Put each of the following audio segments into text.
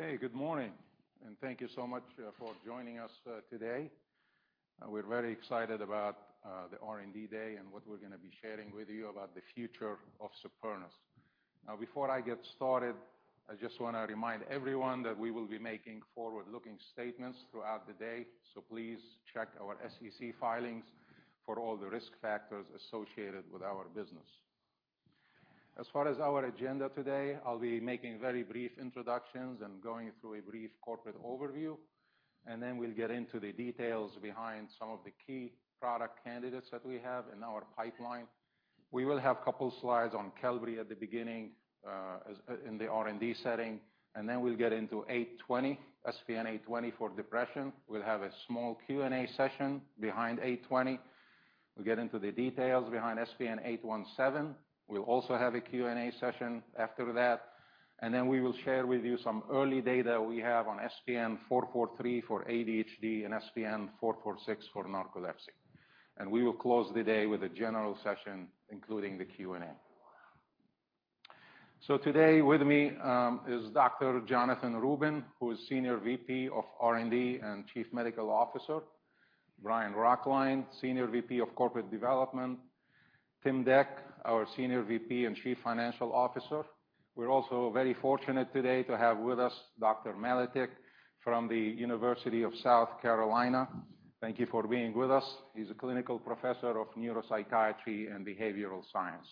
Okay, good morning, and thank you so much for joining us today. We're very excited about the R&D Day and what we're gonna be sharing with you about the future of Supernus. Now, before I get started, I just wanna remind everyone that we will be making forward-looking statements throughout the day, so please check our SEC filings for all the risk factors associated with our business. As far as our agenda today, I'll be making very brief introductions and going through a brief corporate overview, and then we'll get into the details behind some of the key product candidates that we have in our pipeline. We will have a couple slides on Qelbree at the beginning, as in the R&D setting, and then we'll get into 820, SPN-820 for depression. We'll have a small Q&A session behind 820. We'll get into the details behind SPN-817. We'll also have a Q&A session after that, and then we will share with you some early data we have on SPN-443 for ADHD and SPN-446 for narcolepsy. We will close the day with a general session, including the Q&A. Today with me is Dr. Jonathan Rubin, who is Senior VP of R&D and Chief Medical Officer, Bryan Roecklein, Senior VP of Corporate Development; Tim Dec, our Senior VP and Chief Financial Officer. We're also very fortunate today to have with us Dr. Maletic from the University of South Carolina. Thank you for being with us. He's a clinical professor of neuropsychiatry and behavioral science.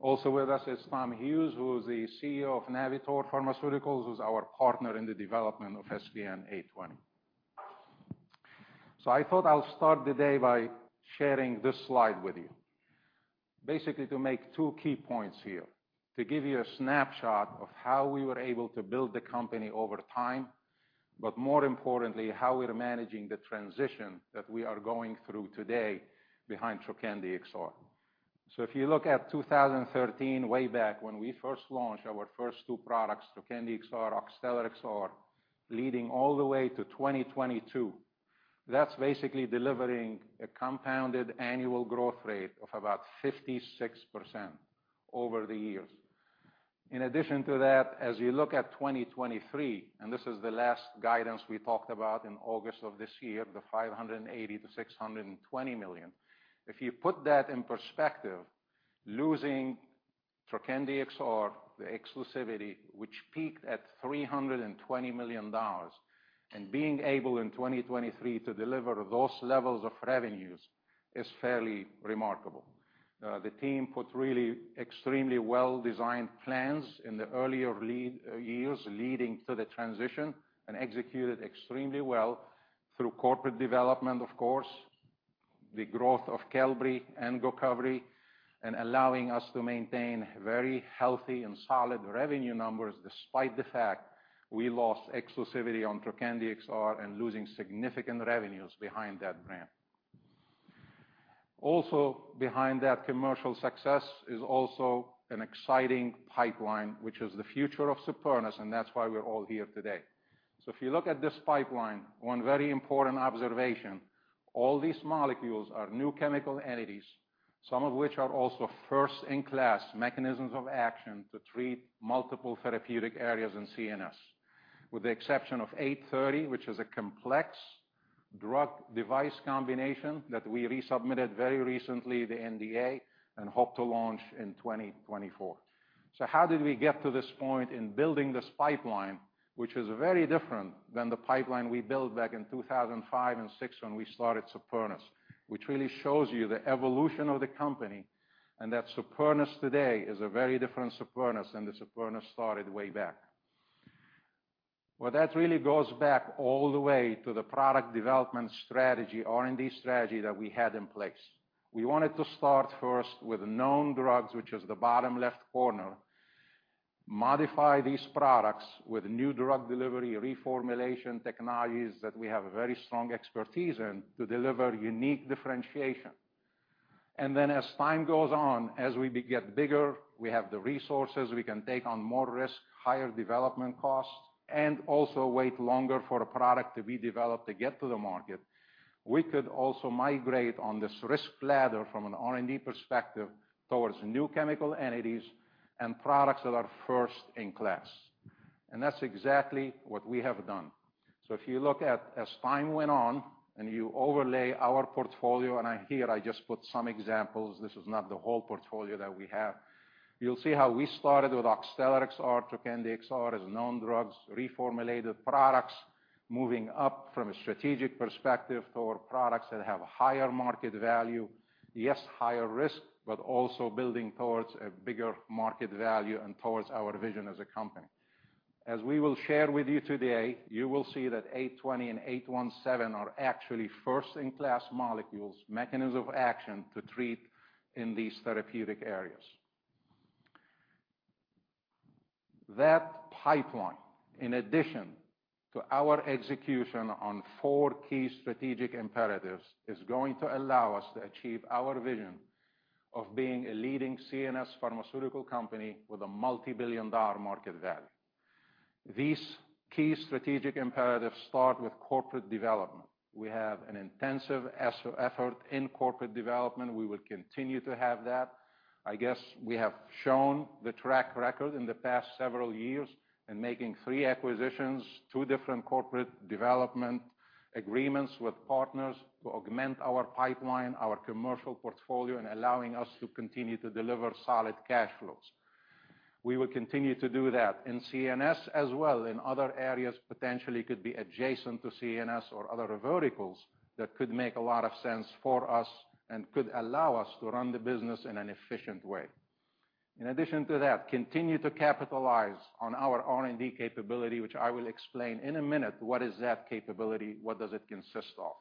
Also with us is Tom Hughes, who is the CEO of Navitor Pharmaceuticals, who's our partner in the development of SPN-820. So I thought I'll start the day by sharing this slide with you. Basically, to make two key points here, to give you a snapshot of how we were able to build the company over time, but more importantly, how we're managing the transition that we are going through today behind Trokendi XR. So if you look at 2013, way back when we first launched our first two products, Trokendi XR, Oxtellar XR, leading all the way to 2022, that's basically delivering a compounded annual growth rate of about 56% over the years. In addition to that, as you look at 2023, and this is the last guidance we talked about in August of this year, the $580 million-$620 million. If you put that in perspective, losing Trokendi XR, the exclusivity, which peaked at $320 million, and being able, in 2023, to deliver those levels of revenues, is fairly remarkable. The team put really extremely well-designed plans in the earlier lead years leading to the transition and executed extremely well through corporate development, of course, the growth of Qelbree and GOCOVRI, and allowing us to maintain very healthy and solid revenue numbers despite the fact we lost exclusivity on Trokendi XR and losing significant revenues behind that brand. Also, behind that commercial success is also an exciting pipeline, which is the future of Supernus, and that's why we're all here today. So if you look at this pipeline, one very important observation, all these molecules are new chemical entities, some of which are also first-in-class mechanisms of action to treat multiple therapeutic areas in CNS. With the exception of SPN-830, which is a complex drug device combination that we resubmitted very recently, the NDA, and hope to launch in 2024. So how did we get to this point in building this pipeline, which is very different than the pipeline we built back in 2005 and 2006 when we started Supernus, which really shows you the evolution of the company, and that Supernus today is a very different Supernus than the Supernus started way back. Well, that really goes back all the way to the product development strategy, R&D strategy, that we had in place. We wanted to start first with known drugs, which is the bottom left corner, modify these products with new drug delivery, reformulation technologies, that we have a very strong expertise in, to deliver unique differentiation. And then as time goes on, as we get bigger, we have the resources, we can take on more risk, higher development costs, and also wait longer for a product to be developed to get to the market. We could also migrate on this risk ladder from an R&D perspective towards new chemical entities and products that are first in class, and that's exactly what we have done. So if you look at, as time went on and you overlay our portfolio, and here I just put some examples, this is not the whole portfolio that we have. You'll see how we started with Oxtellar XR, Trokendi XR, as known drugs, reformulated products, moving up from a strategic perspective toward products that have higher market value. Yes, higher risk, but also building towards a bigger market value and towards our vision as a company. As we will share with you today, you will see that 820 and 817 are actually first-in-class molecules, mechanisms of action to treat in these therapeutic areas. That pipeline, in addition to our execution on four key strategic imperatives, is going to allow us to achieve our vision of being a leading CNS pharmaceutical company with a multibillion-dollar market value. These key strategic imperatives start with corporate development. We have an intensive effort in corporate development. We will continue to have that. I guess we have shown the track record in the past several years in making three acquisitions, two different corporate development agreements with partners to augment our pipeline, our commercial portfolio, and allowing us to continue to deliver solid cash flows. We will continue to do that in CNS as well, in other areas potentially could be adjacent to CNS or other verticals that could make a lot of sense for us and could allow us to run the business in an efficient way. In addition to that, continue to capitalize on our R&D capability, which I will explain in a minute, what is that capability, what does it consist of?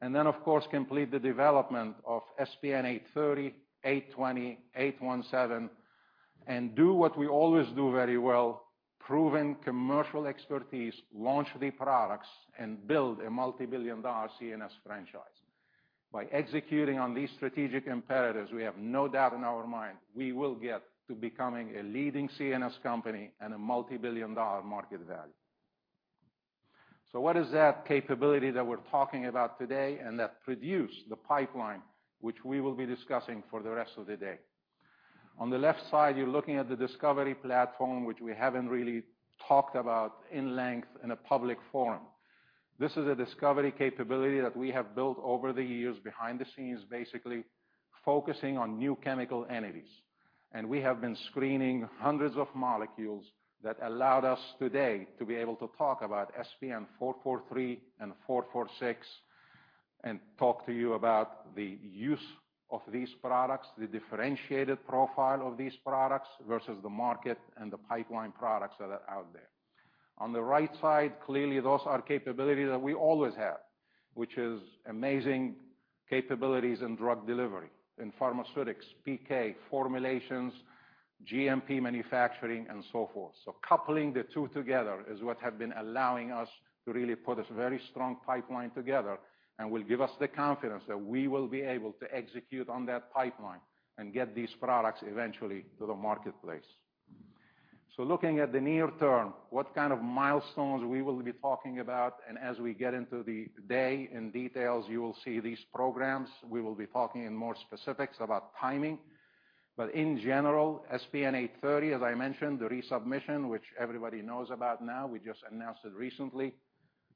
And then, of course, complete the development of SPN-830, SPN-820, SPN-817, and do what we always do very well, proven commercial expertise, launch the products, and build a multi-billion-dollar CNS franchise. By executing on these strategic imperatives, we have no doubt in our mind we will get to becoming a leading CNS company and a multi-billion dollar market value. So what is that capability that we're talking about today and that produce the pipeline, which we will be discussing for the rest of the day? On the left side, you're looking at the discovery platform, which we haven't really talked about in length in a public forum. This is a discovery capability that we have built over the years behind the scenes, basically focusing on new chemical entities. We have been screening hundreds of molecules that allowed us today to be able to talk about SPN-443 and SPN-446, and talk to you about the use of these products, the differentiated profile of these products versus the market and the pipeline products that are out there. On the right side, clearly, those are capabilities that we always have, which is amazing capabilities in drug delivery, in pharmaceutics, PK formulations, GMP manufacturing, and so forth. So coupling the two together is what have been allowing us to really put a very strong pipeline together and will give us the confidence that we will be able to execute on that pipeline and get these products eventually to the marketplace. So looking at the near term, what kind of milestones we will be talking about, and as we get into the details, you will see these programs. We will be talking in more specifics about timing. But in general, SPN-830, as I mentioned, the resubmission, which everybody knows about now, we just announced it recently.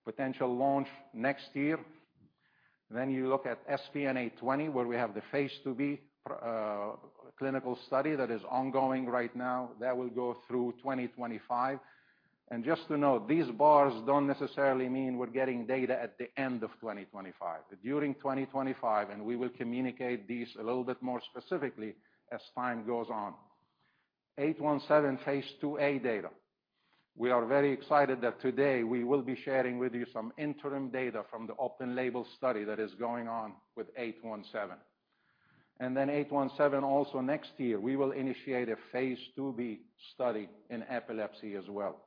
Potential launch next year. Then you look at SPN-820, where we have the phase II-B clinical study that is ongoing right now. That will go through 2025. And just to note, these bars don't necessarily mean we're getting data at the end of 2025, but during 2025, and we will communicate these a little bit more specifically as time goes on. SPN-817, phase II-A data. We are very excited that today we will be sharing with you some interim data from the open label study that is going on with SPN-817. And then SPN-817 also next year, we will initiate a phase II-B study in epilepsy as well.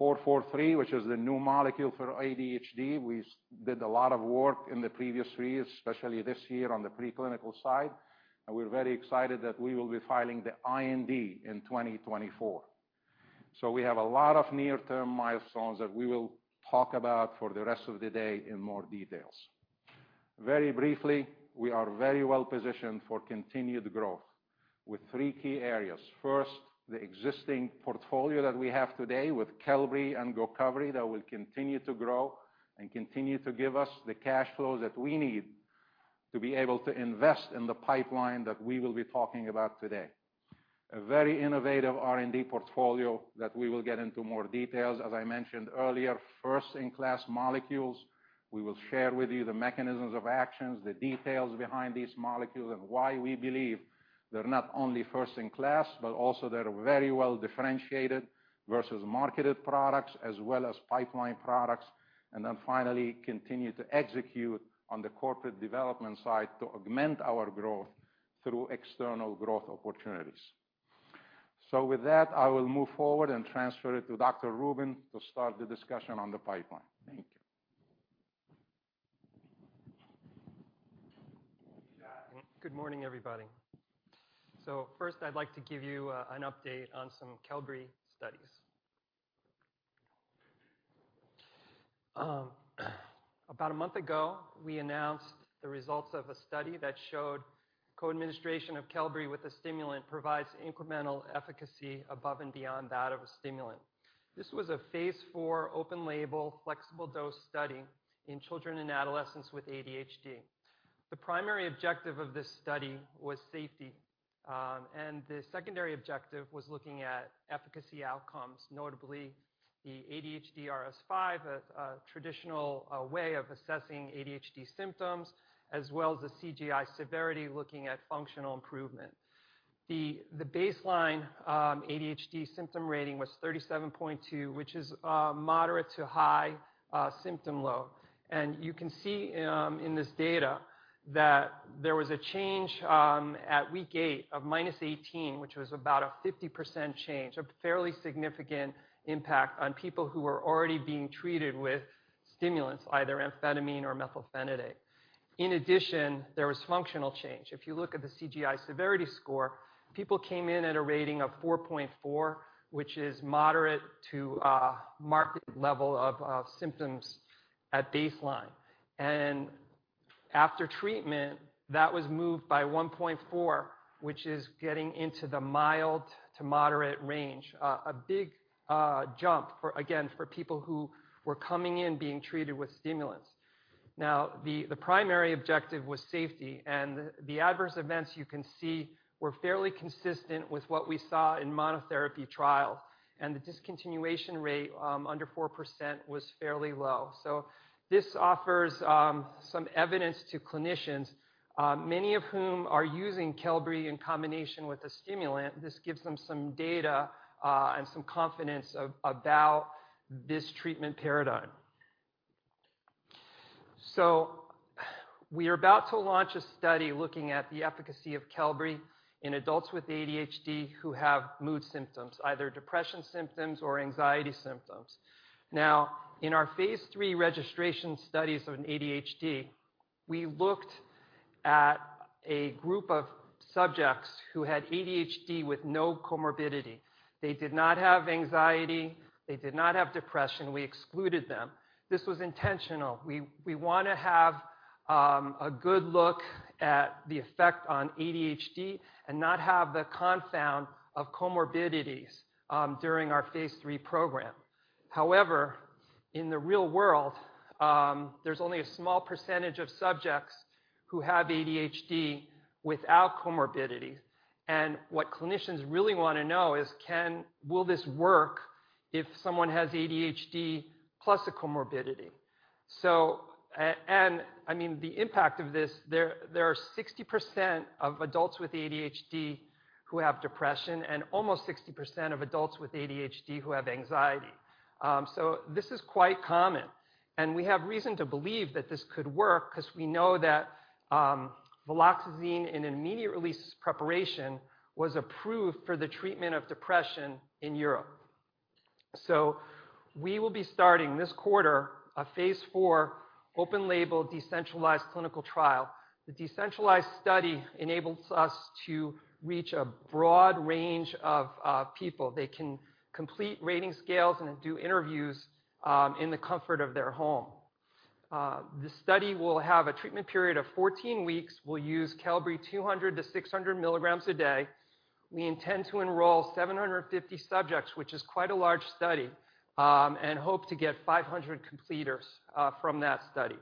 SPN-443, which is the new molecule for ADHD, we did a lot of work in the previous years, especially this year on the preclinical side, and we're very excited that we will be filing the IND in 2024. So we have a lot of near-term milestones that we will talk about for the rest of the day in more details. Very briefly, we are very well positioned for continued growth with three key areas. First, the existing portfolio that we have today with Qelbree and GOCOVRI, that will continue to grow and continue to give us the cash flow that we need to be able to invest in the pipeline that we will be talking about today. A very innovative R&D portfolio that we will get into more details, as I mentioned earlier, first-in-class molecules. We will share with you the mechanisms of actions, the details behind these molecules, and why we believe they're not only first-in-class, but also they're very well differentiated versus marketed products as well as pipeline products. Then finally, continue to execute on the corporate development side to augment our growth through external growth opportunities. With that, I will move forward and transfer it to Dr. Rubin to start the discussion on the pipeline. Thank you. Good morning, everybody. First, I'd like to give you an update on some Qelbree studies. About a month ago, we announced the results of a study that showed co-administration of Qelbree with a stimulant provides incremental efficacy above and beyond that of a stimulant. This was a phase IV open label, flexible dose study in children and adolescents with ADHD. The primary objective of this study was safety, and the secondary objective was looking at efficacy outcomes, notably the ADHD-RS-5, a traditional way of assessing ADHD symptoms, as well as the CGI severity, looking at functional improvement. The baseline ADHD symptom rating was 37.2, which is moderate to high symptom low. You can see in this data that there was a change at week eight of -18, which was about a 50% change, a fairly significant impact on people who were already being treated with stimulants, either amphetamine or methylphenidate. In addition, there was functional change. If you look at the CGI severity score, people came in at a rating of 4.4, which is moderate to marked level of symptoms at baseline. And after treatment, that was moved by 1.4, which is getting into the mild to moderate range. A big jump for, again, for people who were coming in being treated with stimulants. Now, the primary objective was safety, and the adverse events you can see were fairly consistent with what we saw in monotherapy trials, and the discontinuation rate under 4% was fairly low. So this offers some evidence to clinicians, many of whom are using Qelbree in combination with a stimulant. This gives them some data and some confidence about this treatment paradigm. So we are about to launch a study looking at the efficacy of Qelbree in adults with ADHD who have mood symptoms, either depression symptoms or anxiety symptoms. Now, in our phase III registration studies of an ADHD, we looked at a group of subjects who had ADHD with no comorbidity. They did not have anxiety, they did not have depression. We excluded them. This was intentional. We wanna have a good look at the effect on ADHD and not have the confound of comorbidities during our phase III program. However, in the real world, there's only a small percentage of subjects who have ADHD without comorbidity, and what clinicians really wanna know is, will this work if someone has ADHD plus a comorbidity? So, and I mean, the impact of this, there are 60% of adults with ADHD who have depression, and almost 60% of adults with ADHD who have anxiety. So this is quite common, and we have reason to believe that this could work 'cause we know that viloxazine in an immediate-release preparation was approved for the treatment of depression in Europe. So we will be starting this quarter, a phase IV, open-label, decentralized clinical trial. The decentralized study enables us to reach a broad range of people. They can complete rating scales and do interviews in the comfort of their home. The study will have a treatment period of 14 weeks. We'll use Qelbree 200-600 mg a day. We intend to enroll 750 subjects, which is quite a large study, and hope to get 500 completers from that study.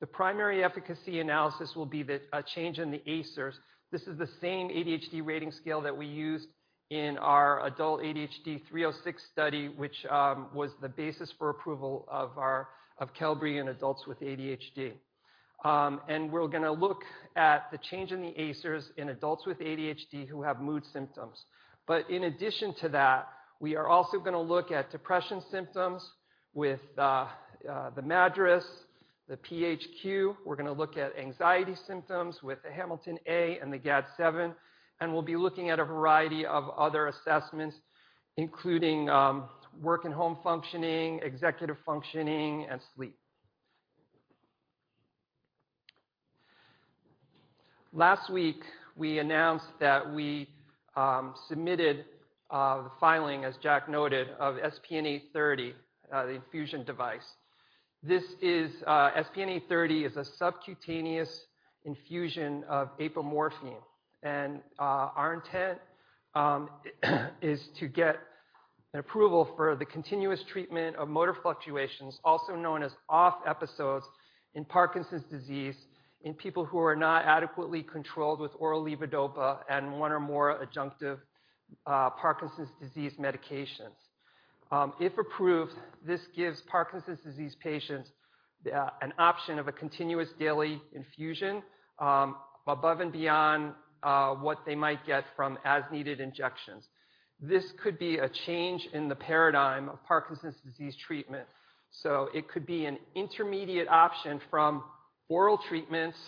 The primary efficacy analysis will be a change in the AISRS. This is the same ADHD rating scale that we used in our adult ADHD 306 study, which was the basis for approval of Qelbree in adults with ADHD. And we're gonna look at the change in the AISRS in adults with ADHD who have mood symptoms. But in addition to that, we are also gonna look at depression symptoms with the MADRS, the PHQ. We're gonna look at anxiety symptoms with the Hamilton A and the GAD-7, and we'll be looking at a variety of other assessments, including work and home functioning, executive functioning, and sleep. Last week, we announced that we submitted the filing, as Jack noted, of SPN-830, the infusion device. This is SPN-830 is a subcutaneous infusion of apomorphine, and our intent is to get an approval for the continuous treatment of motor fluctuations, also known as OFF episodes, in Parkinson's disease, in people who are not adequately controlled with oral levodopa and one or more adjunctive Parkinson's disease medications. If approved, this gives Parkinson's disease patients an option of a continuous daily infusion above and beyond what they might get from as-needed injections. This could be a change in the paradigm of Parkinson's disease treatment, so it could be an intermediate option from oral treatments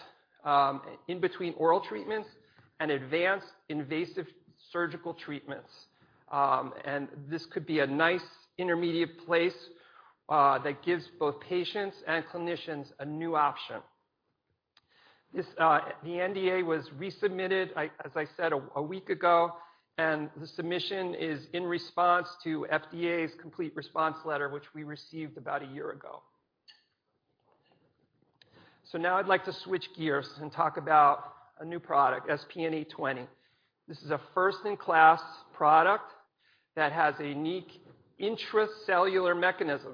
in between oral treatments and advanced invasive surgical treatments. And this could be a nice intermediate place that gives both patients and clinicians a new option. This, the NDA was resubmitted, as I said, a week ago, and the submission is in response to FDA's complete response letter, which we received about a year ago. So now I'd like to switch gears and talk about a new product, SPN-820. This is a first-in-class product that has a unique intracellular mechanism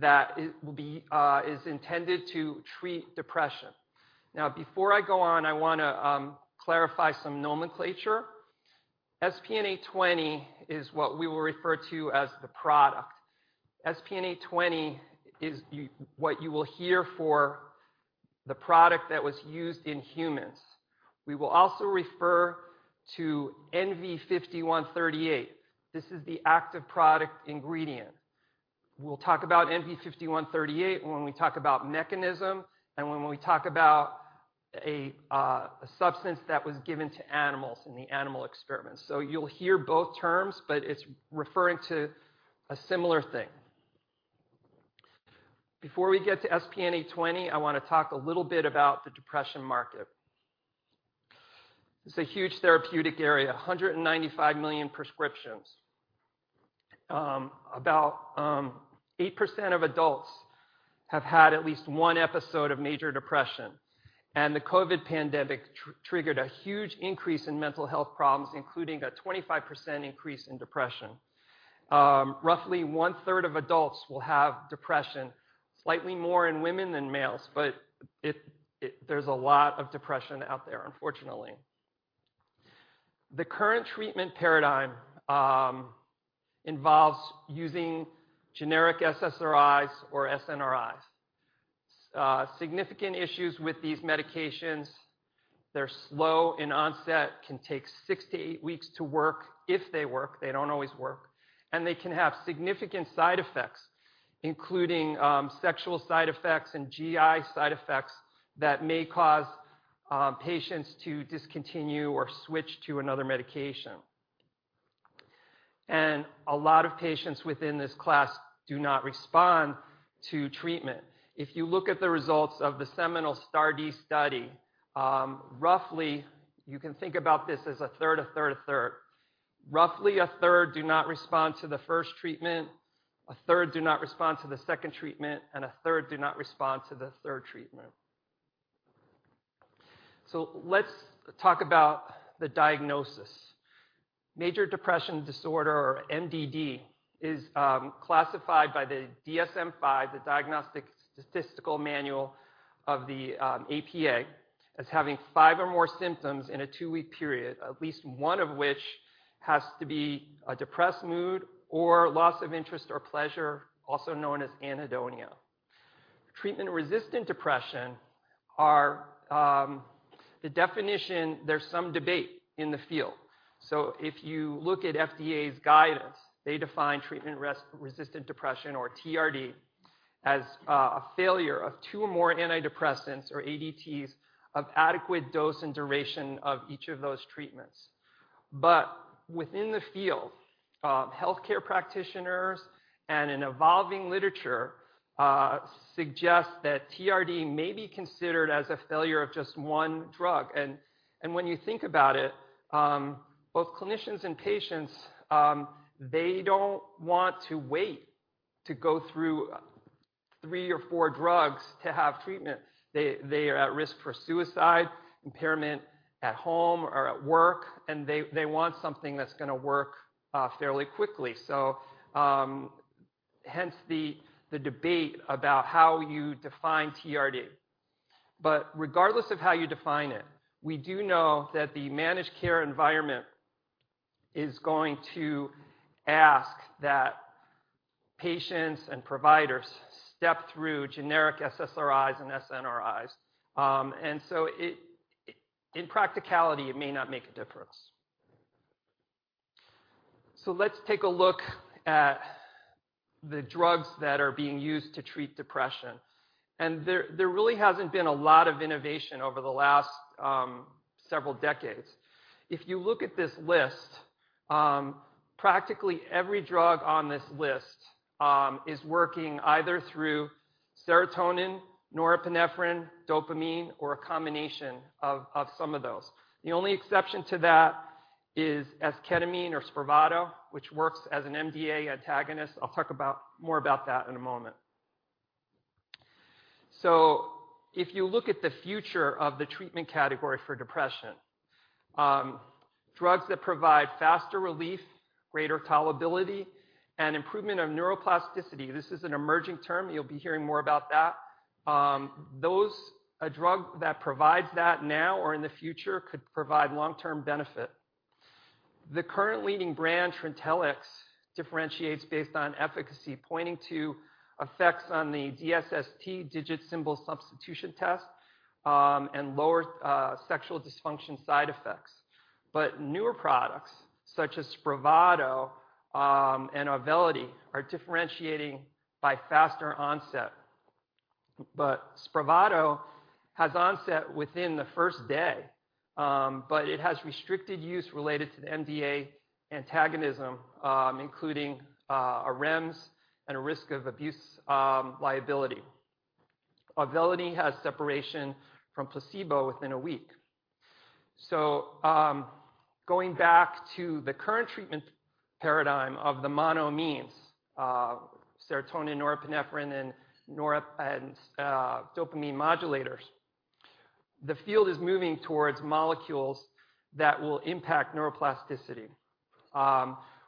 that it will be, is intended to treat depression. Now, before I go on, I wanna clarify some nomenclature. SPN-820 is what we will refer to as the product. SPN-820 is you... What you will hear for the product that was used in humans. We will also refer to NV-5138. This is the active product ingredient. We'll talk about NV-5138 when we talk about mechanism and when we talk about a substance that was given to animals in the animal experiments. So you'll hear both terms, but it's referring to a similar thing. Before we get to SPN-820, I want to talk a little bit about the depression market. It's a huge therapeutic area, 195 million prescriptions. About 8% of adults have had at least one episode of major depression, and the COVID pandemic triggered a huge increase in mental health problems, including a 25% increase in depression. Roughly 1/3 of adults will have depression, slightly more in women than males, but it-- there's a lot of depression out there, unfortunately. The current treatment paradigm involves using generic SSRIs or SNRIs. Significant issues with these medications, they're slow in onset, can take six-eight weeks to work, if they work, they don't always work, and they can have significant side effects, including sexual side effects and GI side effects that may cause patients to discontinue or switch to another medication. A lot of patients within this class do not respond to treatment. If you look at the results of the seminal STAR*D study, roughly, you can think about this as a third, a third, a third. Roughly, a third do not respond to the first treatment, a third do not respond to the second treatment, and a third do not respond to the third treatment. So let's talk about the diagnosis. Major depressive disorder, or MDD, is classified by the DSM-5, the Diagnostic Statistical Manual of the APA, as having five or more symptoms in a two-week period, at least one of which has to be a depressed mood or loss of interest or pleasure, also known as anhedonia. Treatment-resistant depression are the definition, there's some debate in the field. So if you look at FDA's guidance, they define treatment resistant depression, or TRD, as a failure of two or more antidepressants, or ADTs, of adequate dose and duration of each of those treatments. But within the field, healthcare practitioners and an evolving literature suggest that TRD may be considered as a failure of just one drug. And when you think about it, both clinicians and patients, they don't want to wait to go through three or four drugs to have treatment. They are at risk for suicide, impairment at home or at work, and they want something that's gonna work fairly quickly. So hence the debate about how you define TRD. But regardless of how you define it, we do know that the managed care environment is going to ask that patients and providers step through generic SSRIs and SNRIs. And so, in practicality, it may not make a difference. So let's take a look at the drugs that are being used to treat depression, and there really hasn't been a lot of innovation over the last several decades. If you look at this list, practically every drug on this list is working either through serotonin, norepinephrine, dopamine, or a combination of some of those. The only exception to that is esketamine or Spravato, which works as an NMDA antagonist. I'll talk about more about that in a moment. So if you look at the future of the treatment category for depression, drugs that provide faster relief, greater tolerability, and improvement of neuroplasticity, this is an emerging term. You'll be hearing more about that. A drug that provides that now or in the future could provide long-term benefit. The current leading brand, Trintellix, differentiates based on efficacy, pointing to effects on the DSST, Digit Symbol Substitution Test, and lower sexual dysfunction side effects. But newer products, such as Spravato and Auvelity, are differentiating by faster onset. But Spravato has onset within the first day, but it has restricted use related to the NMDA antagonism, including a REMS and a risk of abuse liability. Auvelity has separation from placebo within a week. So, going back to the current treatment paradigm of the monoamines, serotonin, norepinephrine, and dopamine modulators, the field is moving towards molecules that will impact neuroplasticity.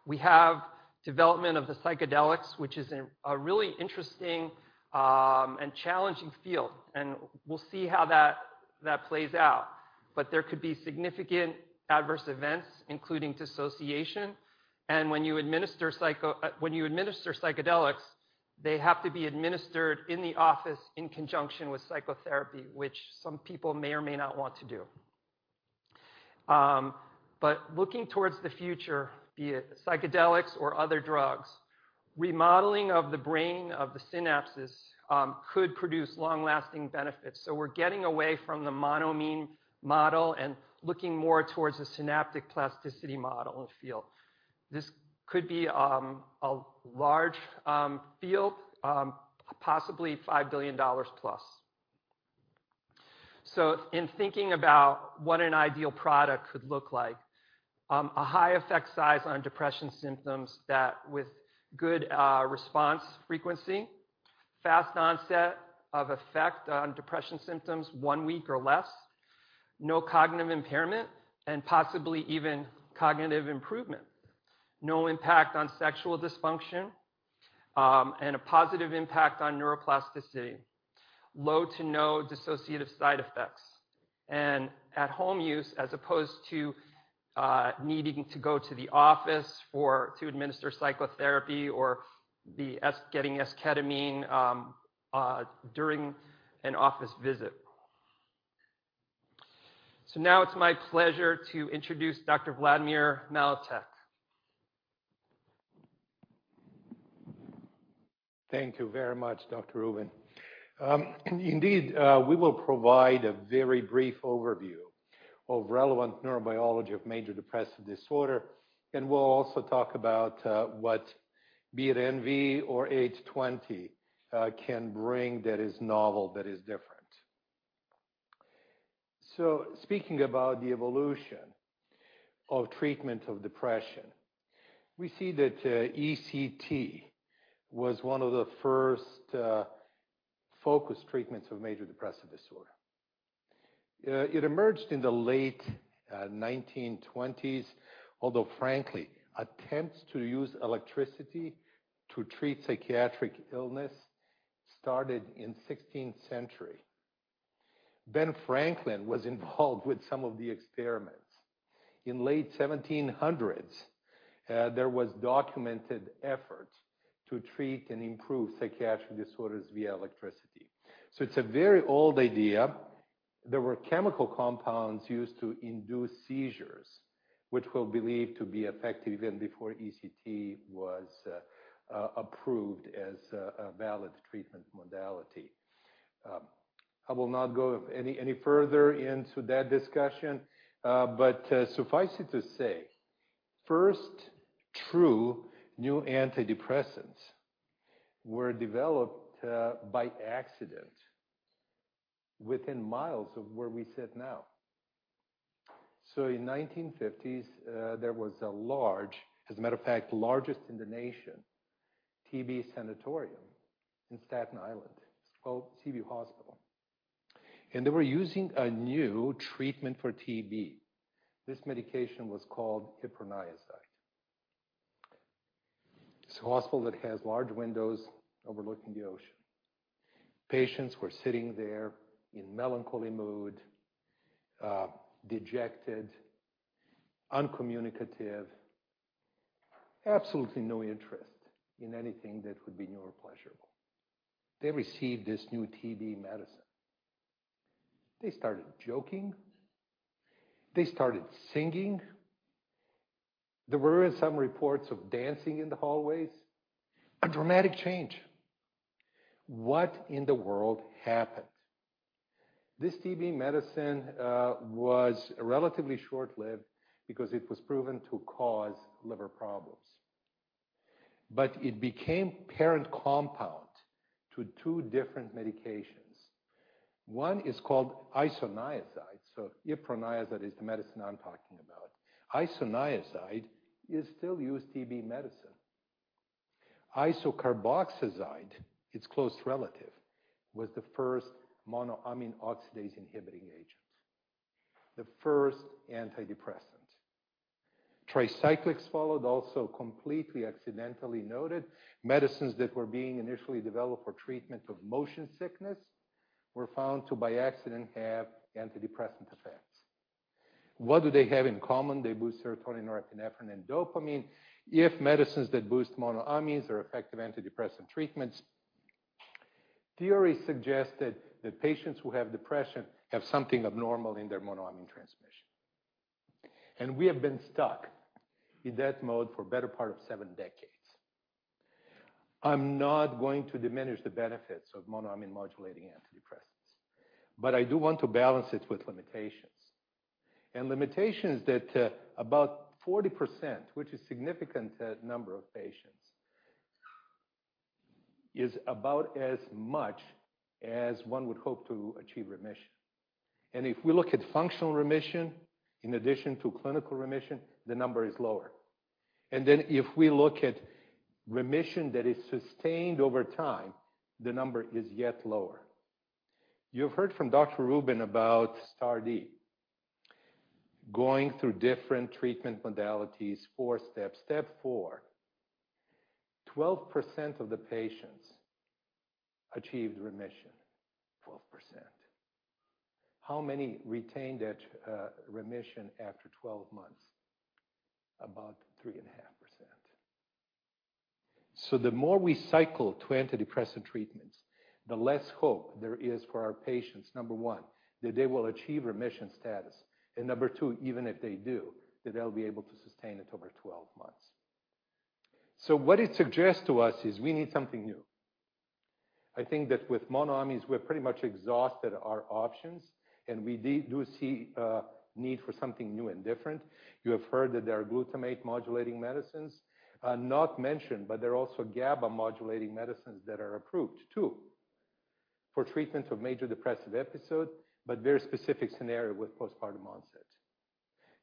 We have development of the psychedelics, which is a really interesting and challenging field, and we'll see how that plays out. But there could be significant adverse events, including dissociation, and when you administer psycho... When you administer psychedelics, they have to be administered in the office in conjunction with psychotherapy, which some people may or may not want to do. But looking towards the future, be it psychedelics or other drugs, remodeling of the brain, of the synapses, could produce long-lasting benefits. So we're getting away from the monoamine model and looking more towards a synaptic plasticity model and field. This could be a large field, possibly $5 billion plus. So in thinking about what an ideal product could look like, a high effect size on depression symptoms with good response frequency, fast onset of effect on depression symptoms, one week or less, no cognitive impairment, and possibly even cognitive improvement, no impact on sexual dysfunction, and a positive impact on neuroplasticity, low to no dissociative side effects, and at-home use as opposed to needing to go to the office to administer psychotherapy or getting esketamine during an office visit. So now it's my pleasure to introduce Dr. Vladimir Maletic. Thank you very much, Dr. Rubin. Indeed, we will provide a very brief overview of relevant neurobiology of major depressive disorder, and we'll also talk about what be it NV-5138 or SPN-820 can bring that is novel, that is different. So speaking about the evolution of treatment of depression, we see that ECT was one of the first focused treatments of major depressive disorder. It emerged in the late 1920s, although frankly, attempts to use electricity to treat psychiatric illness started in 16th century. Ben Franklin was involved with some of the experiments. In late 1700s, there was documented effort to treat and improve psychiatric disorders via electricity. So it's a very old idea. There were chemical compounds used to induce seizures, which were believed to be effective even before ECT was approved as a valid treatment modality. I will not go any further into that discussion, but suffice it to say, first, true new antidepressants were developed by accident within miles of where we sit now. So in the 1950s, there was a large, as a matter of fact, largest in the nation, TB sanatorium in Staten Island. It's called TB Hospital, and they were using a new treatment for TB. This medication was called iproniazid. It's a hospital that has large windows overlooking the ocean. Patients were sitting there in melancholy mood, dejected, uncommunicative, absolutely no interest in anything that would be neuropleasurable. They received this new TB medicine. They started joking, they started singing. There were some reports of dancing in the hallways. A dramatic change. What in the world happened? This TB medicine was relatively short-lived because it was proven to cause liver problems. But it became parent compound to two different medications. One is called Isoniazid, so Iproniazid is the medicine I'm talking about. Isoniazid is still used TB medicine. Isocarboxazid, its close relative, was the first monoamine oxidase inhibiting agent, the first antidepressant. Tricyclics followed, also completely accidentally noted. Medicines that were being initially developed for treatment of motion sickness, were found to, by accident, have antidepressant effects. What do they have in common? They boost serotonin, norepinephrine, and dopamine. If medicines that boost monoamines are effective antidepressant treatments, theory suggested that patients who have depression have something abnormal in their monoamine transmission. We have been stuck in that mode for a better part of seven decades. I'm not going to diminish the benefits of monoamine modulating antidepressants, but I do want to balance it with limitations. Limitations that about 40%, which is significant, number of patients, is about as much as one would hope to achieve remission. If we look at functional remission, in addition to clinical remission, the number is lower. Then if we look at remission that is sustained over time, the number is yet lower. You've heard from Dr. Rubin about STAR*D. Going through different treatment modalities, four steps. Step four, 12% of the patients achieved remission. 12%. How many retained that remission after 12 months? About 3.5%. So the more we cycle to antidepressant treatments, the less hope there is for our patients, number one, that they will achieve remission status, and number two, even if they do, that they'll be able to sustain it over 12 months. So what it suggests to us is we need something new. I think that with monoamines, we've pretty much exhausted our options, and we do see a need for something new and different. You have heard that there are glutamate modulating medicines, not mentioned, but there are also GABA modulating medicines that are approved, too, for treatment of major depressive episode, but very specific scenario with postpartum onset.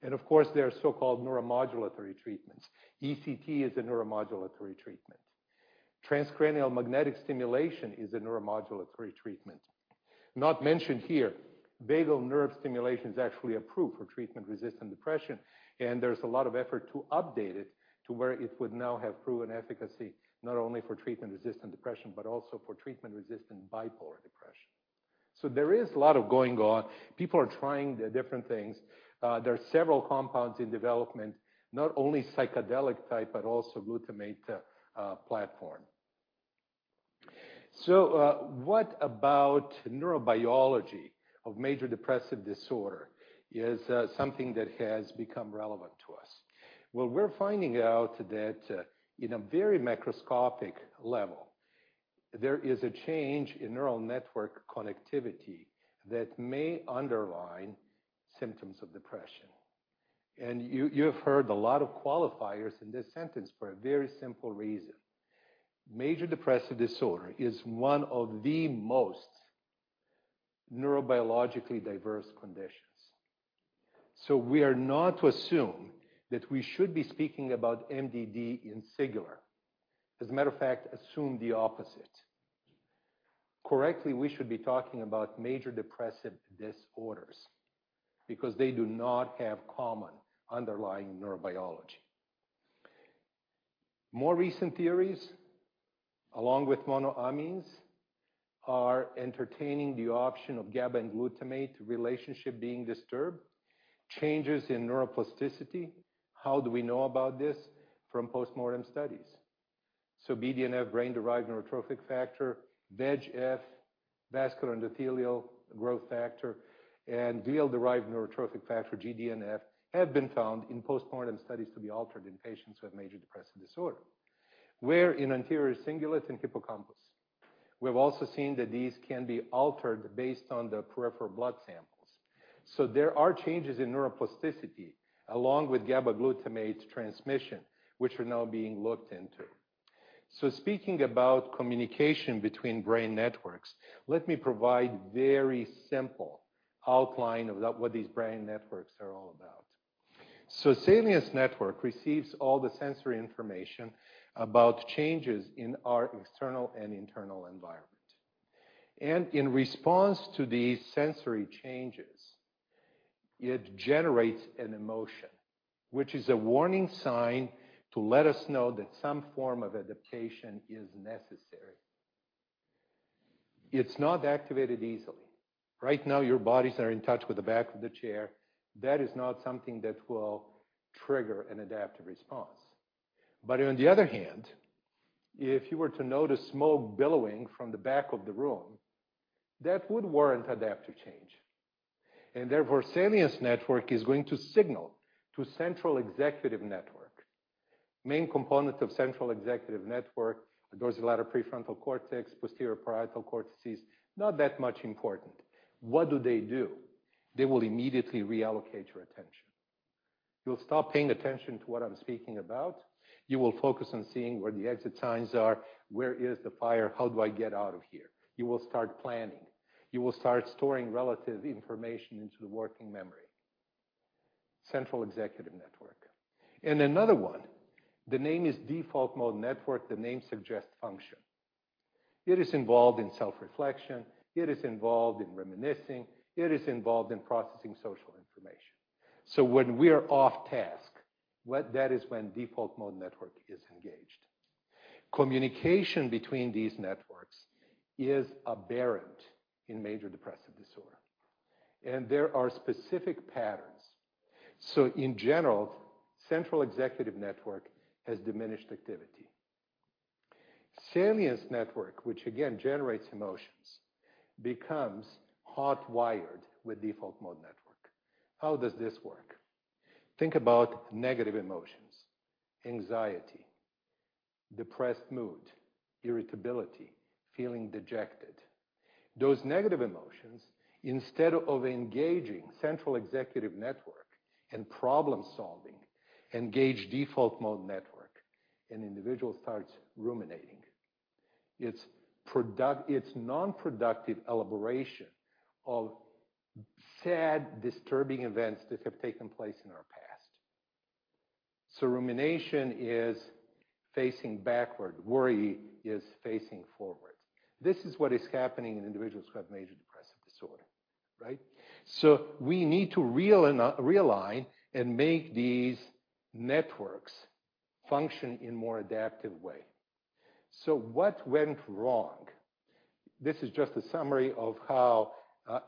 And of course, there are so-called neuromodulatory treatments. ECT is a neuromodulatory treatment. Transcranial magnetic stimulation is a neuromodulatory treatment. Not mentioned here, vagal nerve stimulation is actually approved for treatment-resistant depression, and there's a lot of effort to update it to where it would now have proven efficacy, not only for treatment-resistant depression, but also for treatment-resistant bipolar depression. So there is a lot of going on. People are trying the different things. There are several compounds in development, not only psychedelic type, but also glutamate platform. So, what about neurobiology of major depressive disorder? Is something that has become relevant to us. Well, we're finding out that, in a very macroscopic level, there is a change in neural network connectivity that may underlie symptoms of depression. And you, you have heard a lot of qualifiers in this sentence for a very simple reason. Major depressive disorder is one of the most neurobiologically diverse conditions. So we are not to assume that we should be speaking about MDD in singular. As a matter of fact, assume the opposite. Correctly, we should be talking about major depressive disorders because they do not have common underlying neurobiology. More recent theories, along with monoamines, are entertaining the option of GABA and glutamate relationship being disturbed, changes in neuroplasticity. How do we know about this? From postmortem studies. So BDNF, Brain-Derived Neurotrophic Factor, VEGF, Vascular Endothelial Growth Factor, and glial-derived neurotrophic factor, GDNF, have been found in postmortem studies to be altered in patients who have major depressive disorder. Where? In anterior cingulate and hippocampus. We have also seen that these can be altered based on the peripheral blood samples. So there are changes in neuroplasticity, along with GABA glutamate transmission, which are now being looked into. Speaking about communication between brain networks, let me provide very simple outline of what these brain networks are all about. Salience network receives all the sensory information about changes in our external and internal environment. In response to these sensory changes, it generates an emotion, which is a warning sign to let us know that some form of adaptation is necessary. It's not activated easily. Right now, your bodies are in touch with the back of the chair. That is not something that will trigger an adaptive response. But on the other hand, if you were to notice smoke billowing from the back of the room, that would warrant adaptive change, and therefore, salience network is going to signal to central executive network. Main component of central executive network, the dorsolateral prefrontal cortex, posterior parietal cortices, not that much important. What do they do? They will immediately reallocate your attention. You'll stop paying attention to what I'm speaking about. You will focus on seeing where the exit signs are. Where is the fire? How do I get out of here? You will start planning. You will start storing relative information into the working memory. Central executive network. And another one, the name is default mode network. The name suggests function. It is involved in self-reflection, it is involved in reminiscing, it is involved in processing social information. So when we are off task, what—that is when default mode network is engaged. Communication between these networks is aberrant in major depressive disorder, and there are specific patterns. So in general, central executive network has diminished activity. Salience network, which again generates emotions, becomes hotwired with default mode network. How does this work? Think about negative emotions: anxiety, depressed mood, irritability, feeling dejected. Those negative emotions, instead of engaging central executive network and problem-solving, engage default mode network, and individual starts ruminating. It's non-productive elaboration of sad, disturbing events that have taken place in our past. So rumination is facing backward, worry is facing forward. This is what is happening in individuals who have major depressive disorder, right? So we need to realign, realign and make these networks function in more adaptive way. So what went wrong? This is just a summary of how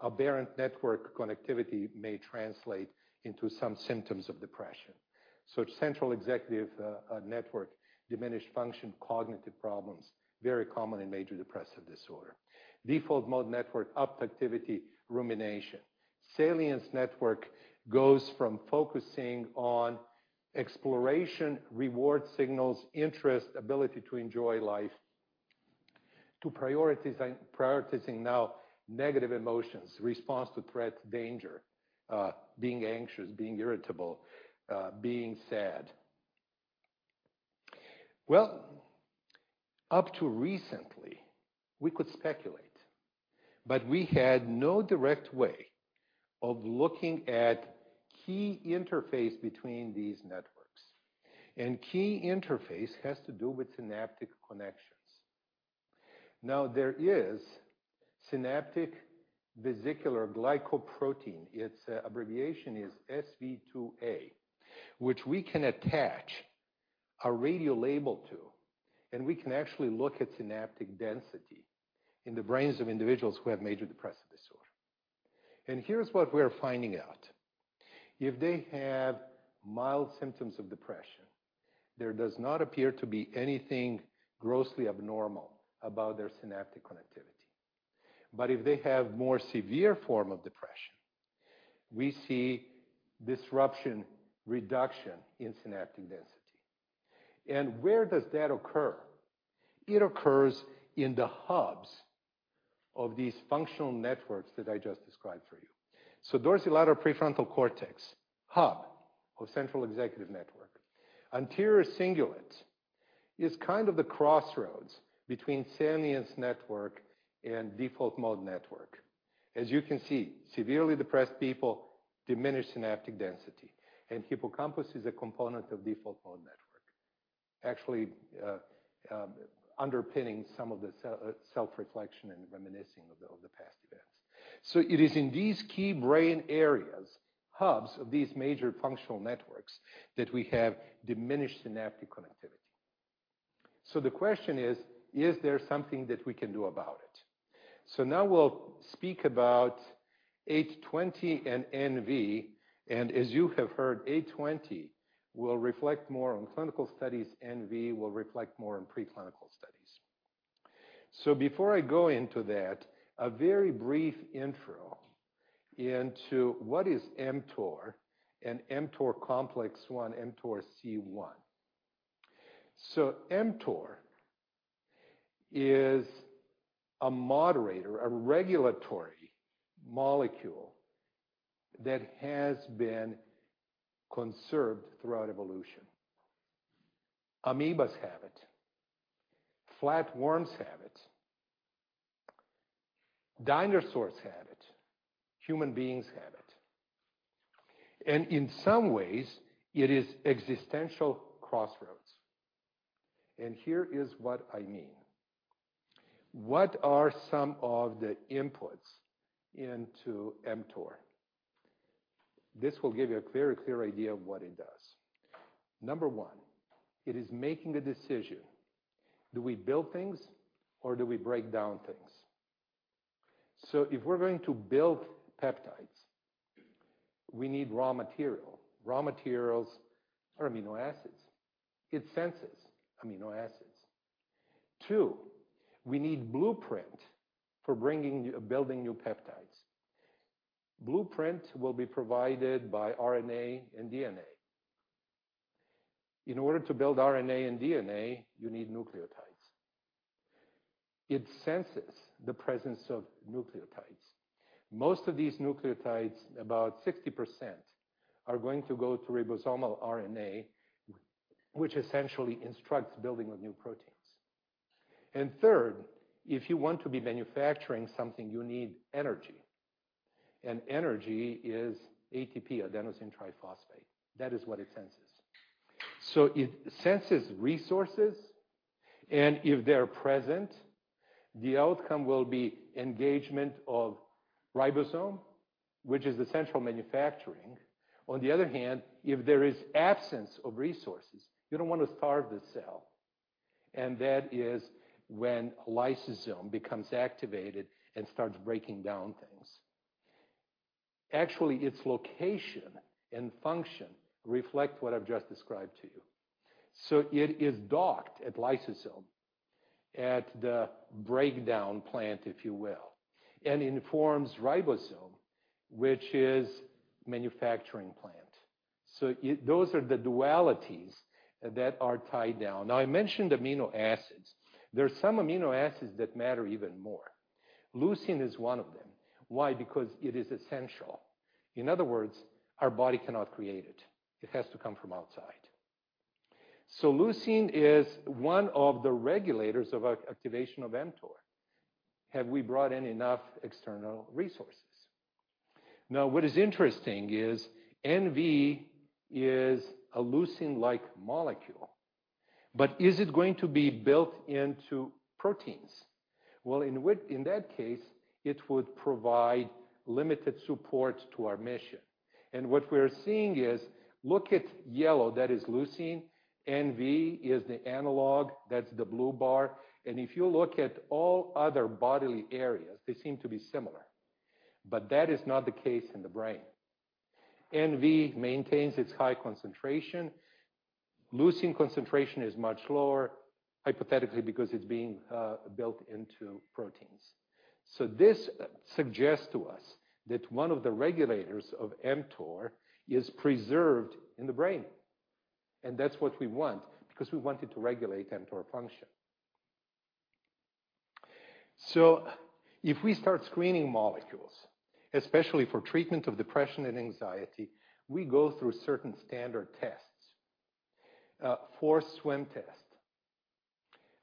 aberrant network connectivity may translate into some symptoms of depression. So central executive network, diminished function, cognitive problems, very common in major depressive disorder. Default mode network, upped activity, rumination. Salience network goes from focusing on exploration, reward signals, interest, ability to enjoy life, to priorities and prioritizing now negative emotions, response to threat, danger, being anxious, being irritable, being sad. Well, up to recently, we could speculate, but we had no direct way of looking at key interface between these networks, and key interface has to do with synaptic connections. Now, there is synaptic vesicle glycoprotein. Its abbreviation is SV2A, which we can attach a radiolabel to, and we can actually look at synaptic density in the brains of individuals who have major depressive disorder. And here's what we're finding out. If they have mild symptoms of depression, there does not appear to be anything grossly abnormal about their synaptic connectivity. But if they have more severe form of depression, we see disruption, reduction in synaptic density. And where does that occur? It occurs in the hubs of these functional networks that I just described for you. So dorsolateral prefrontal cortex, hub of central executive network. Anterior cingulate is kind of the crossroads between salience network and default mode network. As you can see, severely depressed people diminish synaptic density, and hippocampus is a component of default mode network, actually, underpinning some of the self-reflection and reminiscing of the past events. So it is in these key brain areas, hubs of these major functional networks, that we have diminished synaptic connectivity. So the question is: Is there something that we can do about it? So now we'll speak about SPN-820 and NV-5138, and as you have heard, SPN-820 will reflect more on clinical studies, NV-5138 will reflect more on preclinical studies. So before I go into that, a very brief intro into what is mTOR and mTOR complex 1, mTORC1. So mTOR is a moderator, a regulatory molecule, that has been conserved throughout evolution. Amoebas have it, flatworms have it, dinosaurs had it, human beings have it, and in some ways, it is existential crossroads. And here is what I mean. What are some of the inputs into mTOR? This will give you a clear, clear idea of what it does. Number one, it is making a decision: Do we build things, or do we break down things? So if we're going to build peptides, we need raw material. Raw materials are amino acids. It senses amino acids. Two, we need blueprint for building new peptides. Blueprint will be provided by RNA and DNA. In order to build RNA and DNA, you need nucleotides. It senses the presence of nucleotides. Most of these nucleotides, about 60%, are going to go to ribosomal RNA, which essentially instructs building of new proteins. Third, if you want to be manufacturing something, you need energy, and energy is ATP, Adenosine Triphosphate. That is what it senses. It senses resources, and if they're present, the outcome will be engagement of ribosome, which is the central manufacturing. On the other hand, if there is absence of resources, you don't want to starve the cell, and that is when lysosome becomes activated and starts breaking down things. Actually, its location and function reflect what I've just described to you. It is docked at lysosome, at the breakdown plant, if you will, and informs ribosome, which is manufacturing plant. So it, those are the dualities that are tied down. Now, I mentioned amino acids. There are some amino acids that matter even more. Leucine is one of them. Why? Because it is essential. In other words, our body cannot create it. It has to come from outside. So leucine is one of the regulators of activation of mTOR. Have we brought in enough external resources? Now, what is interesting is, NV is a leucine-like molecule, but is it going to be built into proteins? Well, in that case, it would provide limited support to our mission. And what we're seeing is, look at yellow, that is leucine. NV is the analog, that's the blue bar, and if you look at all other bodily areas, they seem to be similar, but that is not the case in the brain. NV maintains its high concentration. Leucine concentration is much lower, hypothetically, because it's being built into proteins. So this suggests to us that one of the regulators of mTOR is preserved in the brain, and that's what we want because we want it to regulate mTOR function. So if we start screening molecules, especially for treatment of depression and anxiety, we go through certain standard tests. Forced Swim Test.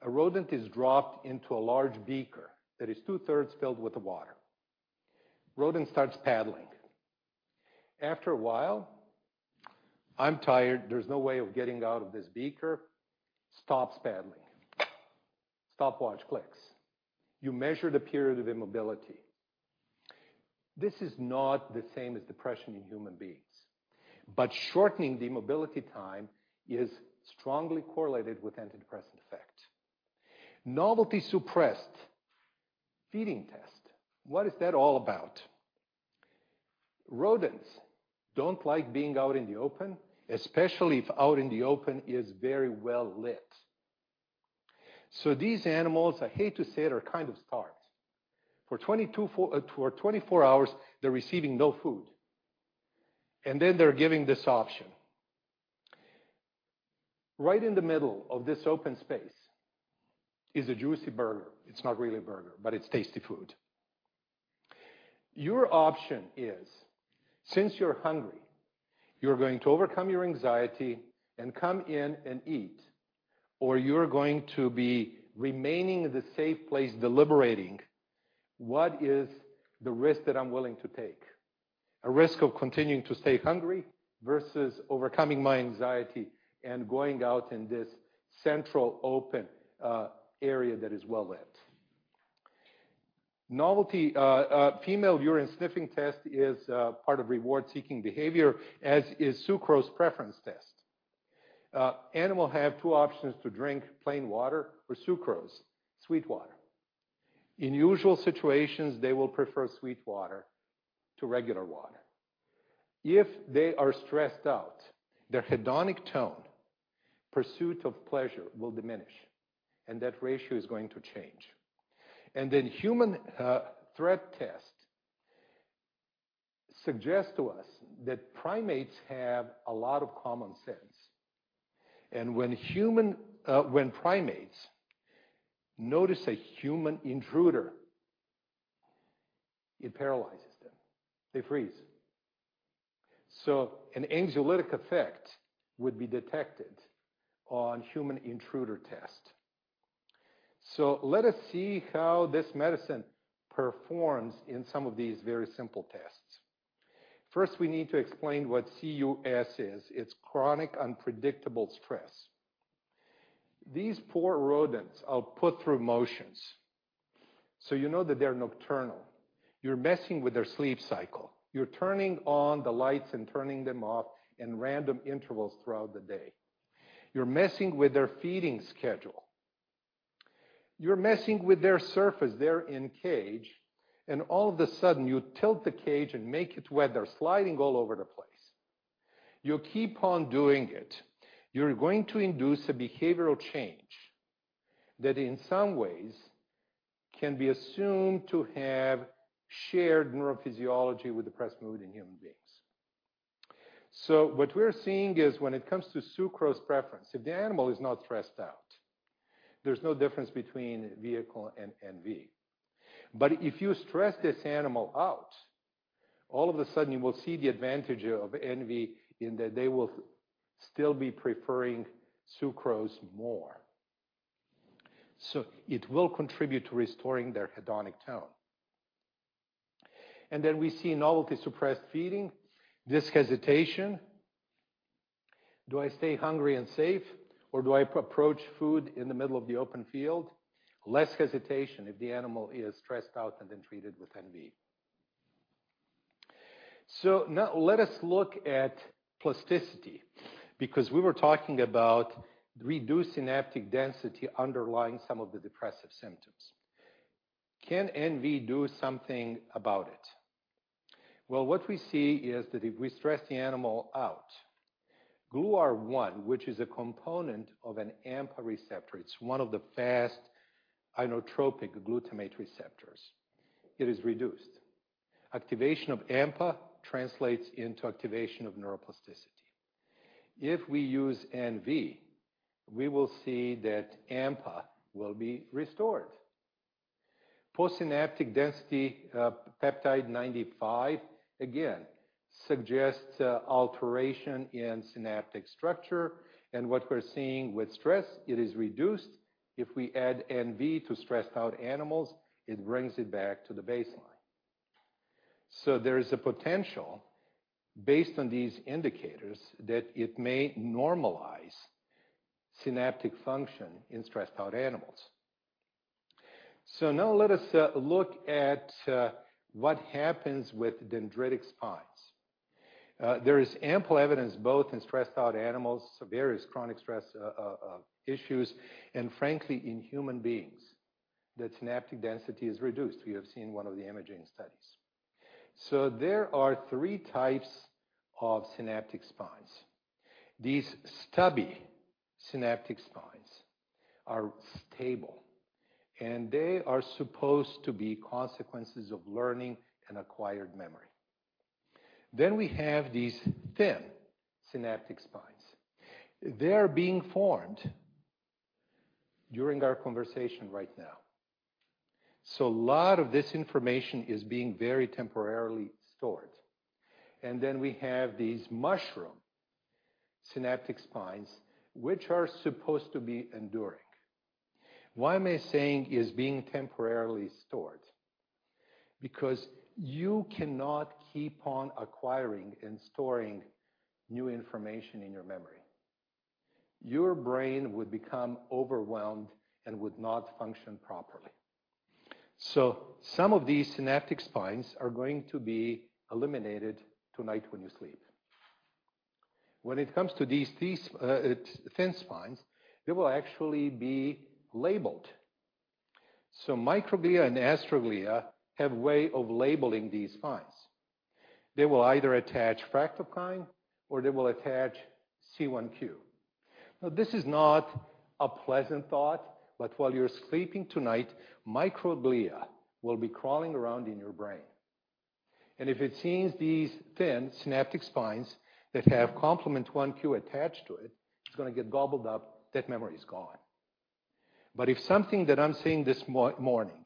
A rodent is dropped into a large beaker that is 2/3 filled with water. Rodent starts paddling. After a while, I'm tired, there's no way of getting out of this beaker, stops paddling. Stopwatch clicks. You measure the period of immobility. This is not the same as depression in human beings, but shortening the immobility time is strongly correlated with antidepressant effect. Novelty-suppressed feeding test, what is that all about? Rodents don't like being out in the open, especially if out in the open is very well lit. So these animals, I hate to say it, are kind of stars. For 22, for, 24 hours, they're receiving no food, and then they're giving this option. Right in the middle of this open space is a juicy burger. It's not really a burger, but it's tasty food. Your option is, since you're hungry, you're going to overcome your anxiety and come in and eat, or you're going to be remaining in the safe place, deliberating what is the risk that I'm willing to take? A risk of continuing to stay hungry versus overcoming my anxiety and going out in this central open, area that is well lit. Novelty, female urine sniffing test is, part of reward-seeking behavior, as is sucrose preference test. Animal have two options to drink plain water or sucrose, sweet water. In usual situations, they will prefer sweet water to regular water. If they are stressed out, their hedonic tone, pursuit of pleasure, will diminish, and that ratio is going to change. And then human threat test suggest to us that primates have a lot of common sense. And when human, when primates notice a human intruder, it paralyzes them. They freeze. So an anxiolytic effect would be detected on human intruder test. So let us see how this medicine performs in some of these very simple tests. First, we need to explain what CUS is. It's chronic unpredictable stress. These poor rodents are put through motions, so you know that they're nocturnal. You're messing with their sleep cycle. You're turning on the lights and turning them off in random intervals throughout the day. You're messing with their feeding schedule. You're messing with their surface. They're in cage, and all of a sudden, you tilt the cage and make it where they're sliding all over the place. You keep on doing it. You're going to induce a behavioral change that, in some ways, can be assumed to have shared neurophysiology with depressed mood in human beings. So what we're seeing is when it comes to sucrose preference, if the animal is not stressed out, there's no difference between vehicle and NV. But if you stress this animal out, all of a sudden, you will see the advantage of NV in that they will still be preferring sucrose more. So it will contribute to restoring their hedonic tone. And then we see novelty-suppressed feeding, this hesitation. Do I stay hungry and safe, or do I approach food in the middle of the open field? Less hesitation if the animal is stressed out and then treated with NV. So now let us look at plasticity, because we were talking about reduced synaptic density underlying some of the depressive symptoms. Can NV do something about it? Well, what we see is that if we stress the animal out, GluR1, which is a component of an AMPA receptor, it's one of the fast ionotropic glutamate receptors, it is reduced. Activation of AMPA translates into activation of neuroplasticity. If we use NV, we will see that AMPA will be restored. Postsynaptic density peptide 95, again, suggests alteration in synaptic structure, and what we're seeing with stress, it is reduced. If we add NV to stressed out animals, it brings it back to the baseline. So there is a potential, based on these indicators, that it may normalize synaptic function in stressed out animals. So now let us look at what happens with dendritic spines. There is ample evidence, both in stressed out animals, so various chronic stress issues, and frankly, in human beings, that synaptic density is reduced. We have seen one of the imaging studies. So there are three types of synaptic spines. These stubby synaptic spines are stable, and they are supposed to be consequences of learning and acquired memory. Then we have these thin synaptic spines. They are being formed during our conversation right now. So a lot of this information is being very temporarily stored, and then we have these mushroom synaptic spines, which are supposed to be enduring. Why am I saying is being temporarily stored? Because you cannot keep on acquiring and storing new information in your memory. Your brain would become overwhelmed and would not function properly. So some of these synaptic spines are going to be eliminated tonight when you sleep. When it comes to these, these thin spines, they will actually be labeled. So microglia and astroglia have way of labeling these spines. They will either attach fractalkine or they will attach C1q. Now, this is not a pleasant thought, but while you're sleeping tonight, microglia will be crawling around in your brain, and if it sees these thin synaptic spines that have complement one q attached to it, it's gonna get gobbled up. That memory is gone. But if something that I'm saying this morning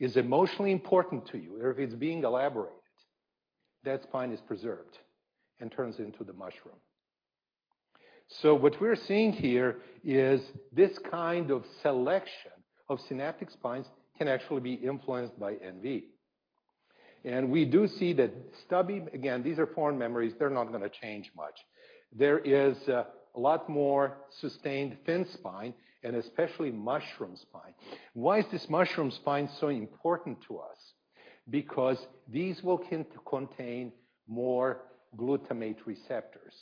is emotionally important to you, or if it's being elaborated, that spine is preserved and turns into the mushroom. So what we're seeing here is this kind of selection of synaptic spines can actually be influenced by NV. We do see that stubby. Again, these are foreign memories, they're not gonna change much. There is a lot more sustained thin spine and especially mushroom spine. Why is this mushroom spine so important to us? Because these will contain more glutamate receptors,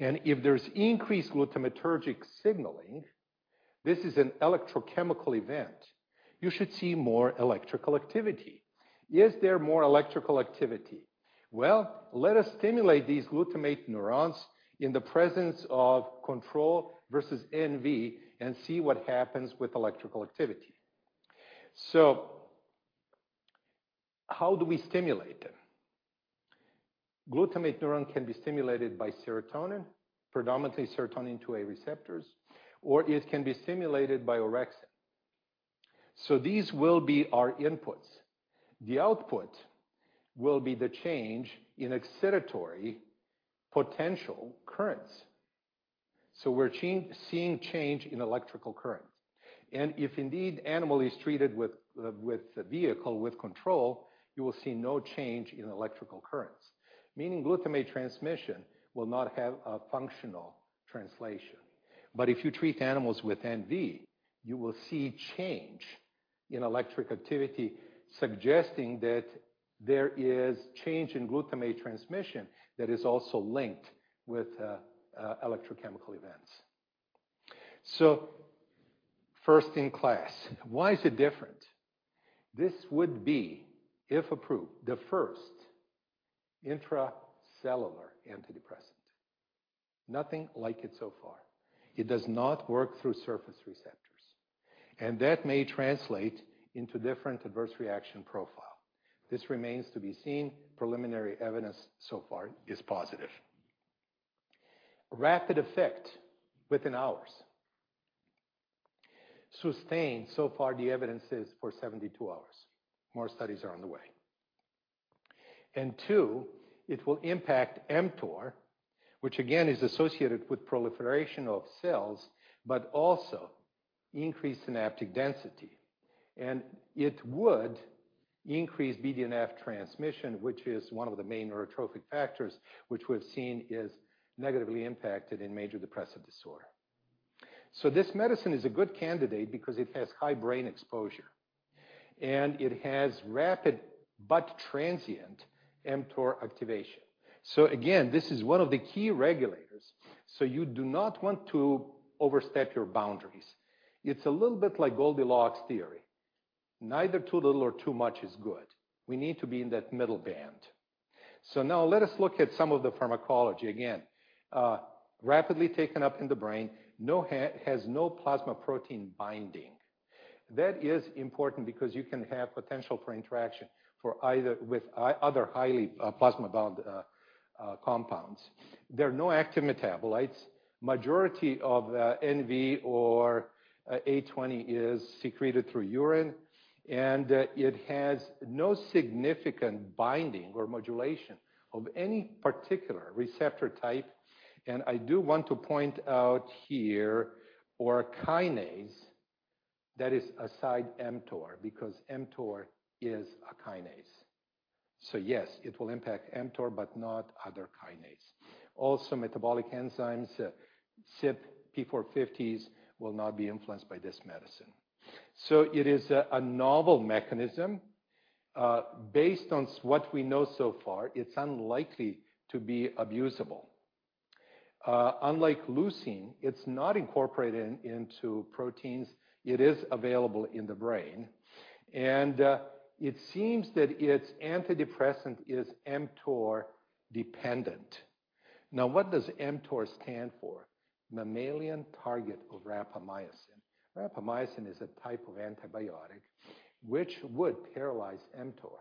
and if there's increased glutamatergic signaling, this is an electrochemical event. You should see more electrical activity. Is there more electrical activity? Well, let us stimulate these glutamate neurons in the presence of control versus NV and see what happens with electrical activity. So how do we stimulate them? Glutamate neuron can be stimulated by serotonin, predominantly serotonin 2A receptors, or it can be stimulated by orexin. So these will be our inputs. The output will be the change in excitatory potential currents. So we're seeing change in electrical current, and if indeed animal is treated with a vehicle, with control, you will see no change in electrical currents, meaning glutamate transmission will not have a functional translation. But if you treat animals with NV, you will see change in electric activity, suggesting that there is change in glutamate transmission that is also linked with electrochemical events. So first in class, why is it different? This would be, if approved, the first intracellular antidepressant. Nothing like it so far. It does not work through surface receptors, and that may translate into different adverse reaction profile. This remains to be seen. Preliminary evidence so far is positive. Rapid effect within hours. Sustained, so far, the evidence is for 72 hours. More studies are on the way. And two, it will impact mTOR, which again is associated with proliferation of cells, but also increased synaptic density. And it would increase BDNF transmission, which is one of the main neurotrophic factors, which we've seen is negatively impacted in major depressive disorder. So this medicine is a good candidate because it has high brain exposure, and it has rapid but transient mTOR activation. So again, this is one of the key regulators, so you do not want to overstep your boundaries. It's a little bit like Goldilocks theory. Neither too little or too much is good. We need to be in that middle band. So now let us look at some of the pharmacology. Again, rapidly taken up in the brain, has no plasma protein binding. That is important because you can have potential for interaction for either with other highly plasma-bound compounds. There are no active metabolites. Majority of NV-820 is secreted through urine, and it has no significant binding or modulation of any particular receptor type. And I do want to point out here, other kinases aside mTOR, because mTOR is a kinase. So yes, it will impact mTOR, but not other kinase. Also, metabolic enzymes, CYP450s, will not be influenced by this medicine. So it is a novel mechanism. Based on what we know so far, it's unlikely to be abusable. Unlike leucine, it's not incorporated into proteins. It is available in the brain, and it seems that its antidepressant is mTOR dependent... Now, what does mTOR stand for? Mammalian Target of Rapamycin. Rapamycin is a type of antibiotic which would paralyze mTOR,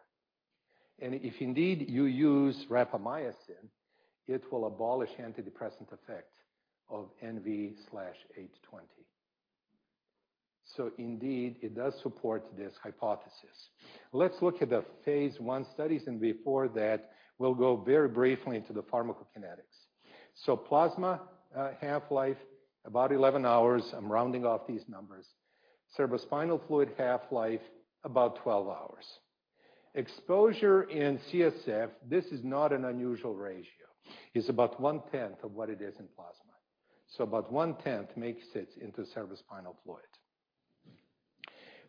and if indeed you use rapamycin, it will abolish antidepressant effect of NV-820. So indeed, it does support this hypothesis. Let's look at the phase I studies, and before that, we'll go very briefly into the pharmacokinetics. So plasma half-life, about 11 hours. I'm rounding off these numbers. Cerebrospinal fluid half-life, about 12 hours. Exposure in CSF, this is not an unusual ratio, is about 1/10 of what it is in plasma. So about 1/10 makes it into cerebrospinal fluid.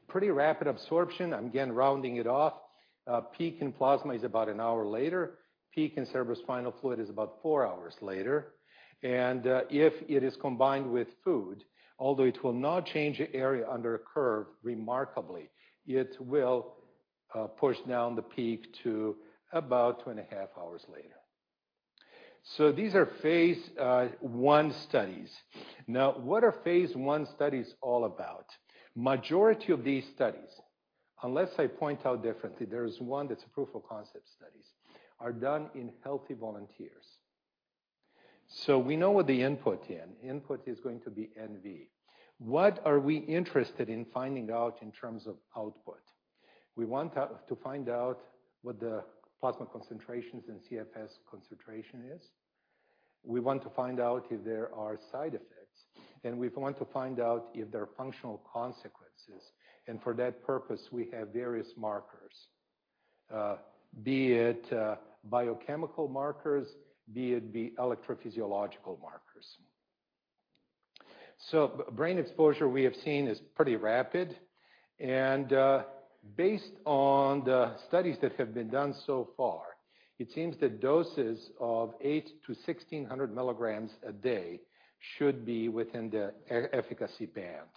Pretty rapid absorption, I'm again rounding it off. Peak in plasma is about 1 hour later. Peak in cerebrospinal fluid is about 4 hours later, and if it is combined with food, although it will not change the area under a curve remarkably, it will push down the peak to about 2.5 hours later. So these are phase I studies. Now, what are phase I studies all about? Majority of these studies, unless I point out differently, there is one that's a proof of concept studies, are done in healthy volunteers. So we know what the input in. Input is going to be NV. What are we interested in finding out in terms of output? We want to find out what the plasma concentrations and CSF concentration is We want to find out if there are side effects, and we want to find out if there are functional consequences, and for that purpose, we have various markers, be it biochemical markers, be it electrophysiological markers. So brain exposure, we have seen, is pretty rapid, and based on the studies that have been done so far, it seems that doses of 8-1600 mg a day should be within the efficacy band.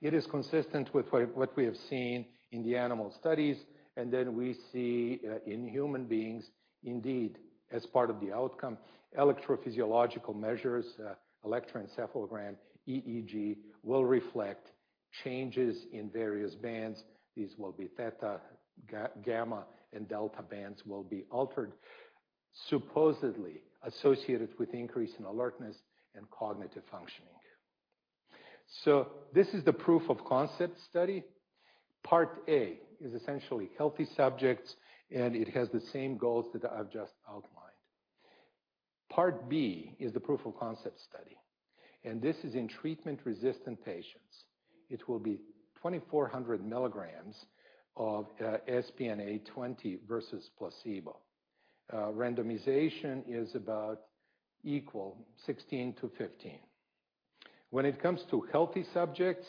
It is consistent with what we have seen in the animal studies, and then we see in human beings, indeed, as part of the outcome, electrophysiological measures, electroencephalogram, EEG, will reflect changes in various bands. These will be theta, gamma, and delta bands will be altered, supposedly associated with increase in alertness and cognitive functioning. So this is the proof of concept study. Part A is essentially healthy subjects, and it has the same goals that I've just outlined. Part B is the proof of concept study, and this is in treatment-resistant patients. It will be 2,400 mg of SPN-820 versus placebo. Randomization is about equal, 16 to 15. When it comes to healthy subjects,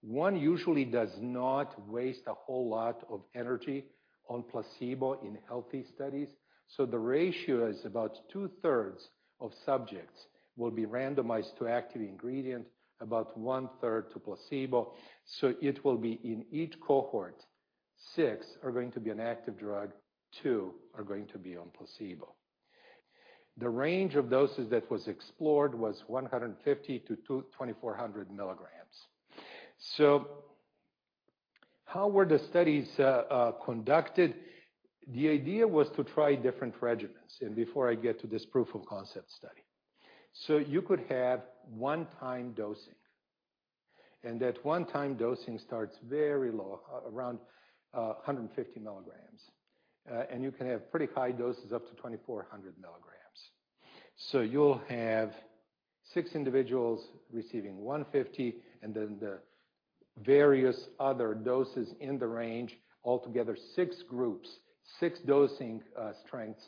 one usually does not waste a whole lot of energy on placebo in healthy studies, so the ratio is about 2/3 of subjects will be randomized to active ingredient, about 1/3 to placebo. So it will be in each cohort, six are going to be on active drug, two are going to be on placebo. The range of doses that was explored was 150-2,400 mg. So how were the studies conducted? The idea was to try different regimens, and before I get to this proof of concept study. So you could have one-time dosing, and that one-time dosing starts very low, around 150 mg, and you can have pretty high doses, up to 2400 mg. So you'll have six individuals receiving 150, and then the various other doses in the range, altogether six groups, six dosing strengths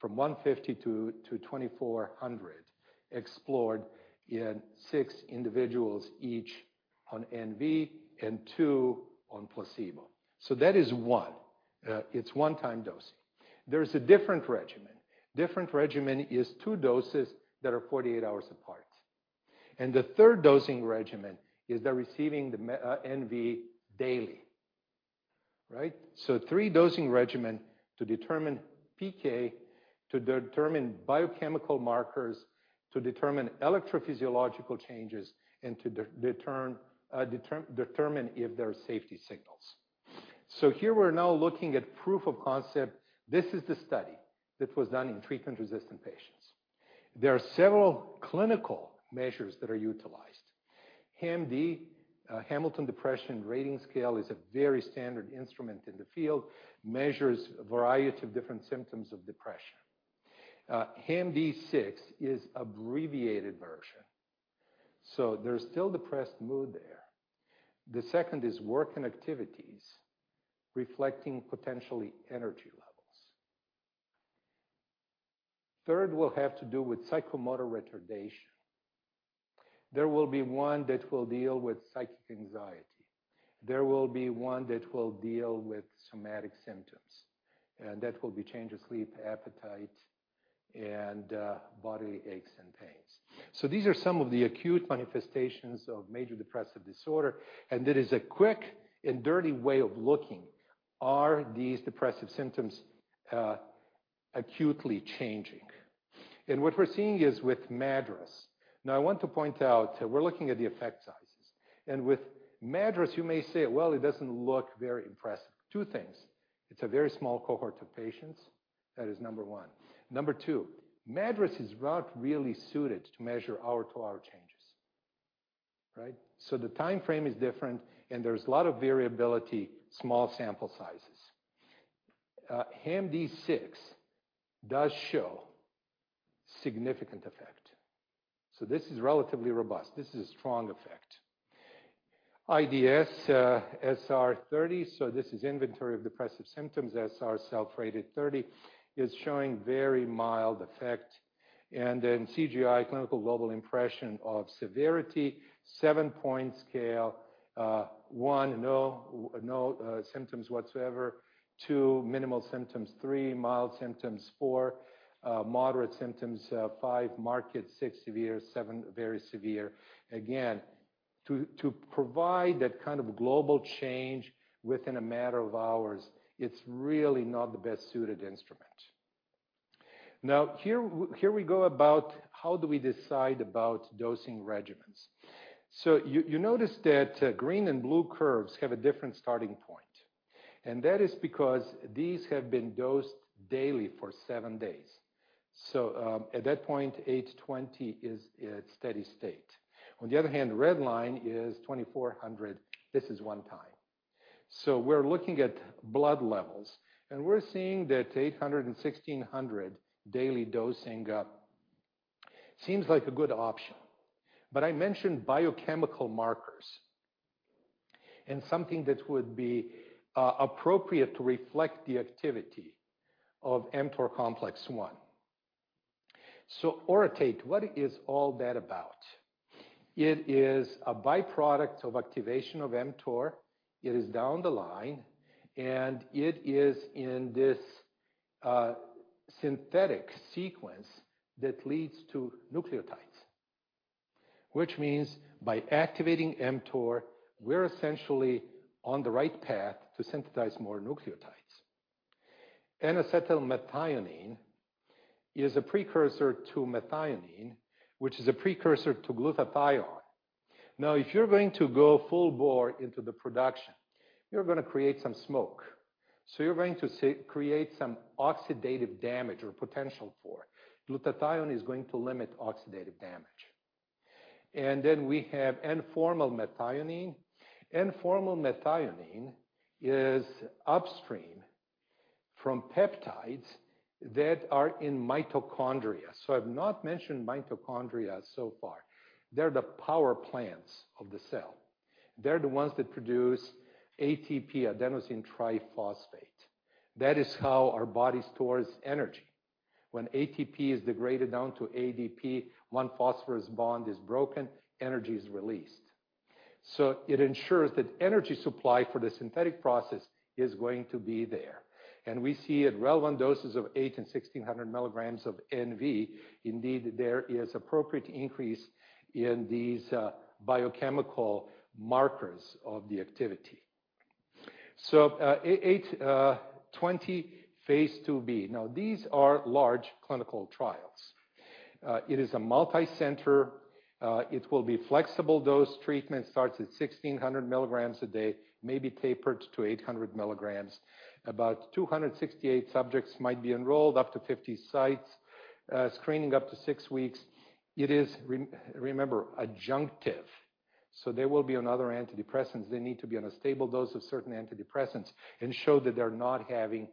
from 150 to 2400, explored in six individuals, each on NV and two on placebo. So that is one. It's one-time dosing. There is a different regimen. Different regimen is two doses that are 48 hours apart, and the third dosing regimen is they're receiving the NV daily. Right? So three dosing regimen to determine PK, to determine biochemical markers, to determine electrophysiological changes, and to determine if there are safety signals. So here we're now looking at proof of concept. This is the study that was done in treatment-resistant patients. There are several clinical measures that are utilized. HAMD, Hamilton Depression Rating Scale, is a very standard instrument in the field, measures a variety of different symptoms of depression. HAMD-6 is abbreviated version, so there's still depressed mood there. The second is work and activities, reflecting potentially energy levels. Third will have to do with psychomotor retardation. There will be one that will deal with psychic anxiety. There will be one that will deal with somatic symptoms, and that will be change of sleep, appetite, and, body aches and pain. So these are some of the acute manifestations of major depressive disorder, and it is a quick and dirty way of looking. Are these depressive symptoms, acutely changing? And what we're seeing is with MADRS. Now, I want to point out, we're looking at the effect sizes, and with MADRS, you may say: "Well, it doesn't look very impressive." Two things, it's a very small cohort of patients, that is number one. Number two, MADRS is not really suited to measure hour-to-hour changes, right? So the time frame is different, and there's a lot of variability, small sample sizes. HAMD-6 does show significant effect, so this is relatively robust. This is a strong effect. IDS-SR 30, so this is Inventory of Depressive Symptoms, SR, self-rated 30, is showing very mild effect. And then CGI, Clinical Global Impression of Severity, seven-point scale. One, no symptoms whatsoever. Two, minimal symptoms. Three, mild symptoms. Four, moderate symptoms. Five, marked. Six, severe. Seven, very severe. Again, to provide that kind of global change within a matter of hours, it's really not the best-suited instrument. Now, here we go about how do we decide about dosing regimens. So you notice that green and blue curves have a different starting point, and that is because these have been dosed daily for seven days. So, at that point, 800 is at steady state. On the other hand, red line is 2,400. This is one time. So we're looking at blood levels, and we're seeing that 800 and 1600 daily dosing seems like a good option. But I mentioned biochemical markers and something that would be appropriate to reflect the activity of mTOR complex one. So orotate, what is all that about? It is a byproduct of activation of mTOR. It is down the line, and it is in this synthetic sequence that leads to nucleotides, which means by activating mTOR, we're essentially on the right path to synthesize more nucleotides. N-acetylmethionine is a precursor to methionine, which is a precursor to glutathione. Now, if you're going to go full bore into the production, you're gonna create some smoke. So you're going to create some oxidative damage or potential for it. Glutathione is going to limit oxidative damage. And then we have N-formylmethionine. N-formylmethionine is upstream from peptides that are in mitochondria. So I've not mentioned mitochondria so far. They're the power plants of the cell. They're the ones that produce ATP, Adenosine Triphosphate. That is how our body stores energy. When ATP is degraded down to ADP, one phosphorus bond is broken, energy is released. So it ensures that energy supply for the synthetic process is going to be there. And we see at relevant doses of 8 and 1600 mg of NV, indeed, there is appropriate increase in these, biochemical markers of the activity. So, eight, twenty, phase II-B. Now, these are large clinical trials. It is a multicenter, it will be flexible-dose treatment, starts at 1600 mg a day, may be tapered to 800 mg. About 268 subjects might be enrolled, up to 50 sites. Screening up to six weeks. It is remember, adjunctive, so they will be on other antidepressants. They need to be on a stable dose of certain antidepressants and show that they're not having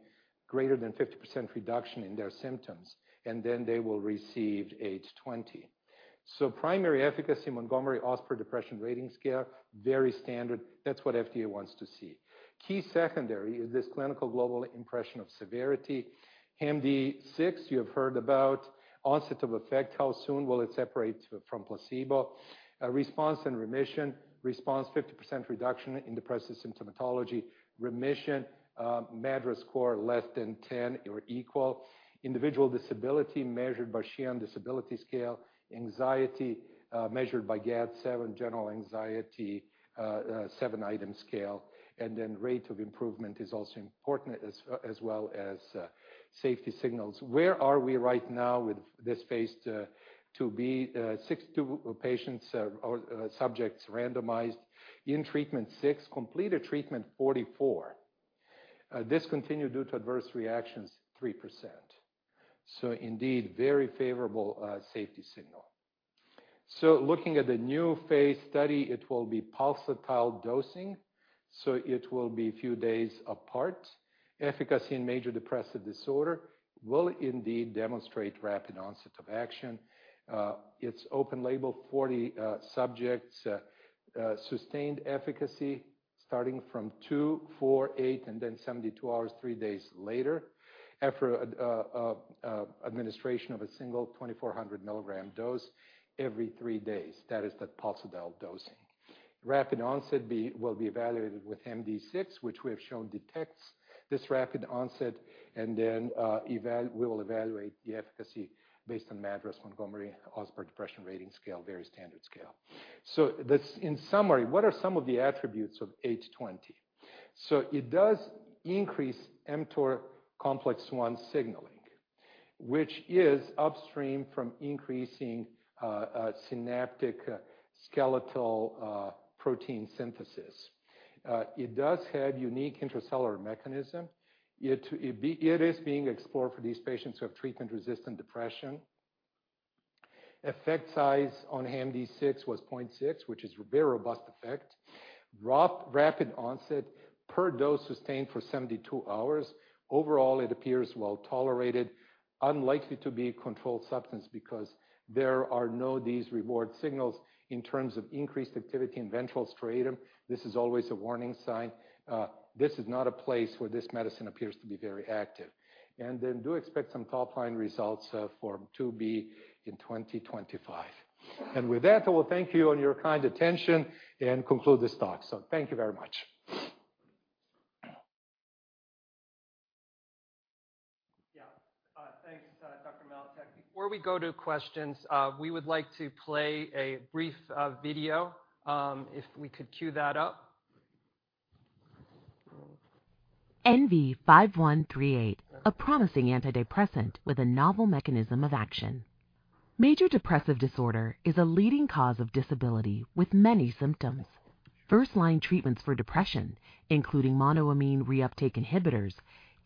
greater than 50% reduction in their symptoms, and then they will receive H 20. So primary efficacy, Montgomery-Åsberg Depression Rating Scale, very standard. That's what FDA wants to see. Key secondary is this Clinical Global Impression of Severity. HAMD-6, you have heard about. Onset of effect, how soon will it separate from placebo? Response and remission. Response, 50% reduction in depressive symptomatology. Remission, MADRS score, less than 10 or equal. Individual disability measured by Sheehan Disability Scale. Anxiety measured by GAD-7, General Anxiety 7-item scale. And then rate of improvement is also important, as well as safety signals. Where are we right now with this phase II, II-B? 62 patients or subjects randomized. In treatment, six. Completed treatment, 44. Discontinued due to adverse reactions, 3%. So indeed, very favorable safety signal. So looking at the new phase study, it will be pulsatile dosing, so it will be a few days apart. Efficacy in major depressive disorder will indeed demonstrate rapid onset of action. It's open label, 40 subjects. Sustained efficacy starting from 2, 4, 8, and then 72 hours, three days later, after administration of a single 2400 mg dose every three days. That is the pulsatile dosing. Rapid onset will be evaluated with HAMD-6, which we have shown detects this rapid onset, and then we will evaluate the efficacy based on MADRS, Montgomery-Åsberg Depression Rating Scale, very standard scale. So this. In summary, what are some of the attributes of 820? So it does increase mTOR complex 1 signaling, which is upstream from increasing synaptic skeletal protein synthesis. It does have unique intracellular mechanism. It is being explored for these patients who have treatment-resistant depression. Effect size on HAMD-6 was 0.6, which is very robust effect. Drop rapid onset per dose sustained for 72 hours. Overall, it appears well-tolerated, unlikely to be a controlled substance because there are no these reward signals in terms of increased activity in ventral striatum. This is always a warning sign. This is not a place where this medicine appears to be very active. And then do expect some top-line results for 2B in 2025. And with that, I will thank you for your kind attention and conclude this talk. Thank you very much. Yeah. Thanks, Dr. Maletic. Before we go to questions, we would like to play a brief video. If we could cue that up. NV-5138, a promising antidepressant with a novel mechanism of action. Major depressive disorder is a leading cause of disability with many symptoms. First-line treatments for depression, including monoamine reuptake inhibitors,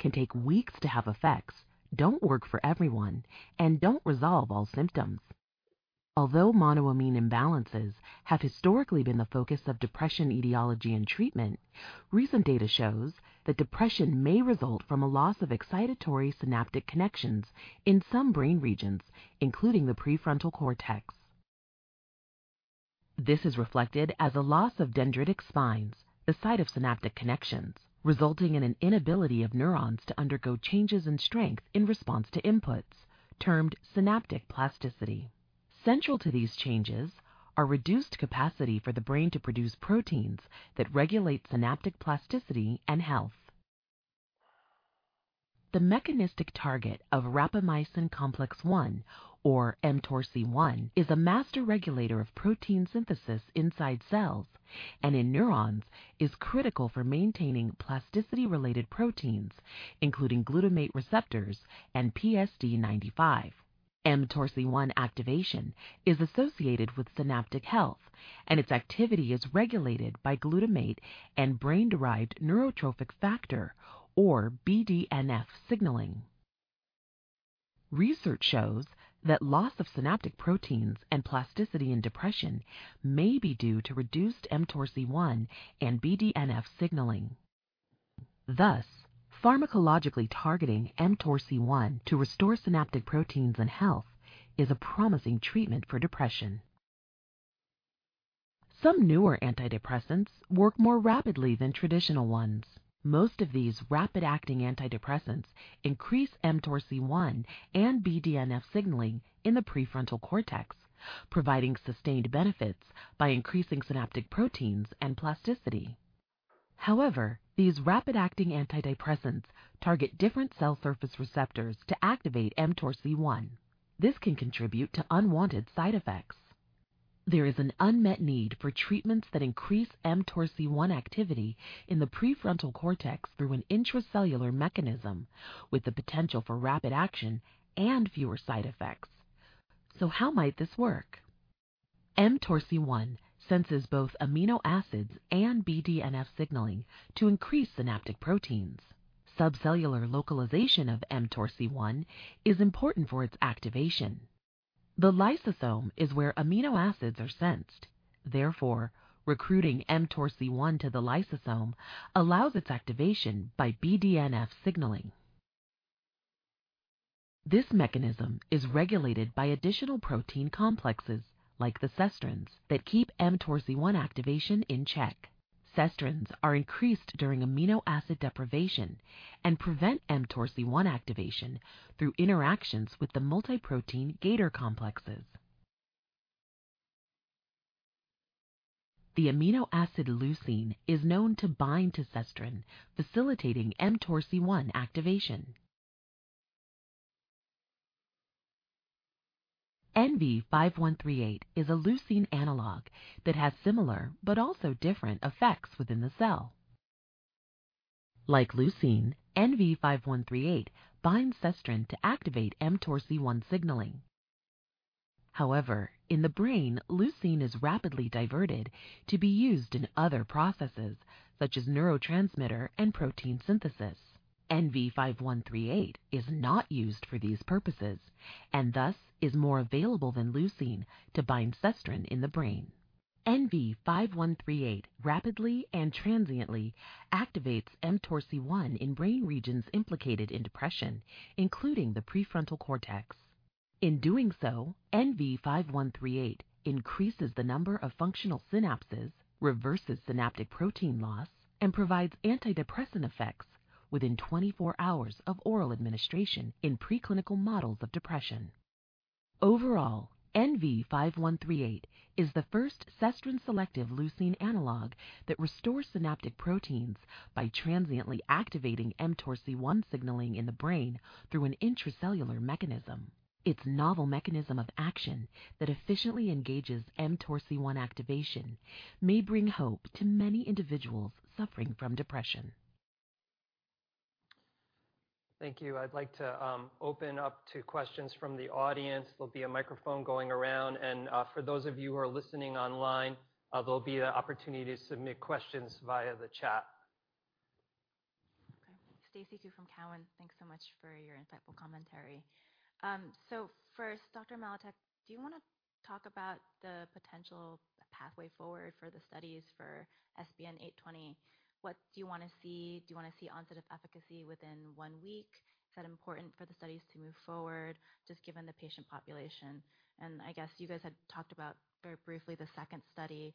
can take weeks to have effects, don't work for everyone, and don't resolve all symptoms. Although monoamine imbalances have historically been the focus of depression etiology and treatment, recent data shows that depression may result from a loss of excitatory synaptic connections in some brain regions, including the prefrontal cortex. This is reflected as a loss of dendritic spines, the site of synaptic connections, resulting in an inability of neurons to undergo changes in strength in response to inputs, termed synaptic plasticity. Central to these changes are reduced capacity for the brain to produce proteins that regulate synaptic plasticity and health. The mechanistic target of rapamycin complex 1, or mTORC1, is a master regulator of protein synthesis inside cells, and in neurons, is critical for maintaining plasticity-related proteins, including glutamate receptors and PSD-95. mTORC1 activation is associated with synaptic health, and its activity is regulated by glutamate and Brain-Derived Neurotrophic Factor or BDNF signaling. Research shows that loss of synaptic proteins and plasticity in depression may be due to reduced mTORC1 and BDNF signaling. Thus, pharmacologically targeting mTORC1 to restore synaptic proteins and health is a promising treatment for depression. Some newer antidepressants work more rapidly than traditional ones. Most of these rapid-acting antidepressants increase mTORC1 and BDNF signaling in the prefrontal cortex, providing sustained benefits by increasing synaptic proteins and plasticity. However, these rapid-acting antidepressants target different cell surface receptors to activate mTORC1. This can contribute to unwanted side effects. There is an unmet need for treatments that increase mTORC1 activity in the prefrontal cortex through an intracellular mechanism with the potential for rapid action and fewer side effects. So how might this work? mTORC1 senses both amino acids and BDNF signaling to increase synaptic proteins. Subcellular localization of mTORC1 is important for its activation. The lysosome is where amino acids are sensed. Therefore, recruiting mTORC1 to the lysosome allows its activation by BDNF signaling. This mechanism is regulated by additional protein complexes, like the sestrins, that keep mTORC1 activation in check. Sestrins are increased during amino acid deprivation and prevent mTORC1 activation through interactions with the multi-protein GATOR complexes. The amino acid leucine is known to bind to sestrin, facilitating mTORC1 activation. NV-5138 is a leucine analog that has similar but also different effects within the cell. Like leucine, NV-5138 binds sestrin to activate mTORC1 signaling. However, in the brain, leucine is rapidly diverted to be used in other processes, such as neurotransmitter and protein synthesis. NV-5138 is not used for these purposes, and thus is more available than leucine to bind sestrin in the brain. NV-5138 rapidly and transiently activates mTORC1 in brain regions implicated in depression, including the prefrontal cortex. In doing so, NV-5138 increases the number of functional synapses, reverses synaptic protein loss, and provides antidepressant effects within 24 hours of oral administration in preclinical models of depression. Overall, NV-5138 is the first sestrin selective leucine analog that restores synaptic proteins by transiently activating mTORC1 signaling in the brain through an intracellular mechanism. Its novel mechanism of action that efficiently engages mTORC1 activation may bring hope to many individuals suffering from depression. Thank you. I'd like to open up to questions from the audience. There'll be a microphone going around, and for those of you who are listening online, there'll be the opportunity to submit questions via the chat. Okay. Stacy Ku from TD Cowen. Thanks so much for your insightful commentary. So first, Dr. Maletic, do you wanna talk about the potential pathway forward for the studies for SPN-820? What do you want to see? Do you want to see onset of efficacy within one week? Is that important for the studies to move forward, just given the patient population? And I guess you guys had talked about very briefly the second study.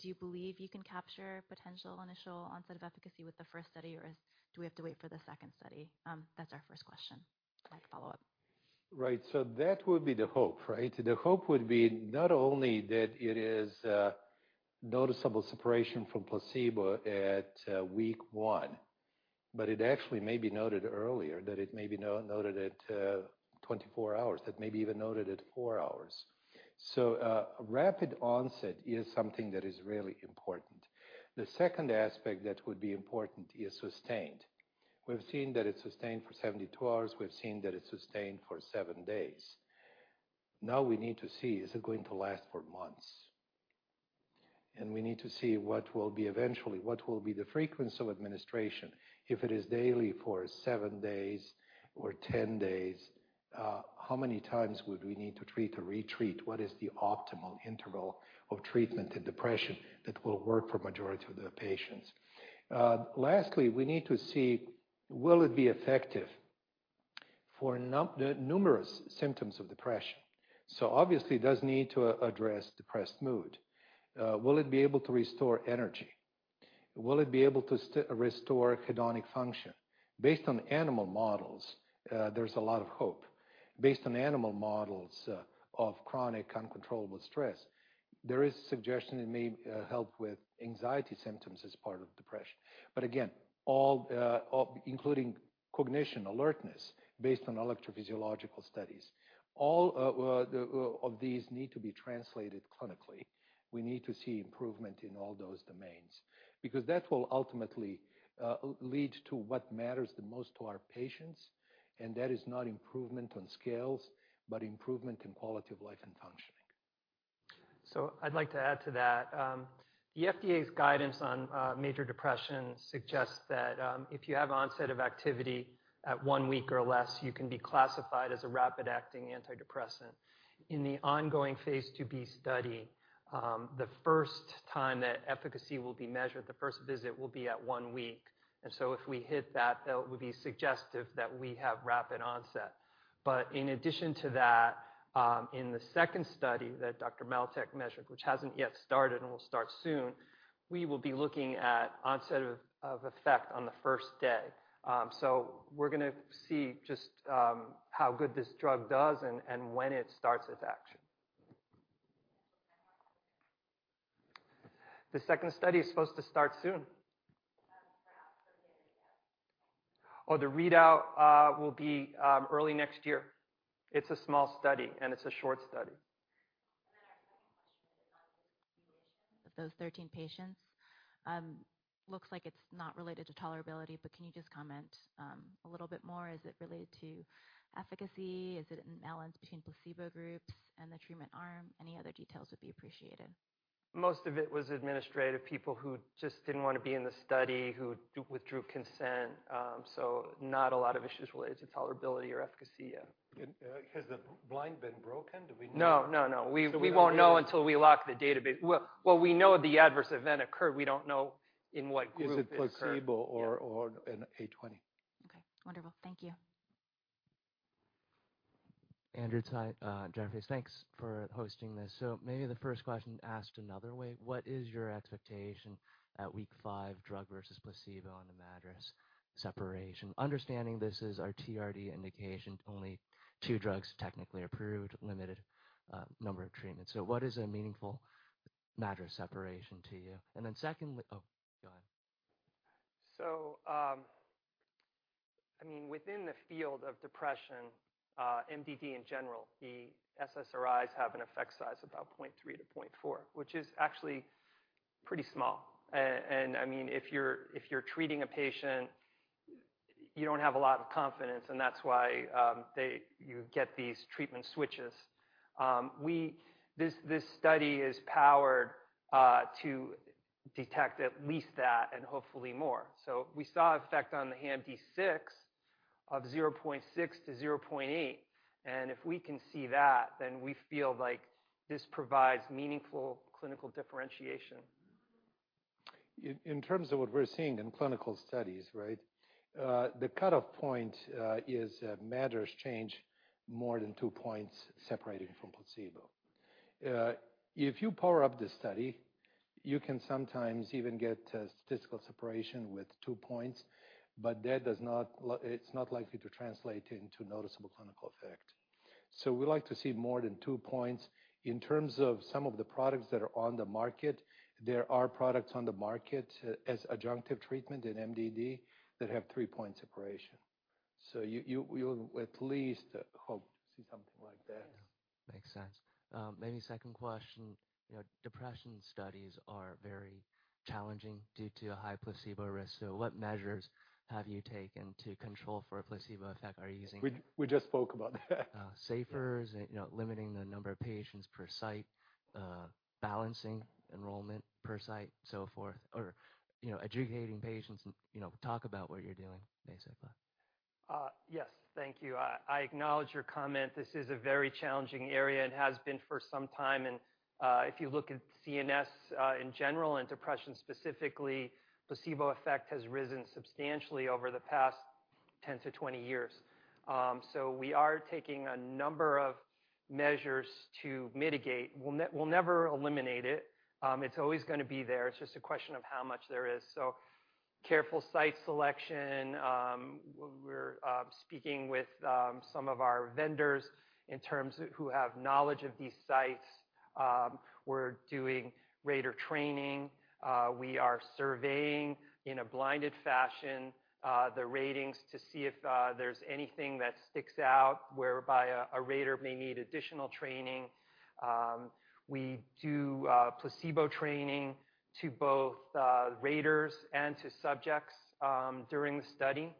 Do you believe you can capture potential initial onset of efficacy with the first study, or do we have to wait for the second study? That's our first question. I'd like to follow up. Right. So that would be the hope, right? The hope would be not only that it is a noticeable separation from placebo at week 1, but it actually may be noted earlier, that it may be noted at 24 hours, that may be even noted at 4 hours. So rapid onset is something that is really important. The second aspect that would be important is sustained. We've seen that it's sustained for 72 hours. We've seen that it's sustained for seven days. Now we need to see, is it going to last for months? And we need to see what will be eventually what will be the frequency of administration, if it is daily for seven days or 10 days, how many times would we need to treat or retreat? What is the optimal interval of treatment in depression that will work for majority of the patients? Lastly, we need to see, will it be effective for numerous symptoms of depression? So obviously, it does need to address depressed mood. Will it be able to restore energy? Will it be able to restore hedonic function? Based on animal models, there's a lot of hope. Based on animal models of chronic uncontrollable stress, there is suggestion it may help with anxiety symptoms as part of depression. But again, all including cognition, alertness, based on electrophysiological studies, all of these need to be translated clinically. We need to see improvement in all those domains because that will ultimately lead to what matters the most to our patients, and that is not improvement on scales, but improvement in quality of life and functioning. So I'd like to add to that. The FDA's guidance on major depression suggests that if you have onset of activity at one week or less, you can be classified as a rapid-acting antidepressant. In the ongoing phase II-B study, the first time that efficacy will be measured, the first visit will be at one week, and so if we hit that, that would be suggestive that we have rapid onset. But in addition to that, in the second study that Dr. Maletic mentioned, which hasn't yet started and will start soon, we will be looking at onset of effect on the first day. So we're gonna see just how good this drug does and when it starts its action. The second study is supposed to start soon. Perhaps for the other year. Oh, the readout will be early next year. It's a small study, and it's a short study. And then our second question is on the situation of those 13 patients. Looks like it's not related to tolerability, but can you just comment, a little bit more? Is it related to efficacy? Is it an imbalance between placebo groups and the treatment arm? Any other details would be appreciated. Most of it was administrative, people who just didn't want to be in the study, who withdrew consent, so not a lot of issues related to tolerability or efficacy, yeah. Has the blind been broken? Do we know? No, no, no. So we won't- We won't know until we lock the database. Well, well, we know the adverse event occurred. We don't know in what group it occurred. Is it placebo- Yeah... or in 820. Okay, wonderful. Thank you. Andrew Tsai, Jefferies. Thanks for hosting this. So maybe the first question asked another way, what is your expectation at week five, drug versus placebo on the MADRS separation? Understanding this is our TRD indication, only two drugs technically approved, limited number of treatments. So what is a meaningful MADRS separation to you? And then secondly, Oh, go ahead. So, I mean, within the field of depression, MDD in general, the SSRIs have an effect size about 0.3-0.4, which is actually pretty small. And I mean, if you're treating a patient, you don't have a lot of confidence, and that's why you get these treatment switches. This study is powered to detect at least that and hopefully more. So we saw effect on the HAMD-6 of 0.6-0.8, and if we can see that, then we feel like this provides meaningful clinical differentiation. In terms of what we're seeing in clinical studies, right? The cutoff point is MADRS change more than 2 points separating from placebo. If you power up this study, you can sometimes even get a statistical separation with 2 points, but that does not, it's not likely to translate into noticeable clinical effect. So we like to see more than 2 points. In terms of some of the products that are on the market, there are products on the market as adjunctive treatment in MDD that have 3-point separation. So you, you'll at least hope to see something like that. Makes sense. Maybe second question. You know, depression studies are very challenging due to a high placebo risk. So what measures have you taken to control for a placebo effect? Are you using- We just spoke about that safer and, you know, limiting the number of patients per site, balancing enrollment per site, so forth, or, you know, educating patients and, you know, talk about what you're doing basically. Yes, thank you. I acknowledge your comment. This is a very challenging area and has been for some time, and if you look at CNS in general and depression specifically, placebo effect has risen substantially over the past 10-20 years. So we are taking a number of measures to mitigate. We'll never eliminate it. It's always gonna be there. It's just a question of how much there is. So careful site selection. We're speaking with some of our vendors in terms of who have knowledge of these sites. We're doing rater training. We are surveying, in a blinded fashion, the ratings to see if there's anything that sticks out, whereby a rater may need additional training. We do placebo training to both raters and to subjects during the study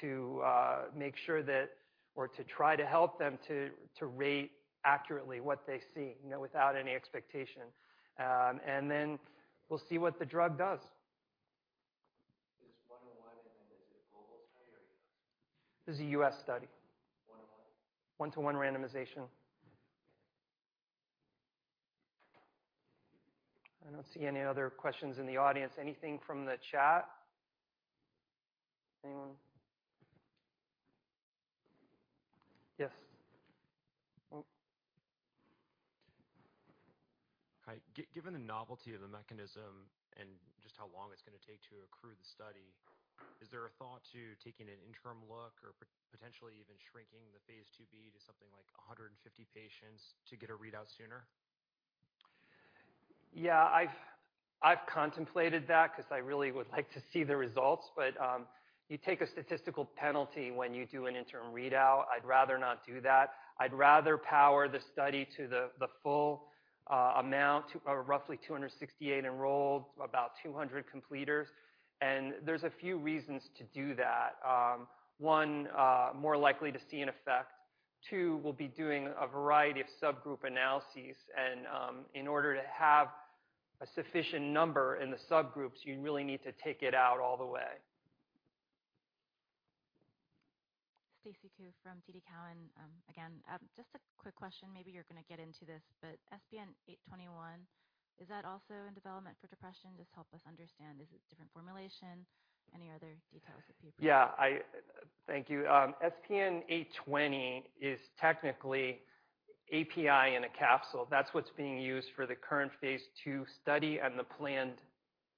to make sure that or to try to help them to rate accurately what they see, you know, without any expectation. And then we'll see what the drug does. Is one-on-one, and then is it a global study or...? This is a U.S. study. One-on-one? One-to-one randomization. I don't see any other questions in the audience. Anything from the chat? Anyone? Yes. Oh. Hi. Given the novelty of the mechanism and just how long it's gonna take to accrue the study, is there a thought to taking an interim look or potentially even shrinking the phase II-B to something like 150 patients to get a readout sooner? Yeah, I've contemplated that 'cause I really would like to see the results, but you take a statistical penalty when you do an interim readout. I'd rather not do that. I'd rather power the study to the full amount, to roughly 268 enrolled, about 200 completers, and there's a few reasons to do that. One, more likely to see an effect. Two, we'll be doing a variety of subgroup analyses, and in order to have a sufficient number in the subgroups, you really need to take it out all the way. Stacy Ku from TD Cowen. Again, just a quick question, maybe you're gonna get into this, but SPN-821, is that also in development for depression? Just help us understand, is it different formulation? Any other details that you- Yeah, thank you. SPN-820 is technically API in a capsule. That's what's being used for the current phase II study and the planned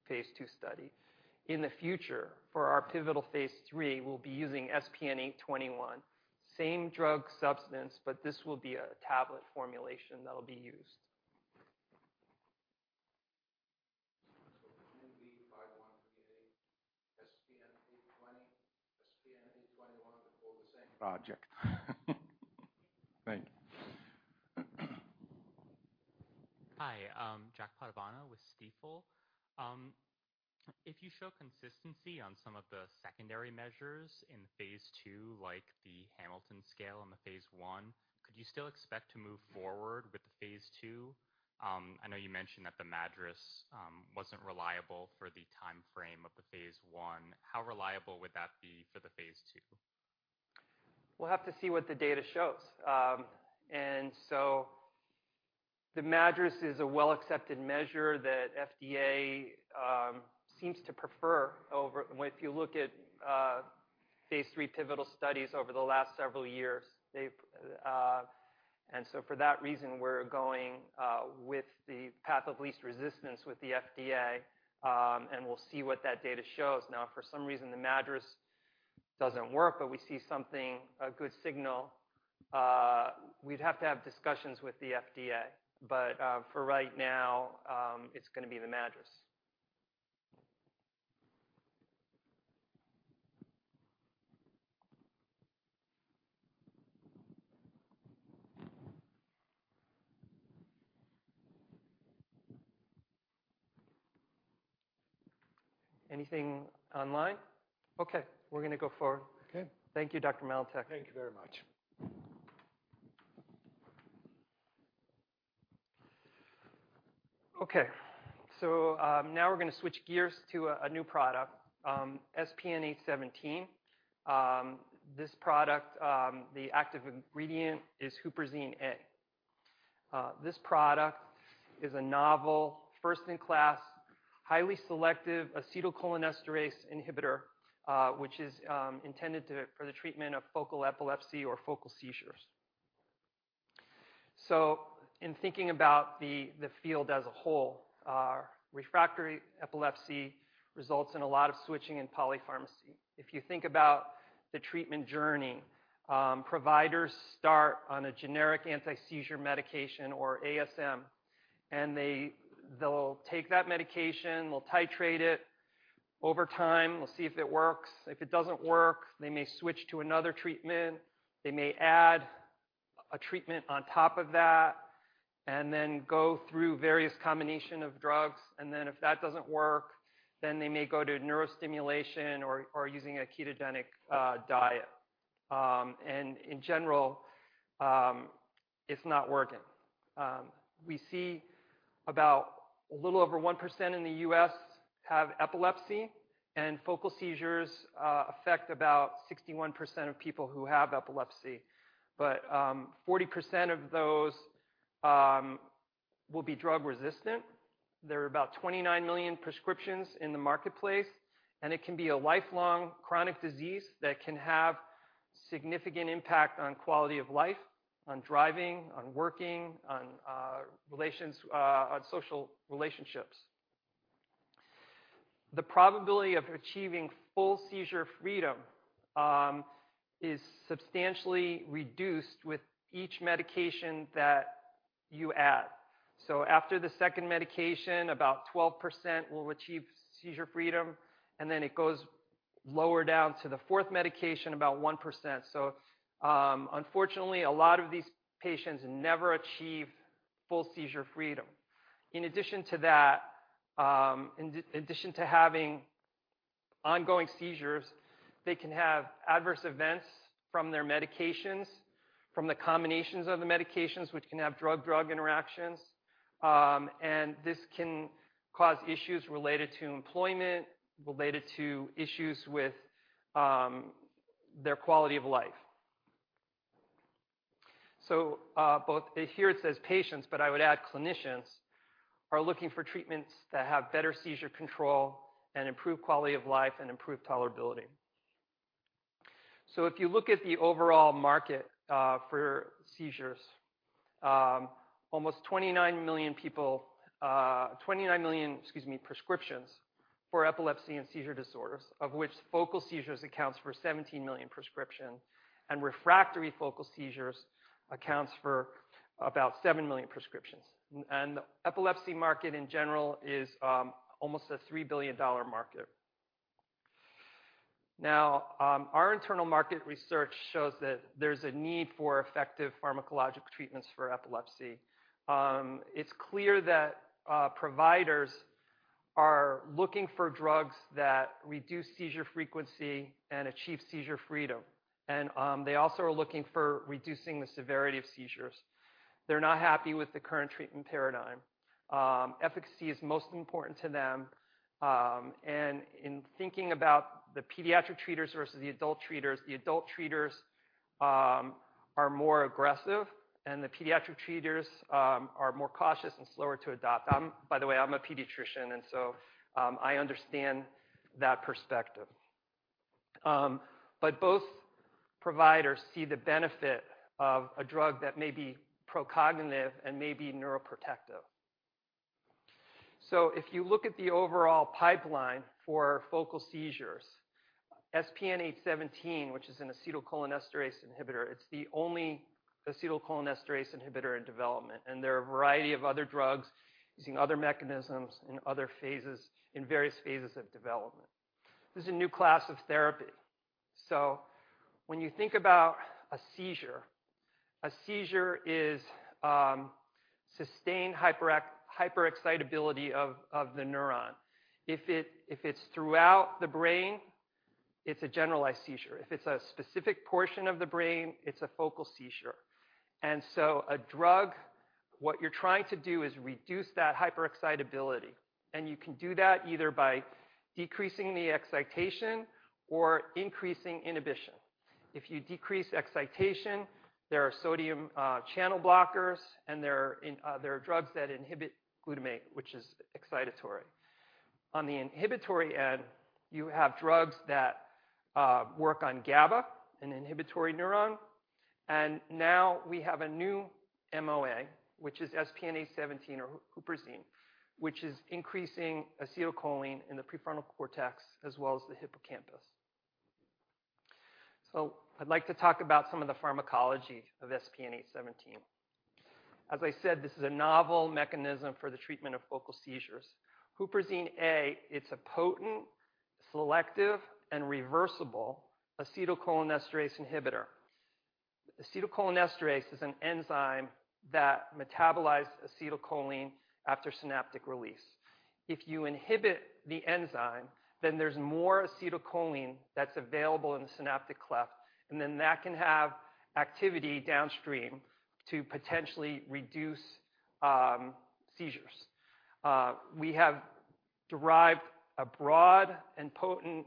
phase II study. In the future, for our pivotal phase III, we'll be using SPN-821. Same drug substance, but this will be a tablet formulation that'll be used. So would SPN-820, SPN-821 be for the same project? Thank you. Hi, Jack Padovano with Stifel. If you show consistency on some of the secondary measures in the phase II, like the Hamilton Scale on the phase I, could you still expect to move forward with the phase II? I know you mentioned that the MADRS wasn't reliable for the timeframe of the phase I. How reliable would that be for the phase II? We'll have to see what the data shows. And so the MADRS is a well-accepted measure that FDA seems to prefer over... If you look at phase III pivotal studies over the last several years, they've... And so for that reason, we're going with the path of least resistance with the FDA, and we'll see what that data shows. Now, if for some reason the MADRS doesn't work, but we see something, a good signal, we'd have to have discussions with the FDA, but for right now, it's gonna be the MADRS. Anything online? Okay, we're gonna go forward. Okay. Thank you, Dr. Maletic. Thank you very much. Okay, so, now we're gonna switch gears to a new product, SPN-817. This product, the active ingredient is Huperzine A. This product is a novel, first-in-class, highly selective acetylcholinesterase inhibitor, which is intended to for the treatment of focal epilepsy or focal seizures. So in thinking about the field as a whole, refractory epilepsy results in a lot of switching in polypharmacy. If you think about the treatment journey, providers start on a generic anti-seizure medication, or ASM, and they'll take that medication, will titrate it over time, we'll see if it works. If it doesn't work, they may switch to another treatment, they may add a treatment on top of that, and then go through various combination of drugs. Then if that doesn't work, then they may go to neurostimulation or using a ketogenic diet. In general, it's not working. We see about a little over 1% in the U.S. have epilepsy, and focal seizures affect about 61% of people who have epilepsy, but 40% of those will be drug resistant. There are about 29 million prescriptions in the marketplace, and it can be a lifelong chronic disease that can have significant impact on quality of life, on driving, on working, on relations, on social relationships. The probability of achieving full seizure freedom is substantially reduced with each medication that you add. After the second medication, about 12% will achieve seizure freedom, and then it goes lower down to the fourth medication, about 1%. So, unfortunately, a lot of these patients never achieve full seizure freedom. In addition to that, in addition to having ongoing seizures, they can have adverse events from their medications, from the combinations of the medications, which can have drug-drug interactions. And this can cause issues related to employment, related to issues with, their quality of life. So, both, here it says patients, but I would add clinicians, are looking for treatments that have better seizure control and improve quality of life and improve tolerability. So if you look at the overall market, for seizures, almost 29 million people, 29 million, excuse me, prescriptions for epilepsy and seizure disorders, of which focal seizures accounts for 17 million prescription, and refractory focal seizures accounts for about 7 million prescriptions. The epilepsy market, in general, is almost a $3 billion market. Now, our internal market research shows that there's a need for effective pharmacologic treatments for epilepsy. It's clear that providers are looking for drugs that reduce seizure frequency and achieve seizure freedom, and they also are looking for reducing the severity of seizures. They're not happy with the current treatment paradigm. Efficacy is most important to them. In thinking about the pediatric treaters versus the adult treaters, the adult treaters are more aggressive, and the pediatric treaters are more cautious and slower to adopt. By the way, I'm a pediatrician, and so I understand that perspective. Both providers see the benefit of a drug that may be procognitive and may be neuroprotective. So if you look at the overall pipeline for focal seizures, SPN-817, which is an acetylcholinesterase inhibitor, it's the only acetylcholinesterase inhibitor in development, and there are a variety of other drugs using other mechanisms in other phases, in various phases of development. This is a new class of therapy. So when you think about a seizure, a seizure is sustained hyperexcitability of the neuron. If it's throughout the brain, it's a generalized seizure. If it's a specific portion of the brain, it's a focal seizure. And so a drug, what you're trying to do is reduce that hyperexcitability, and you can do that either by decreasing the excitation or increasing inhibition. If you decrease excitation, there are sodium channel blockers, and there are drugs that inhibit glutamate, which is excitatory. On the inhibitory end, you have drugs that work on GABA, an inhibitory neuron, and now we have a new MOA, which is SPN-817 or Huperzine, which is increasing acetylcholine in the prefrontal cortex, as well as the hippocampus. So I'd like to talk about some of the pharmacology of SPN-817. As I said, this is a novel mechanism for the treatment of focal seizures. Huperzine A, it's a potent, selective, and reversible acetylcholinesterase inhibitor. Acetylcholinesterase is an enzyme that metabolize acetylcholine after synaptic release. If you inhibit the enzyme, then there's more acetylcholine that's available in the synaptic cleft, and then that can have activity downstream to potentially reduce seizures. We have found a broad and potent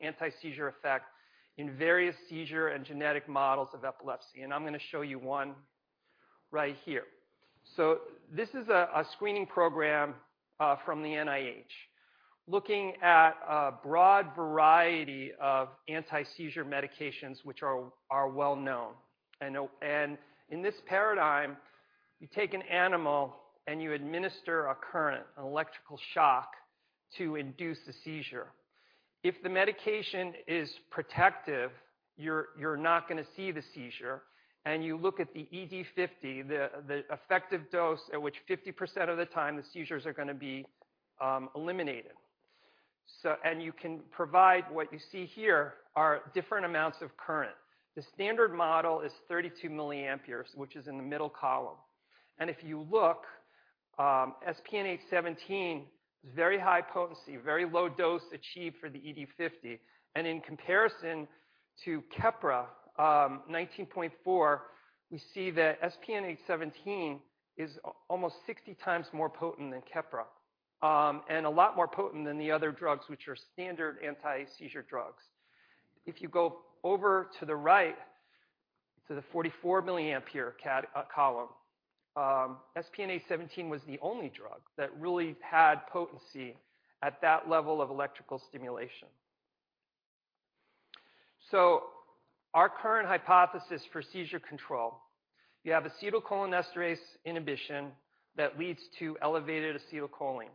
anti-seizure effect in various seizure and genetic models of epilepsy, and I'm gonna show you one right here. So this is a screening program from the NIH, looking at a broad variety of anti-seizure medications, which are well known. In this paradigm, you take an animal, and you administer a current, an electrical shock, to induce a seizure. If the medication is protective, you're not gonna see the seizure, and you look at the ED50, the effective dose at which 50% of the time the seizures are gonna be eliminated. You can provide what you see here are different amounts of current. The standard model is 32 milliamperes, which is in the middle column. If you look, SPN-817 is very high potency, very low dose achieved for the ED50, and in comparison to Keppra, 19.4, we see that SPN-817 is almost 60 times more potent than Keppra. And a lot more potent than the other drugs, which are standard anti-seizure drugs. If you go over to the right, to the 44 milliampere column, SPN-817 was the only drug that really had potency at that level of electrical stimulation. So our current hypothesis for seizure control, you have acetylcholinesterase inhibition that leads to elevated acetylcholine.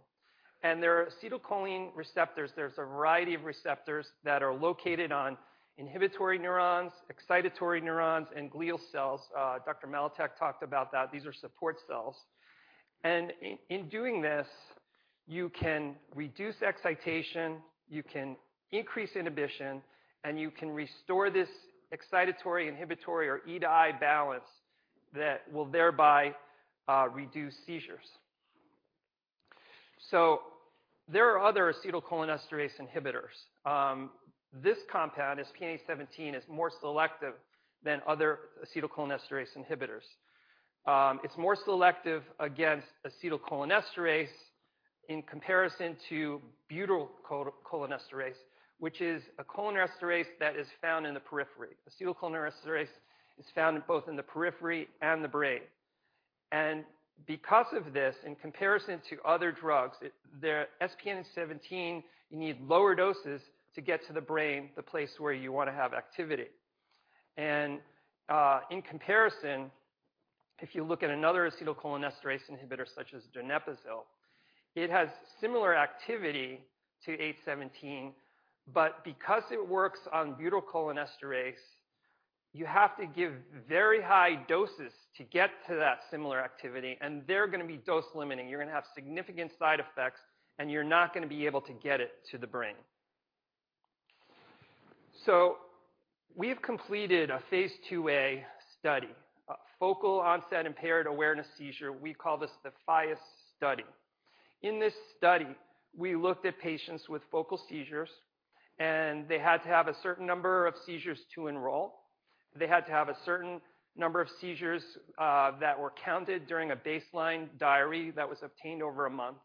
And there are acetylcholine receptors, there's a variety of receptors that are located on inhibitory neurons, excitatory neurons, and glial cells. Dr. Maletic talked about that. These are support cells. And in doing this, you can reduce excitation, you can increase inhibition, and you can restore this excitatory inhibitory or E to I balance that will thereby reduce seizures. So there are other acetylcholinesterase inhibitors. This compound, SPN-817, is more selective than other acetylcholinesterase inhibitors. It's more selective against acetylcholinesterase in comparison to butyrylcholinesterase, which is a cholinesterase that is found in the periphery. Acetylcholinesterase is found in both in the periphery and the brain, and because of this, in comparison to other drugs, it, the SPN-817, you need lower doses to get to the brain, the place where you wanna have activity. In comparison, if you look at another acetylcholinesterase inhibitor, such as donepezil, it has similar activity to SPN-817, but because it works on butyrylcholinesterase, you have to give very high doses to get to that similar activity, and they're gonna be dose limiting. You're gonna have significant side effects, and you're not gonna be able to get it to the brain. So we've completed a phase II-A study, a focal onset impaired awareness seizure. We call this the FIAS study. In this study, we looked at patients with focal seizures, and they had to have a certain number of seizures to enroll. They had to have a certain number of seizures that were counted during a baseline diary that was obtained over a month.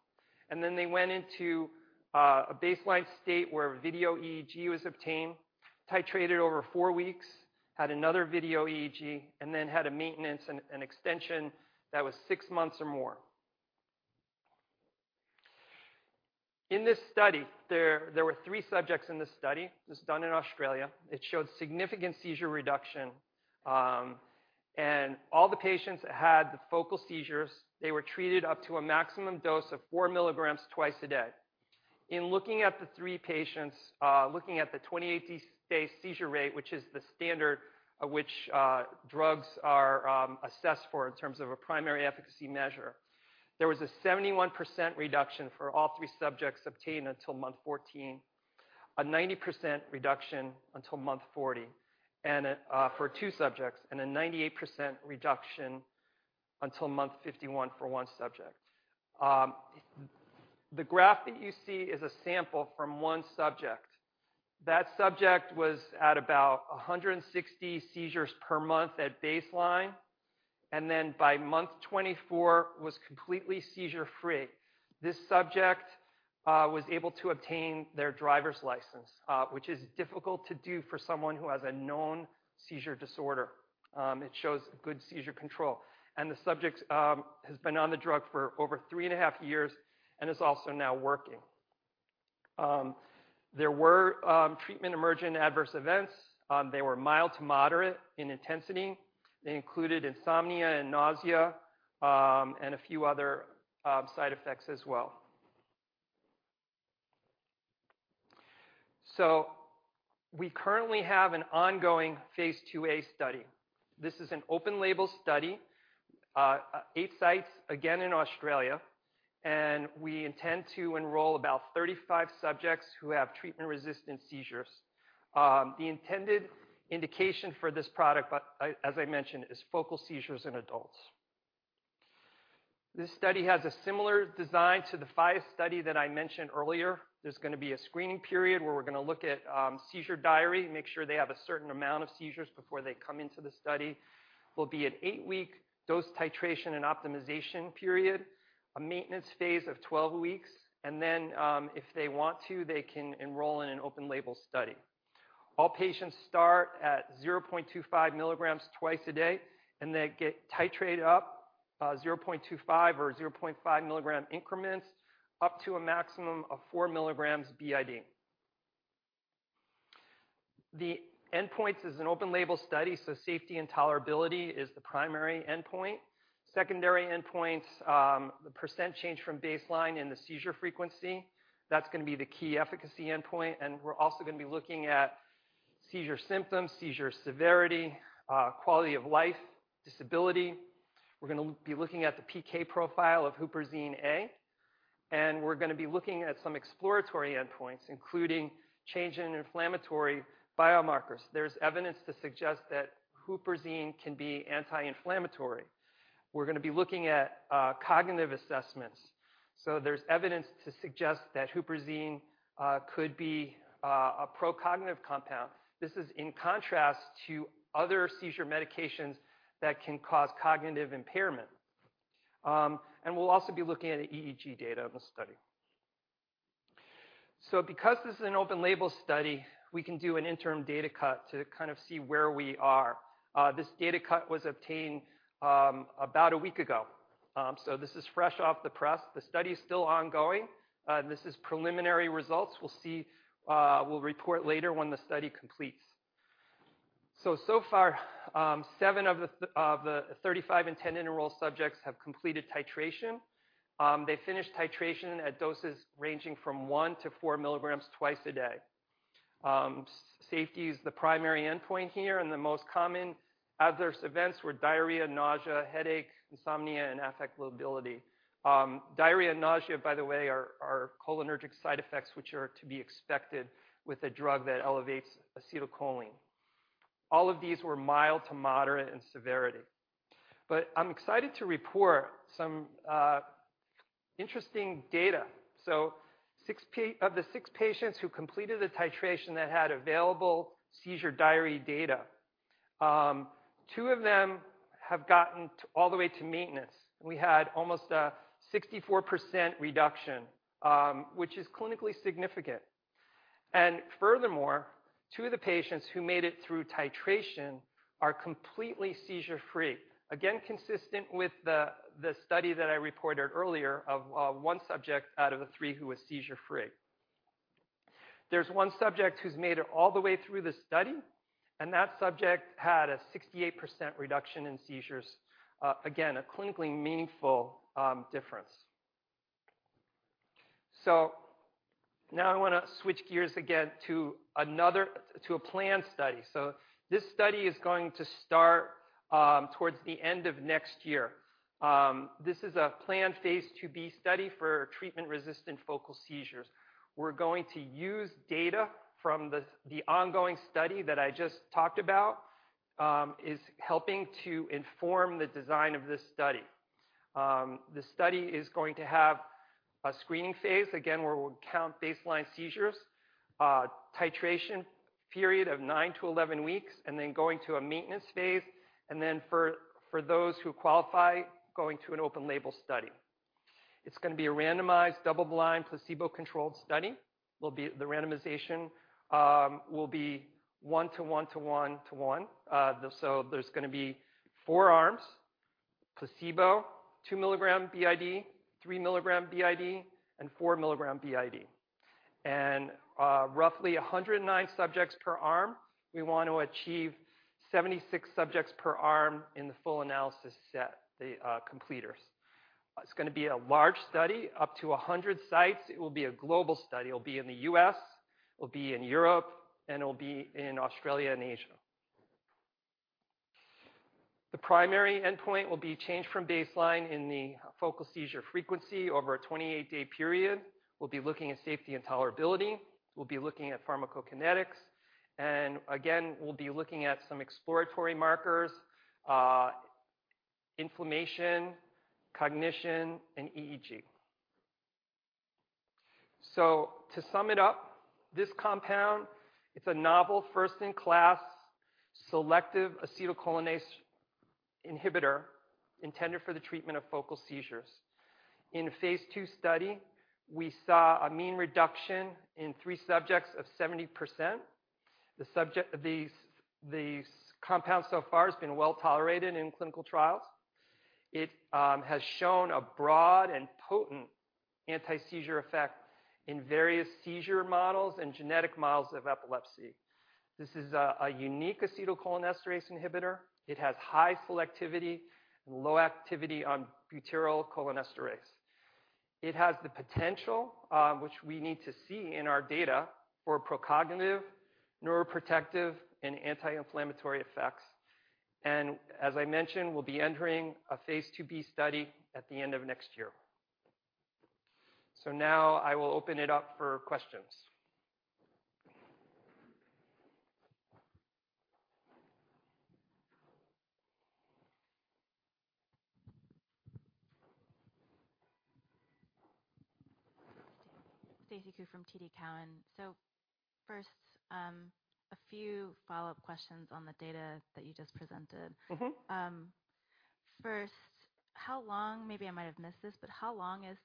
Then they went into a baseline state where video EEG was obtained, titrated over 4 weeks, had another video EEG, and then had a maintenance and an extension that was 6 months or more. In this study, there were 3 subjects in this study. This was done in Australia. It showed significant seizure reduction, and all the patients had the focal seizures. They were treated up to a maximum dose of 4 mg twice a day. In looking at the three patients, looking at the 28-day seizure rate, which is the standard at which drugs are assessed for in terms of a primary efficacy measure, there was a 71% reduction for all three subjects obtained until month 14, a 90% reduction until month 40, and a for two subjects, and a 98% reduction until month 51 for one subject. The graph that you see is a sample from one subject. That subject was at about 160 seizures per month at baseline, and then by month 24, was completely seizure-free. This subject was able to obtain their driver's license, which is difficult to do for someone who has a known seizure disorder. It shows good seizure control, and the subject has been on the drug for over 3.5 years and is also now working. There were treatment-emergent adverse events. They were mild to moderate in intensity. They included insomnia and nausea, and a few other side effects as well. We currently have an ongoing phase II-A study. This is an open label study, eight sites, again in Australia, and we intend to enroll about 35 subjects who have treatment-resistant seizures. The intended indication for this product, but, as I mentioned, is focal seizures in adults. This study has a similar design to the FIAS study that I mentioned earlier. There's gonna be a screening period, where we're gonna look at seizure diary, make sure they have a certain amount of seizures before they come into the study. There will be an 8-week dose titration and optimization period, a maintenance phase of 12 weeks, and then, if they want to, they can enroll in an open label study. All patients start at 0.25 mg twice a day, and they get titrated up, 0.25 or 0.5 mg increments, up to a maximum of 4 mg BID. The endpoints is an open-label study, so safety and tolerability is the primary endpoint. Secondary endpoints, the % change from baseline in the seizure frequency, that's gonna be the key efficacy endpoint, and we're also gonna be looking at seizure symptoms, seizure severity, quality of life, disability. We're gonna be looking at the PK profile of Huperzine A, and we're gonna be looking at some exploratory endpoints, including change in inflammatory biomarkers. There's evidence to suggest that Huperzine can be anti-inflammatory. We're gonna be looking at cognitive assessments. So there's evidence to suggest that Huperzine could be a pro-cognitive compound. This is in contrast to other seizure medications that can cause cognitive impairment. And we'll also be looking at the EEG data in the study. So because this is an open-label study, we can do an interim data cut to kind of see where we are. This data cut was obtained about a week ago. So this is fresh off the press. The study is still ongoing, and this is preliminary results. We'll see, we'll report later when the study completes. So far, seven of the 35 intended enrolled subjects have completed titration. They finished titration at doses ranging from 1-4 mg twice a day. Safety is the primary endpoint here, and the most common adverse events were diarrhea, nausea, headaches, insomnia, and affective lability. Diarrhea and nausea, by the way, are cholinergic side effects, which are to be expected with a drug that elevates acetylcholine. All of these were mild to moderate in severity. But I'm excited to report some interesting data. So of the 6 patients who completed the titration that had available seizure diary data, two of them have gotten all the way to maintenance. We had almost a 64% reduction, which is clinically significant. And furthermore, two of the patients who made it through titration are completely seizure-free. Again, consistent with the study that I reported earlier of one subject out of the three who was seizure-free. There's one subject who's made it all the way through the study, and that subject had a 68% reduction in seizures. Again, a clinically meaningful difference. So now I wanna switch gears again to another to a planned study. So this study is going to start towards the end of next year. This is a planned phase II-B study for treatment-resistant focal seizures. We're going to use data from the ongoing study that I just talked about is helping to inform the design of this study. The study is going to have a screening phase, again, where we'll count baseline seizures, titration period of 9-11 weeks, and then going to a maintenance phase, and then for those who qualify, going to an open-label study. It's gonna be a randomized, double-blind, placebo-controlled study. The randomization will be 1:1 to 1:1. So there's gonna be four arms: placebo, 2 mg BID, 3 mg BID, and 4 mg BID. And roughly 109 subjects per arm. We want to achieve 76 subjects per arm in the full analysis set, the completers. It's gonna be a large study, up to 100 sites. It will be a global study. It'll be in the U.S., it'll be in Europe, and it'll be in Australia and Asia. The primary endpoint will be change from baseline in the focal seizure frequency over a 28-day period. We'll be looking at safety and tolerability. We'll be looking at pharmacokinetics, and again, we'll be looking at some exploratory markers, inflammation, cognition, and EEG. So to sum it up, this compound, it's a novel, first-in-class, selective acetylcholinesterase inhibitor intended for the treatment of focal seizures. In the phase II study, we saw a mean reduction in three subjects of 70%. The compound so far has been well tolerated in clinical trials. It has shown a broad and potent anti-seizure effect in various seizure models and genetic models of epilepsy. This is a unique acetylcholinesterase inhibitor. It has high selectivity and low activity on butyrylcholinesterase. It has the potential, which we need to see in our data, for pro-cognitive, neuroprotective, and anti-inflammatory effects. As I mentioned, we'll be entering a phase II-A study at the end of next year. Now I will open it up for questions. Stacy Ku from TD Cowen. So first, a few follow-up questions on the data that you just presented. Mm-hmm. First, how long is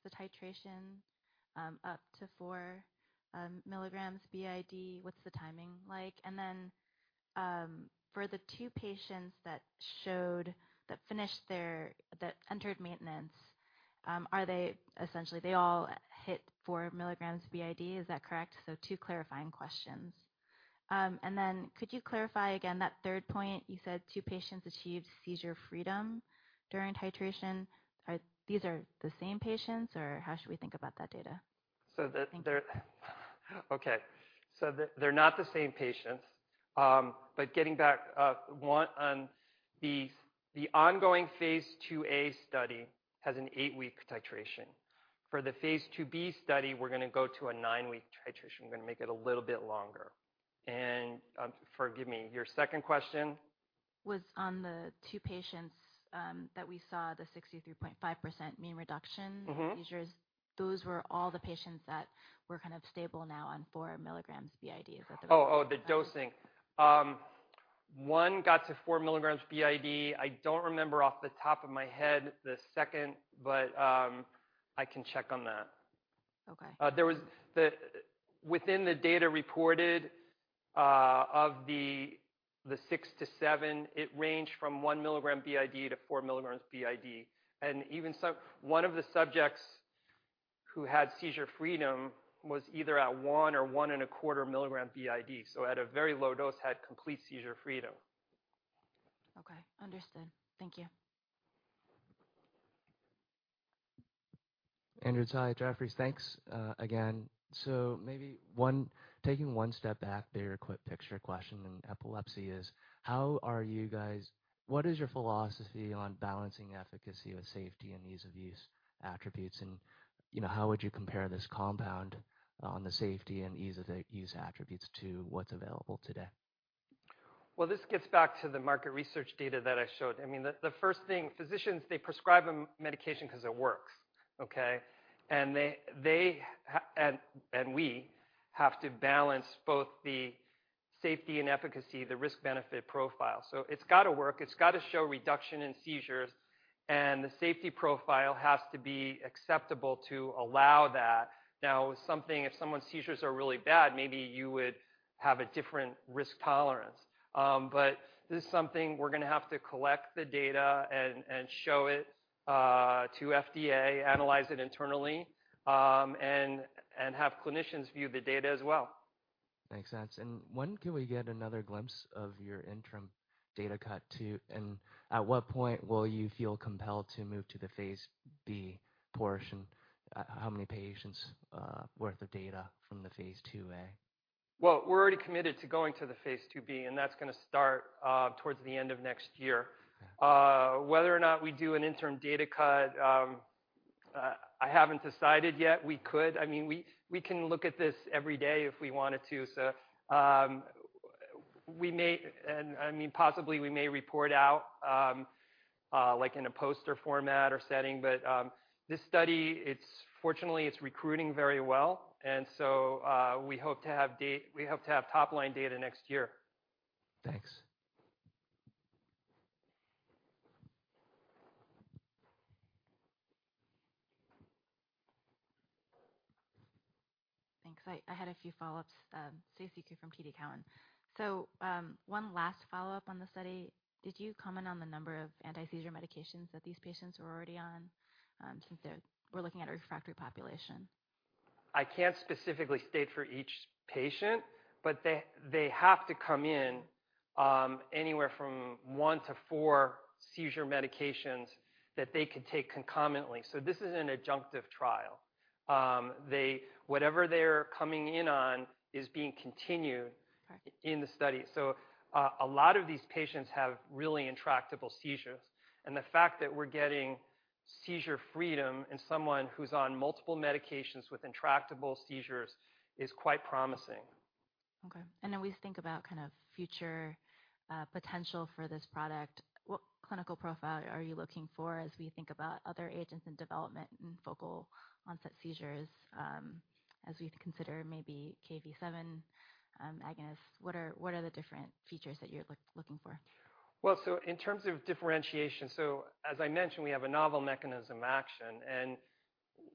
the titration up to 4 mg BID? What's the timing like? And then for the two patients that entered maintenance, are they essentially, they all hit 4 mg BID, is that correct? So two clarifying questions. And then could you clarify again that third point, you said two patients achieved seizure freedom during titration. Are these the same patients, or how should we think about that data? So the- Thank you. Okay, so they're not the same patients. But getting back, one on the ongoing phase II-A study has an eight-week titration. For the phase II-B study, we're gonna go to a 9-week titration. We're gonna make it a little bit longer. And, forgive me, your second question? Was on the two patients, that we saw the 63.5% mean reduction- Mm-hmm. -seizures. Those were all the patients that were kind of stable now on 4 mg BID. Is that the right? Oh, oh, the dosing. 1-4 mg BID. I don't remember off the top of my head the second, but I can check on that. Okay. Within the data reported, of the 6-7, it ranged from 1 mg BID to 4 mg BID, and even so, one of the subjects who had seizure freedom was either at 1 or 1.25 mg BID, so at a very low dose, had complete seizure freedom. Okay, understood. Thank you. Andrew Tsai at Jefferies. Thanks, again. So maybe one, taking one step back, bigger picture question in epilepsy is: How are you guys... What is your philosophy on balancing efficacy with safety and ease of use attributes? And, you know, how would you compare this compound on the safety and ease of the use attributes to what's available today? Well, this gets back to the market research data that I showed. I mean, the first thing, physicians, they prescribe a medication 'cause it works, okay? And we have to balance both the safety and efficacy, the risk-benefit profile. So it's gotta work, it's gotta show reduction in seizures, and the safety profile has to be acceptable to allow that. Now, if someone's seizures are really bad, maybe you would have a different risk tolerance. But this is something we're gonna have to collect the data and show it to FDA, analyze it internally, and have clinicians view the data as well. Makes sense. And when can we get another glimpse of your interim data cut to? And at what point will you feel compelled to move to the phase B portion? How many patients worth of data from the phase II-A? Well, we're already committed to going to the phase II-B, and that's gonna start towards the end of next year. Okay. Whether or not we do an interim data cut, I haven't decided yet. We could. I mean, we can look at this every day if we wanted to. So, we may... And, I mean, possibly, we may report out, like in a poster format or setting. But, this study, it's fortunately, it's recruiting very well, and so, we hope to have top-line data next year. Thanks. Thanks. I had a few follow-ups. Stacy Ku from TD Cowen. So, one last follow-up on the study. Did you comment on the number of anti-seizure medications that these patients were already on? Since we're looking at a refractory population. I can't specifically state for each patient, but they have to come in anywhere from 1 to 4 seizure medications that they could take concomitantly. So this is an adjunctive trial. Whatever they're coming in on is being continued- Okay. in the study. So, a lot of these patients have really intractable seizures, and the fact that we're getting seizure freedom in someone who's on multiple medications with intractable seizures is quite promising. Okay. And then we think about kind of future, potential for this product. What clinical profile are you looking for as we think about other agents in development and focal onset seizures, as we consider maybe Kv7, agonists? What are the different features that you're looking for? Well, so in terms of differentiation, so as I mentioned, we have a novel mechanism action, and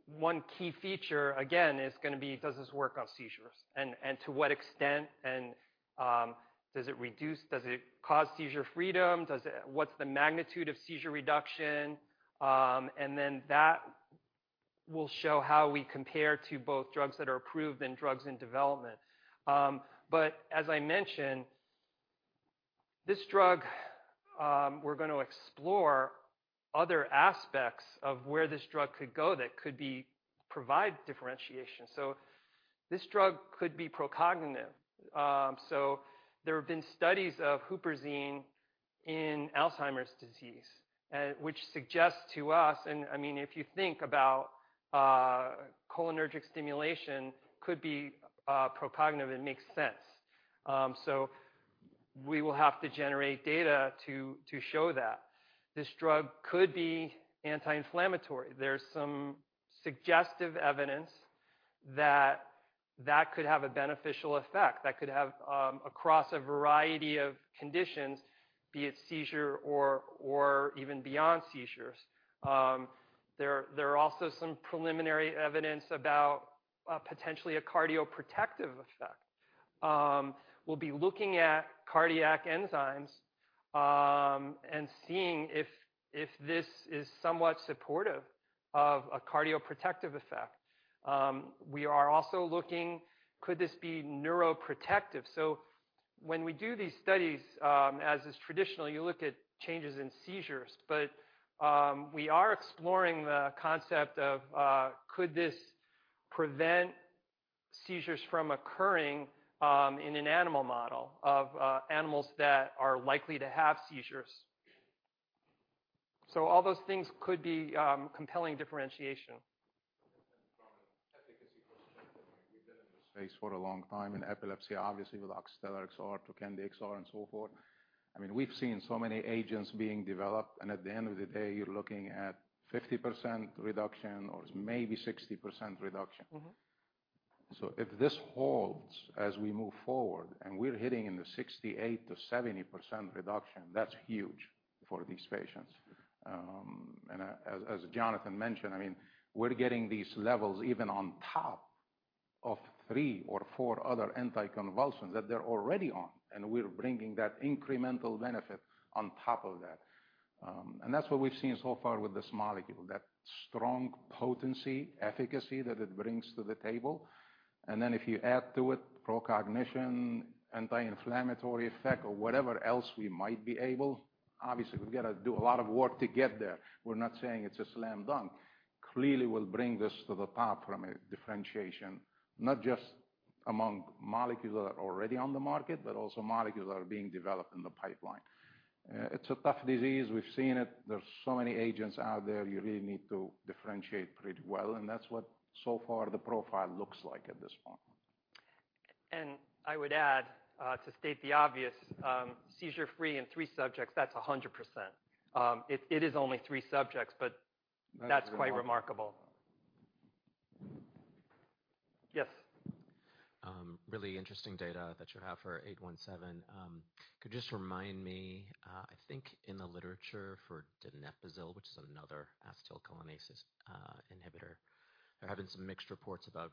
one key feature, again, is gonna be, does this work on seizures? And to what extent, does it cause seizure freedom? Does it... What's the magnitude of seizure reduction? And then that will show how we compare to both drugs that are approved and drugs in development. But as I mentioned, this drug, we're gonna explore other aspects of where this drug could go that could provide differentiation. So this drug could be pro-cognitive. So there have been studies of Huperzine A in Alzheimer's disease, which suggests to us, and I mean, if you think about, cholinergic stimulation could be pro-cognitive, it makes sense. So we will have to generate data to show that. This drug could be anti-inflammatory. There's some suggestive evidence that that could have a beneficial effect, that could have, across a variety of conditions, be it seizure or even beyond seizures. There are also some preliminary evidence about potentially a cardioprotective effect. We'll be looking at cardiac enzymes, and seeing if this is somewhat supportive of a cardioprotective effect. We are also looking, could this be neuroprotective? When we do these studies, as is traditional, you look at changes in seizures, but we are exploring the concept of could this prevent seizures from occurring, in an animal model of animals that are likely to have seizures? All those things could be compelling differentiation. From an efficacy perspective, we've been in this space for a long time, in epilepsy, obviously with Oxtellar XR, Trokendi XR, and so forth. I mean, we've seen so many agents being developed, and at the end of the day, you're looking at 50% reduction or maybe 60% reduction. Mm-hmm. So if this holds as we move forward, and we're hitting in the 68%-70% reduction, that's huge for these patients. As Jonathan mentioned, I mean, we're getting these levels even on top of three or four other anticonvulsants that they're already on, and we're bringing that incremental benefit on top of that. And that's what we've seen so far with this molecule, that strong potency, efficacy that it brings to the table. And then if you add to it procognition, anti-inflammatory effect, or whatever else we might be able, obviously, we've got to do a lot of work to get there. We're not saying it's a slam dunk. Clearly, we'll bring this to the top from a differentiation, not just among molecules that are already on the market, but also molecules that are being developed in the pipeline. It's a tough disease. We've seen it. There's so many agents out there, you really need to differentiate pretty well, and that's what so far the profile looks like at this point. And I would add, to state the obvious, seizure-free in three subjects, that's 100%. It is only three subjects, but- Right. That's quite remarkable. Yes? Really interesting data that you have for 817. Could you just remind me, I think in the literature for donepezil, which is another acetylcholinesterase inhibitor, there have been some mixed reports about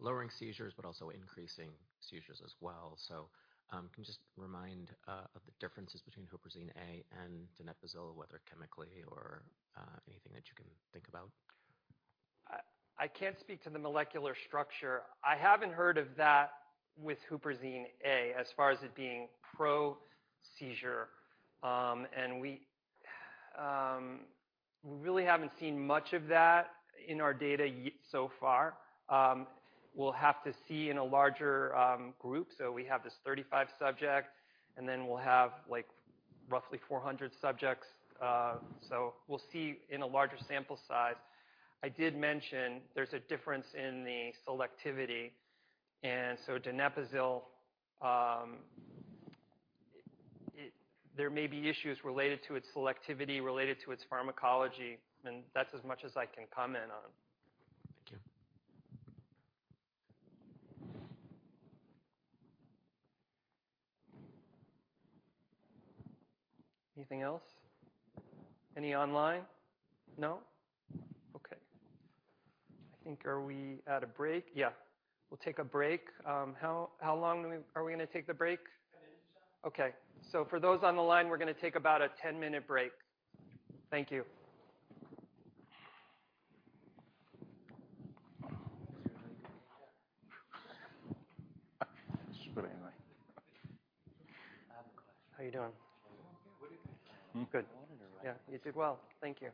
lowering seizures, but also increasing seizures as well. So, can you just remind of the differences between Huperzine A and donepezil, whether chemically or anything that you can think about? I can't speak to the molecular structure. I haven't heard of that with Huperzine A, as far as it being pro-seizure. And we really haven't seen much of that in our data so far. We'll have to see in a larger group. So we have this 35 subject, and then we'll have, like, roughly 400 subjects. So we'll see in a larger sample size. I did mention there's a difference in the selectivity, and so donepezil. There may be issues related to its selectivity, related to its pharmacology, and that's as much as I can comment on. Thank you. Anything else? Any online? No. Okay. I think, are we at a break? Yeah, we'll take a break. How long are we gonna take the break? 10 minutes, John. Okay. So for those on the line, we're gonna take about a 10-minute break. Thank you. How you doing? I'm good. What do you think? I'm good. Yeah. You did well. Thank you.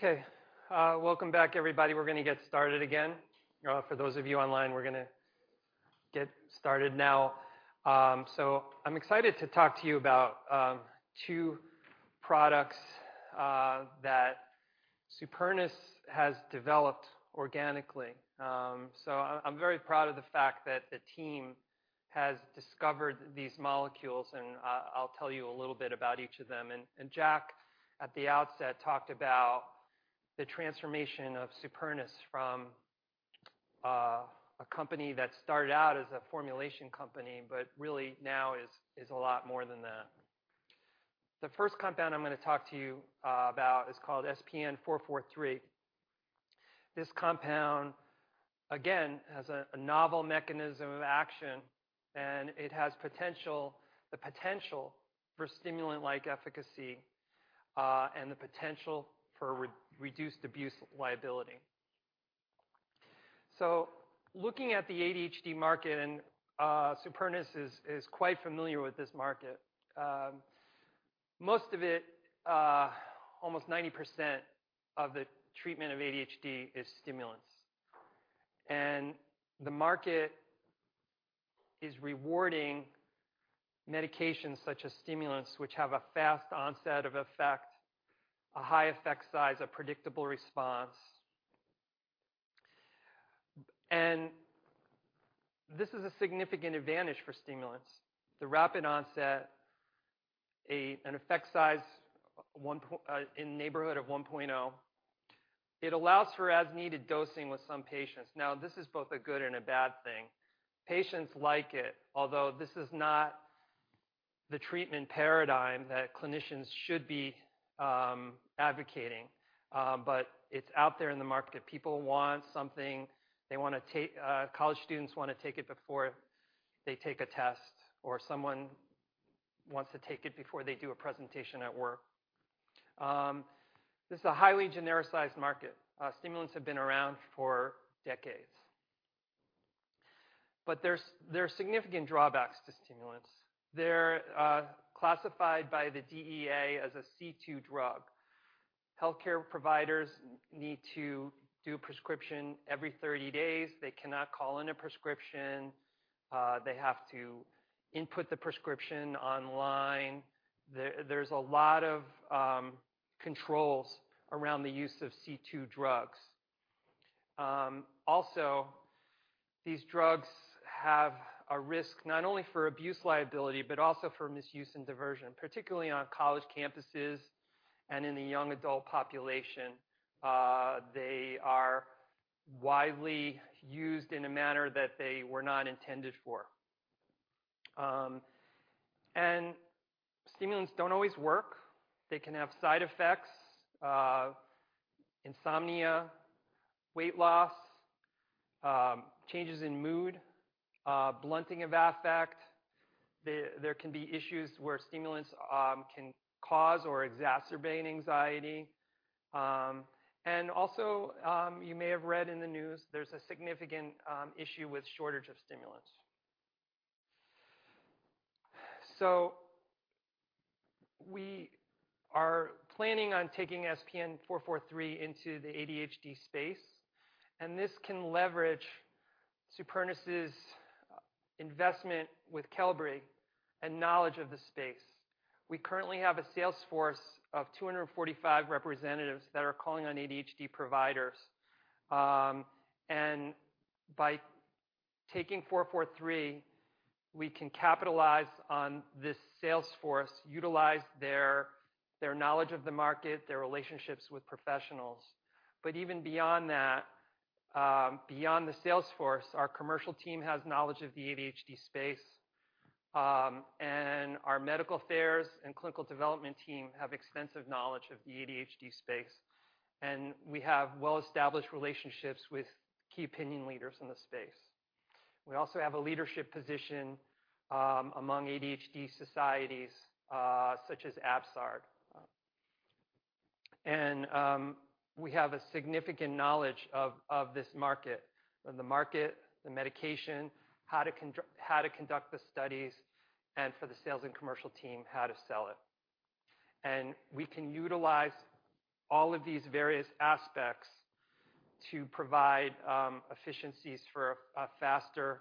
No, I do. Okay, welcome back, everybody. We're gonna get started again. For those of you online, we're gonna get started now. So I'm excited to talk to you about two products that Supernus has developed organically. So I'm very proud of the fact that the team has discovered these molecules, and I'll tell you a little bit about each of them. And Jack, at the outset, talked about the transformation of Supernus from a company that started out as a formulation company, but really now is a lot more than that. The first compound I'm gonna talk to you about is called SPN-443. This compound, again, has a novel mechanism of action, and it has potential... the potential for stimulant-like efficacy, and the potential for reduced abuse liability. So looking at the ADHD market, Supernus is quite familiar with this market. Most of it, almost 90% of the treatment of ADHD is stimulants. The market is rewarding medications such as stimulants, which have a fast onset of effect, a high effect size, a predictable response. This is a significant advantage for stimulants. The rapid onset, an effect size in neighborhood of 1.0, allows for as-needed dosing with some patients. Now, this is both a good and a bad thing. Patients like it, although this is not the treatment paradigm that clinicians should be advocating, but it's out there in the market. People want something, they wanna take, college students wanna take it before they take a test, or someone wants to take it before they do a presentation at work. This is a highly genericized market. Stimulants have been around for decades. But there are significant drawbacks to stimulants. They're classified by the DEA as a C-II drug. Healthcare providers need to do a prescription every 30 days. They cannot call in a prescription. They have to input the prescription online. There's a lot of controls around the use of C-II drugs. Also, these drugs have a risk, not only for abuse liability but also for misuse and diversion, particularly on college campuses and in the young adult population. They are widely used in a manner that they were not intended for. And stimulants don't always work. They can have side effects, insomnia, weight loss, changes in mood, blunting of affect. There can be issues where stimulants can cause or exacerbate anxiety. And also, you may have read in the news, there's a significant issue with shortage of stimulants. So we are planning on taking SPN-443 into the ADHD space, and this can leverage Supernus' investment with Qelbree and knowledge of the space. We currently have a sales force of 245 representatives that are calling on ADHD providers. And by taking SPN-443, we can capitalize on this sales force, utilize their knowledge of the market, their relationships with professionals. But even beyond that, beyond the sales force, our commercial team has knowledge of the ADHD space. And our medical affairs and clinical development team have extensive knowledge of the ADHD space, and we have well-established relationships with key opinion leaders in the space. We also have a leadership position among ADHD societies, such as APSARD. We have a significant knowledge of, of this market. Of the market, the medication, how to conduct the studies, and for the sales and commercial team, how to sell it. We can utilize all of these various aspects to provide efficiencies for a faster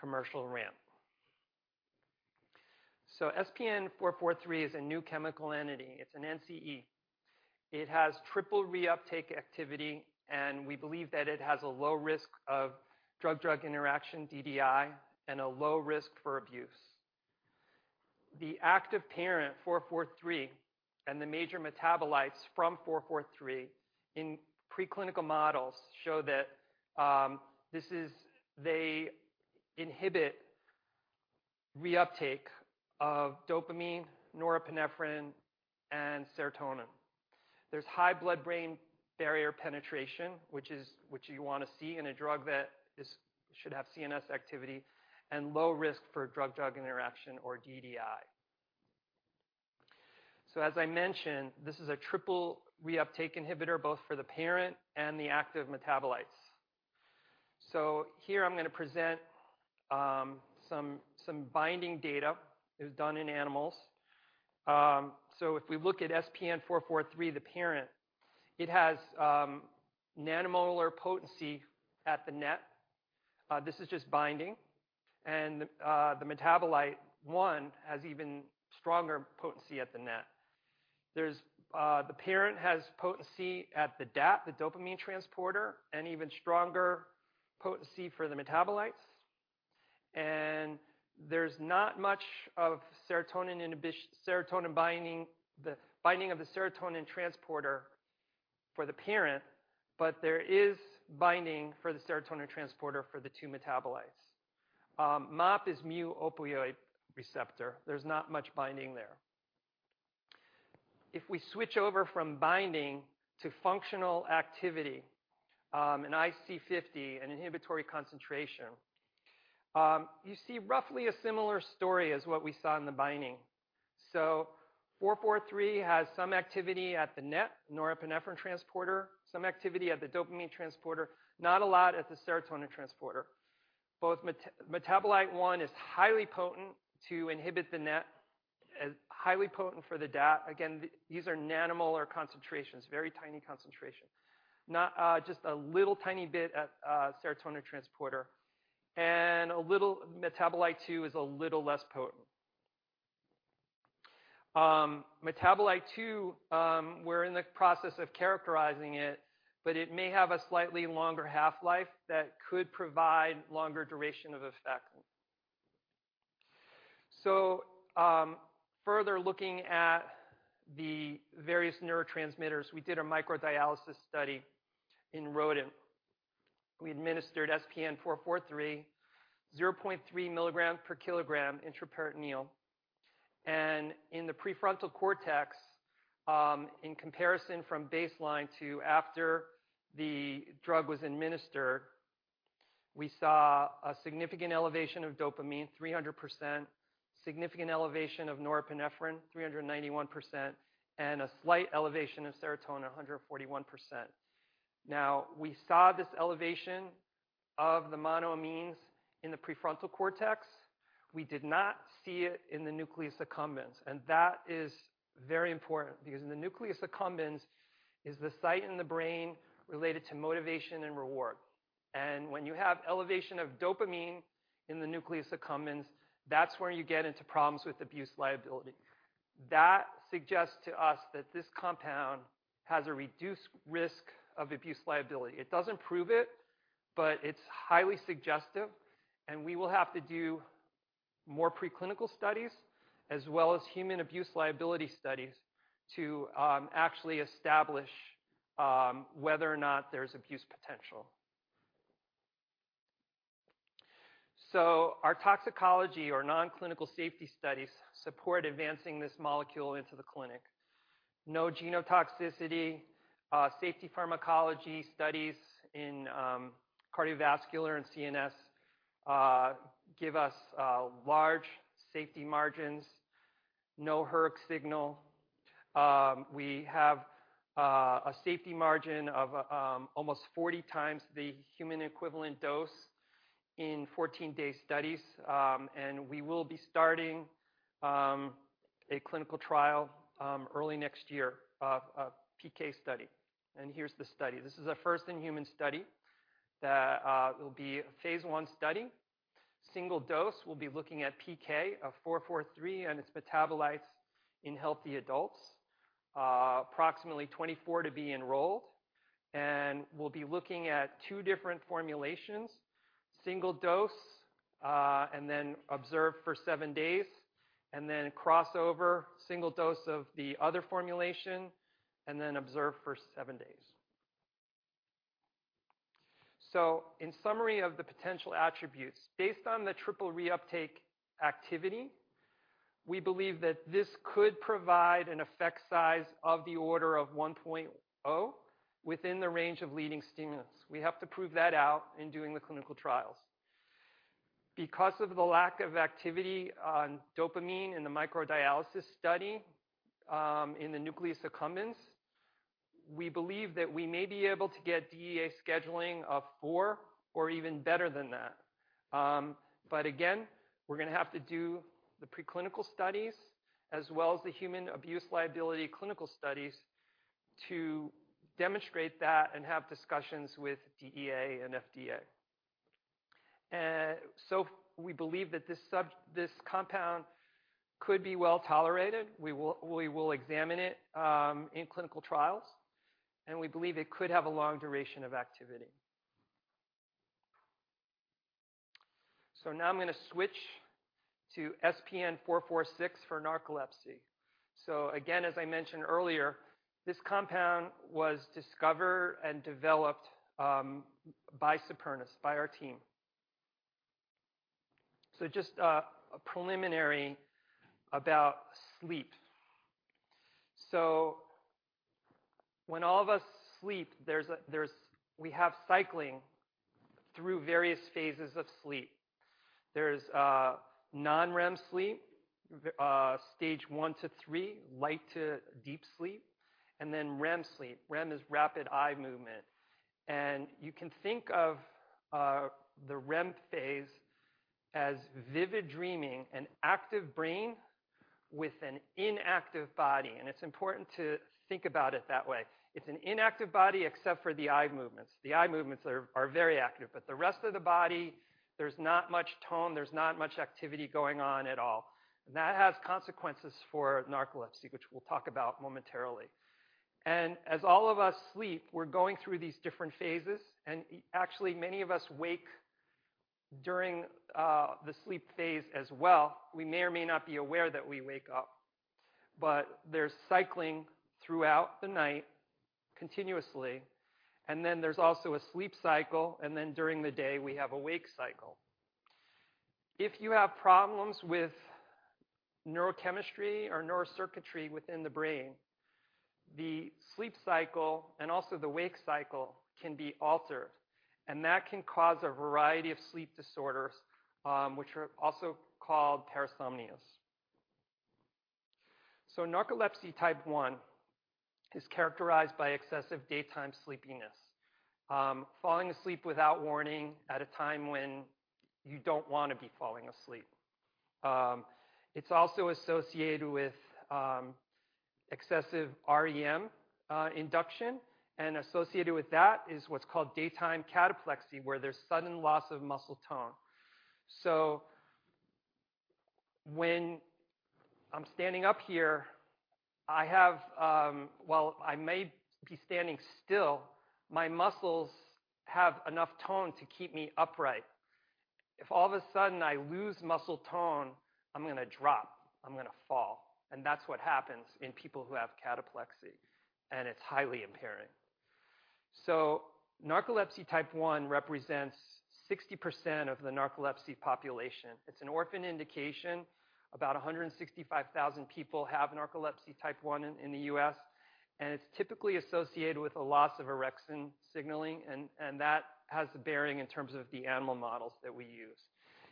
commercial ramp. SPN-443 is a new chemical entity. It's an NCE. It has triple reuptake activity, and we believe that it has a low risk of drug-drug interaction, DDI, and a low risk for abuse. The active parent, 443, and the major metabolites from 443, in preclinical models, show that this is. They inhibit reuptake of dopamine, norepinephrine, and serotonin. There's high blood-brain barrier penetration, which you wanna see in a drug that should have CNS activity and low risk for drug-drug interaction or DDI. So as I mentioned, this is a triple reuptake inhibitor, both for the parent and the active metabolites. So here I'm gonna present some binding data. It was done in animals. So if we look at SPN-443, the parent, it has nanomolar potency at the NET. This is just binding, and the metabolite one has even stronger potency at the NET. There's the parent has potency at the DAT, the dopamine transporter, and even stronger potency for the metabolites. And there's not much of serotonin binding, the binding of the serotonin transporter for the parent, but there is binding for the serotonin transporter for the two metabolites. MOP is mu-opioid receptor. There's not much binding there. If we switch over from binding to functional activity, in IC50, an inhibitory concentration, you see roughly a similar story as what we saw in the binding. So SPN-443 has some activity at the NET, norepinephrine transporter, some activity at the dopamine transporter, not a lot at the serotonin transporter. Both metabolite one is highly potent to inhibit the NET and highly potent for the DAT. Again, these are nanomolar concentrations, very tiny concentration. Not just a little tiny bit at serotonin transporter, and a little, metabolite two is a little less potent. Metabolite two, we're in the process of characterizing it, but it may have a slightly longer half-life that could provide longer duration of effect. So, further looking at the various neurotransmitters, we did a microdialysis study in rodent. We administered SPN-443, 0.3 mg per kg intraperitoneal, and in the prefrontal cortex, in comparison from baseline to after the drug was administered, we saw a significant elevation of dopamine, 300%; a significant elevation of norepinephrine, 391%; and a slight elevation of serotonin, 141%. Now, we saw this elevation of the monoamines in the prefrontal cortex. We did not see it in the nucleus accumbens, and that is very important because in the nucleus accumbens is the site in the brain related to motivation and reward. And when you have elevation of dopamine in the nucleus accumbens, that's where you get into problems with abuse liability. That suggests to us that this compound has a reduced risk of abuse liability. It doesn't prove it, but it's highly suggestive, and we will have to do more preclinical studies, as well as human abuse liability studies, to actually establish whether or not there's abuse potential. So our toxicology or non-clinical safety studies support advancing this molecule into the clinic. No genotoxicity, safety pharmacology studies in cardiovascular and CNS give us large safety margins. No hERG signal. We have a safety margin of almost 40 times the human equivalent dose in 14-day studies. And we will be starting a clinical trial early next year, of a PK study. And here's the study. This is a first-in-human study that will be a phase I study. Single dose, we'll be looking at PK of 443 and its metabolites in healthy adults. Approximately 24 to be enrolled, and we'll be looking at two different formulations, single dose, and then observe for seven days, and then crossover, single dose of the other formulation, and then observe for seven days. So in summary of the potential attributes, based on the triple reuptake activity, we believe that this could provide an effect size of the order of 1.0, within the range of leading stimulants. We have to prove that out in doing the clinical trials. Because of the lack of activity on dopamine in the microdialysis study, in the nucleus accumbens, we believe that we may be able to get DEA scheduling of four or even better than that. But again, we're gonna have to do the preclinical studies as well as the human abuse liability clinical studies to demonstrate that and have discussions with DEA and FDA. So we believe that this compound could be well tolerated. We will examine it in clinical trials, and we believe it could have a long duration of activity. So now I'm gonna switch to SPN-446 for narcolepsy. So again, as I mentioned earlier, this compound was discovered and developed by Supernus, by our team. So just a preliminary about sleep. So when all of us sleep, we have cycling through various phases of sleep. There's non-REM sleep, stage one to three, light to deep sleep, and then REM sleep. REM is rapid eye movement. And you can think of the REM phase as vivid dreaming, an active brain with an inactive body, and it's important to think about it that way. It's an inactive body, except for the eye movements. The eye movements are very active, but the rest of the body, there's not much tone, there's not much activity going on at all. That has consequences for narcolepsy, which we'll talk about momentarily. As all of us sleep, we're going through these different phases, and actually, many of us wake during the sleep phase as well. We may or may not be aware that we wake up, but there's cycling throughout the night continuously, and then there's also a sleep cycle, and then during the day, we have a wake cycle. If you have problems with neurochemistry or neurocircuitry within the brain, the sleep cycle and also the wake cycle can be altered, and that can cause a variety of sleep disorders, which are also called parasomnias. So narcolepsy Type 1 is characterized by excessive daytime sleepiness, falling asleep without warning at a time when you don't want to be falling asleep. It's also associated with excessive REM induction, and associated with that is what's called daytime cataplexy, where there's sudden loss of muscle tone. So when I'm standing up here, I have... well, I may be standing still, my muscles have enough tone to keep me upright. If all of a sudden I lose muscle tone, I'm gonna drop, I'm gonna fall, and that's what happens in people who have cataplexy, and it's highly impairing. So narcolepsy Type 1 represents 60% of the narcolepsy population. It's an orphan indication. About 165,000 people have narcolepsy Type 1 in the U.S., and it's typically associated with a loss of orexin signaling, and that has a bearing in terms of the animal models that we use.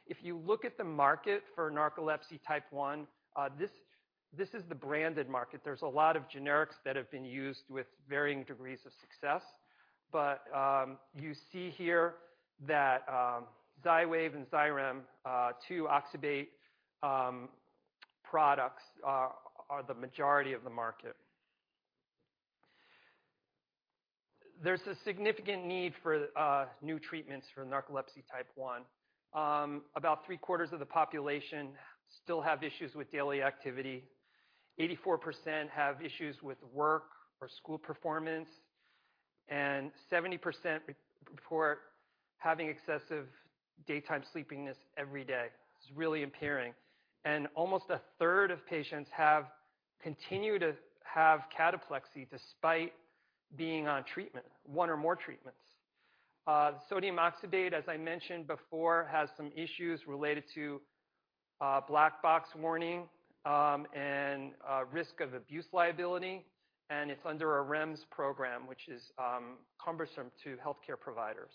If you look at the market for narcolepsy Type 1, this is the branded market. There's a lot of generics that have been used with varying degrees of success. But you see here that XYWAV and XYREM, two oxybate products, are the majority of the market. There's a significant need for new treatments for narcolepsy Type 1. About three-quarters of the population still have issues with daily activity, 84% have issues with work or school performance, and 70% report having excessive daytime sleepiness every day. It's really impairing. Almost a third of patients have continued to have cataplexy despite being on treatment, one or more treatments. Sodium oxybate, as I mentioned before, has some issues related to black box warning, and risk of abuse liability, and it's under a REMS program, which is cumbersome to healthcare providers.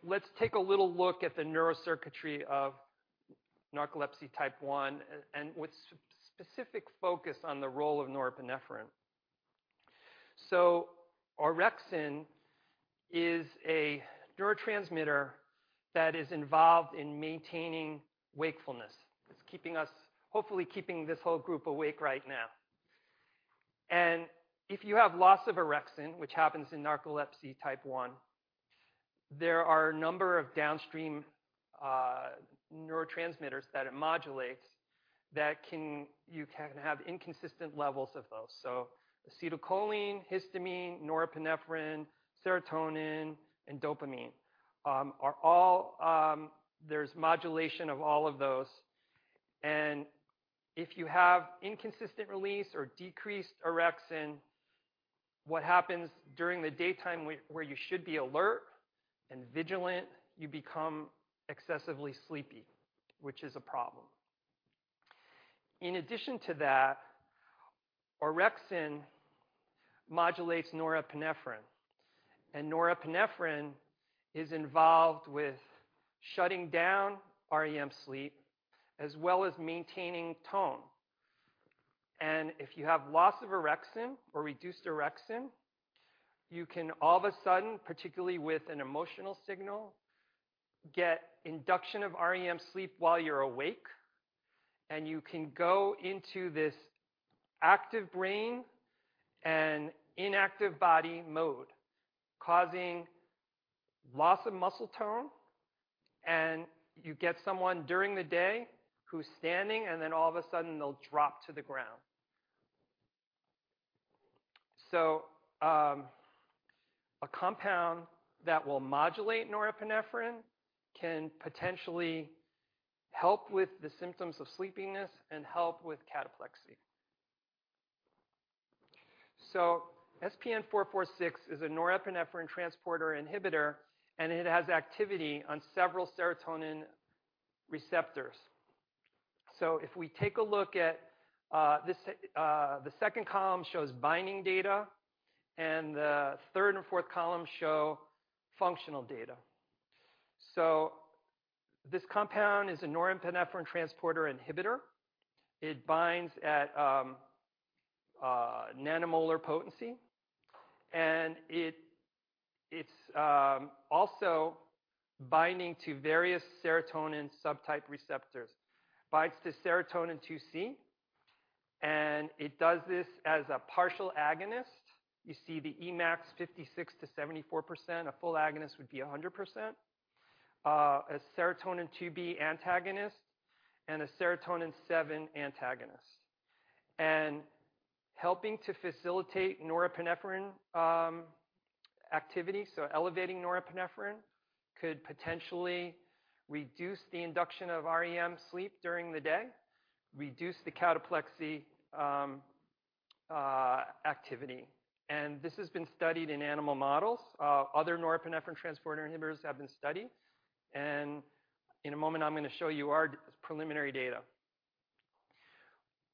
So let's take a little look at the neurocircuitry of narcolepsy Type 1, and with specific focus on the role of norepinephrine. So orexin is a neurotransmitter that is involved in maintaining wakefulness. It's keeping us, hopefully keeping this whole group awake right now. And if you have loss of orexin, which happens in narcolepsy Type 1, there are a number of downstream neurotransmitters that it modulates, that can, you can have inconsistent levels of those. So acetylcholine, histamine, norepinephrine, serotonin, and dopamine are all, there's modulation of all of those. If you have inconsistent release or decreased orexin, what happens during the daytime, where you should be alert and vigilant, you become excessively sleepy, which is a problem. In addition to that, orexin modulates norepinephrine, and norepinephrine is involved with shutting down REM sleep, as well as maintaining tone. If you have loss of orexin or reduced orexin, you can all of a sudden, particularly with an emotional signal, get induction of REM sleep while you're awake, and you can go into this active brain and inactive body mode, causing loss of muscle tone, and you get someone during the day who's standing, and then all of a sudden they'll drop to the ground. A compound that will modulate norepinephrine can potentially help with the symptoms of sleepiness and help with cataplexy. So SPN-446 is a norepinephrine transporter inhibitor, and it has activity on several serotonin receptors. So if we take a look at this, the second column shows binding data, and the third and fourth column show functional data. So this compound is a norepinephrine transporter inhibitor. It binds at nanomolar potency, and it's also binding to various serotonin subtype receptors. Binds to serotonin 2C, and it does this as a partial agonist. You see the Emax 56%-74%, a full agonist would be 100%. A serotonin 2B antagonist and a serotonin 7 antagonist. And helping to facilitate norepinephrine activity, so elevating norepinephrine, could potentially reduce the induction of REM sleep during the day, reduce the cataplexy activity. And this has been studied in animal models. Other norepinephrine transporter inhibitors have been studied, and in a moment I'm gonna show you our preliminary data.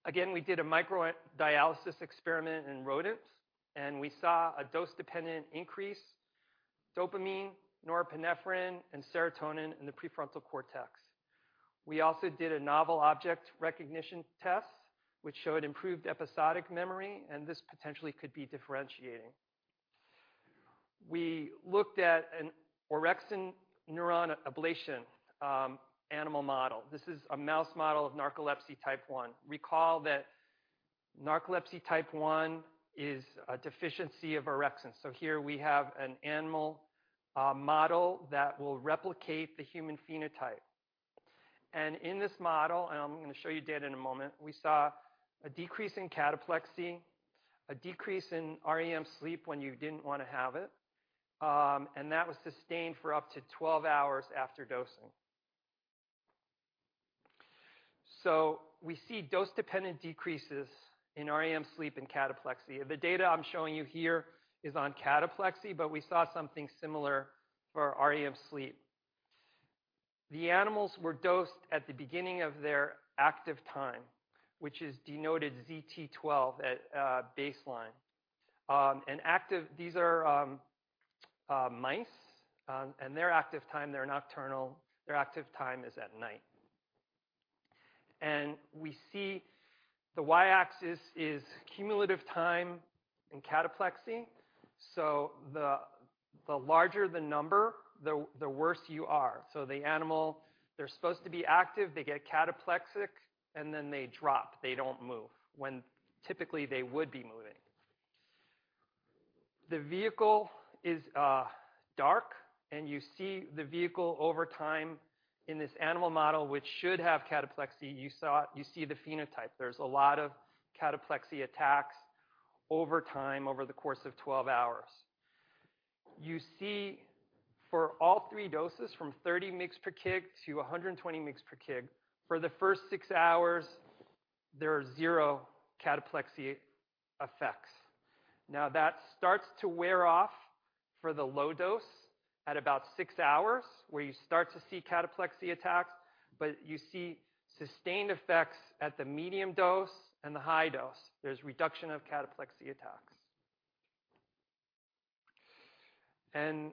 Again, we did a microdialysis experiment in rodents, and we saw a dose-dependent increase, dopamine, norepinephrine, and serotonin in the prefrontal cortex. We also did a novel object recognition test, which showed improved episodic memory, and this potentially could be differentiating. We looked at an orexin neuron ablation animal model. This is a mouse model of narcolepsy Type 1. Recall that narcolepsy Type 1 is a deficiency of orexin. So here we have an animal model that will replicate the human phenotype. And in this model, and I'm gonna show you data in a moment, we saw a decrease in Cataplexy, a decrease in REM sleep when you didn't want to have it, and that was sustained for up to 12 hours after dosing. So we see dose-dependent decreases in REM sleep and cataplexy. The data I'm showing you here is on cataplexy, but we saw something similar for REM sleep. The animals were dosed at the beginning of their active time, which is denoted ZT12 at baseline. And these are mice, and their active time, they're nocturnal, their active time is at night. And we see the y-axis is cumulative time in cataplexy, so the larger the number, the worse you are. So the animal, they're supposed to be active, they get cataplexic, and then they drop. They don't move, when typically they would be moving. The vehicle is dark, and you see the vehicle over time in this animal model, which should have cataplexy. You see the phenotype. There's a lot of cataplexy attacks over time, over the course of 12 hours. You see, for all three doses, from 30 mg per kg to 120 mg per kg, for the first 6 hours, there are zero cataplexy effects. Now, that starts to wear off for the low dose at about 6 hours, where you start to see cataplexy attacks... but you see sustained effects at the medium dose and the high dose. There's reduction of cataplexy attacks. And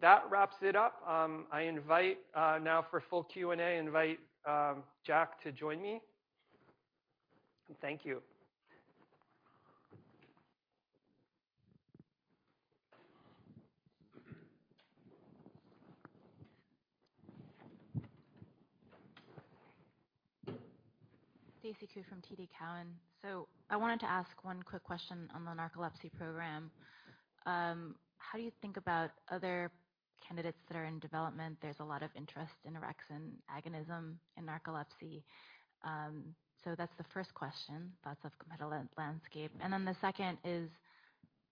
that wraps it up. I invite now for full Q&A, invite Jack to join me. Thank you. Stacy Ku from TD Cowen. So I wanted to ask one quick question on the narcolepsy program. How do you think about other candidates that are in development? There's a lot of interest in orexin agonism in narcolepsy. So that's the first question, lots of competitive landscape. And then the second is,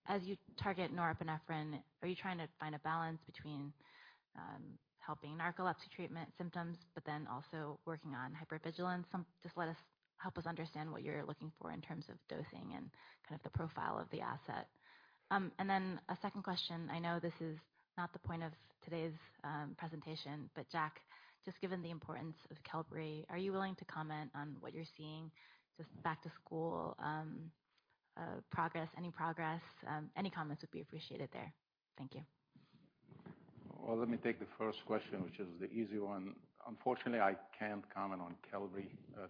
as you target norepinephrine, are you trying to find a balance between helping narcolepsy treatment symptoms, but then also working on hypervigilance? Help us understand what you're looking for in terms of dosing and kind of the profile of the asset. And then a second question, I know this is not the point of today's presentation, but Jack, just given the importance of Qelbree, are you willing to comment on what you're seeing, just back to school, progress, any progress? Any comments would be appreciated there. Thank you. Well, let me take the first question, which is the easy one. Unfortunately, I can't comment on Qelbree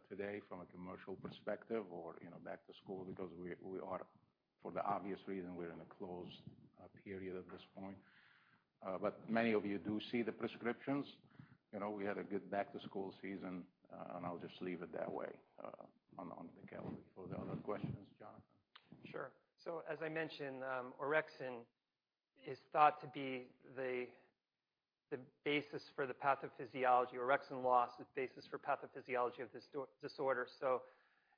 today from a commercial perspective or, you know, back to school, because we, we are, for the obvious reason, we're in a closed period at this point. But many of you do see the prescriptions. You know, we had a good back-to-school season, and I'll just leave it that way, on the Qelbree. For the other questions, Jonathan. Sure. So, as I mentioned, orexin is thought to be the basis for the pathophysiology. Orexin loss is the basis for pathophysiology of this disorder, so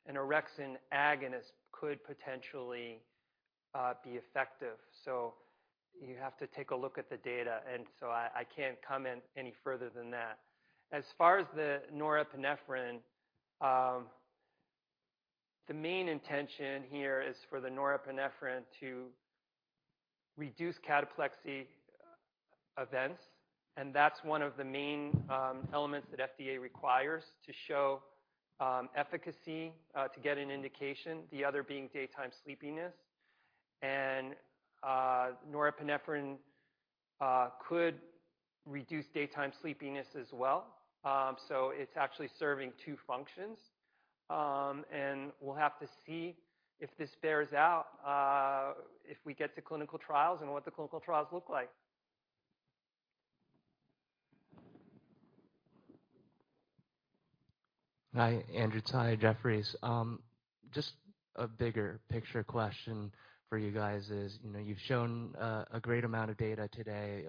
an orexin agonist could potentially be effective. So you have to take a look at the data, and so I can't comment any further than that. As far as the norepinephrine, the main intention here is for the norepinephrine to reduce cataplexy events, and that's one of the main elements that FDA requires to show efficacy to get an indication, the other being daytime sleepiness. And norepinephrine could reduce daytime sleepiness as well. So it's actually serving two functions. And we'll have to see if this bears out if we get to clinical trials and what the clinical trials look like. Hi, Andrew Tsai, Jefferies. Just a bigger picture question for you guys is, you know, you've shown a great amount of data today,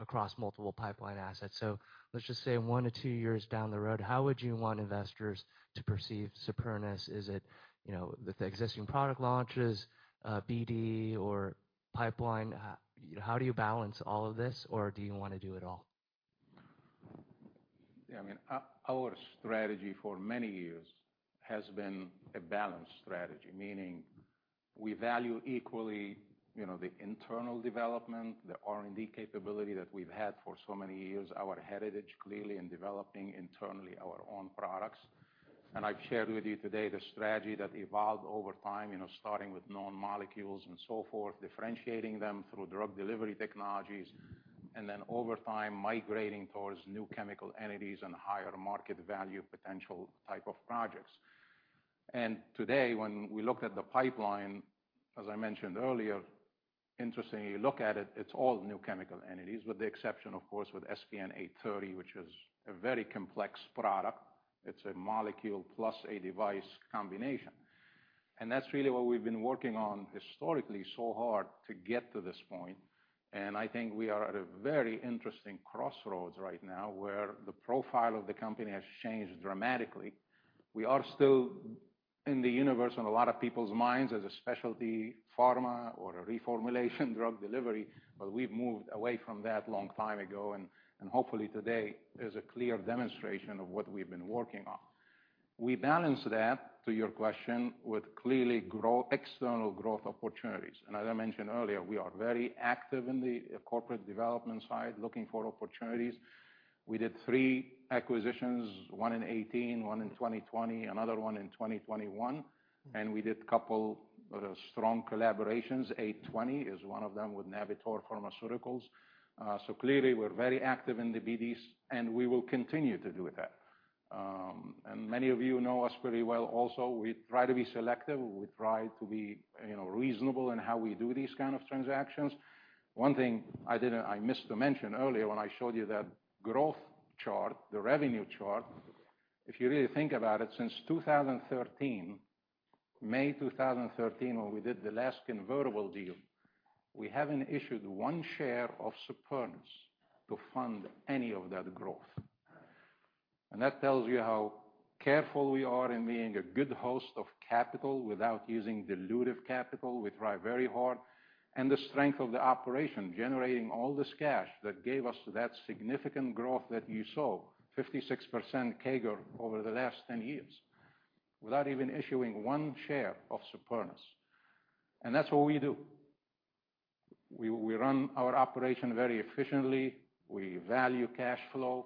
across multiple pipeline assets. So let's just say one to two years down the road, how would you want investors to perceive Supernus? Is it, you know, with the existing product launches, BD or pipeline? How do you balance all of this, or do you want to do it all? Yeah, I mean, our strategy for many years has been a balanced strategy, meaning we value equally, you know, the internal development, the R&D capability that we've had for so many years, our heritage, clearly, in developing internally our own products. I've shared with you today the strategy that evolved over time, you know, starting with known molecules and so forth, differentiating them through drug delivery technologies, and then over time, migrating towards new chemical entities and higher market value potential type of projects. Today, when we looked at the pipeline, as I mentioned earlier, interestingly, you look at it, it's all new chemical entities, with the exception, of course, of SPN-830, which is a very complex product. It's a molecule plus a device combination. That's really what we've been working on historically, so hard to get to this point, and I think we are at a very interesting crossroads right now, where the profile of the company has changed dramatically. We are still in the universe on a lot of people's minds as a specialty pharma or a reformulation drug delivery, but we've moved away from that long time ago, and, and hopefully today is a clear demonstration of what we've been working on. We balance that, to your question, with clearly growing external growth opportunities. And as I mentioned earlier, we are very active in the corporate development side, looking for opportunities. We did three acquisitions, one in 2018, one in 2020, another one in 2021, and we did couple of strong collaborations. 820 is one of them with Navitor Pharmaceuticals. So clearly, we're very active in the BDs, and we will continue to do that. And many of you know us pretty well also. We try to be selective. We try to be, you know, reasonable in how we do these kind of transactions. One thing I missed to mention earlier when I showed you that growth chart, the revenue chart. If you really think about it, since 2013, May 2013, when we did the last convertible deal, we haven't issued one share of Supernus to fund any of that growth. And that tells you how careful we are in being a good host of capital without using dilutive capital. We try very hard, and the strength of the operation, generating all this cash that gave us that significant growth that you saw, 56% CAGR over the last 10 years, without even issuing one share of Supernus. That's what we do. We run our operation very efficiently. We value cash flow,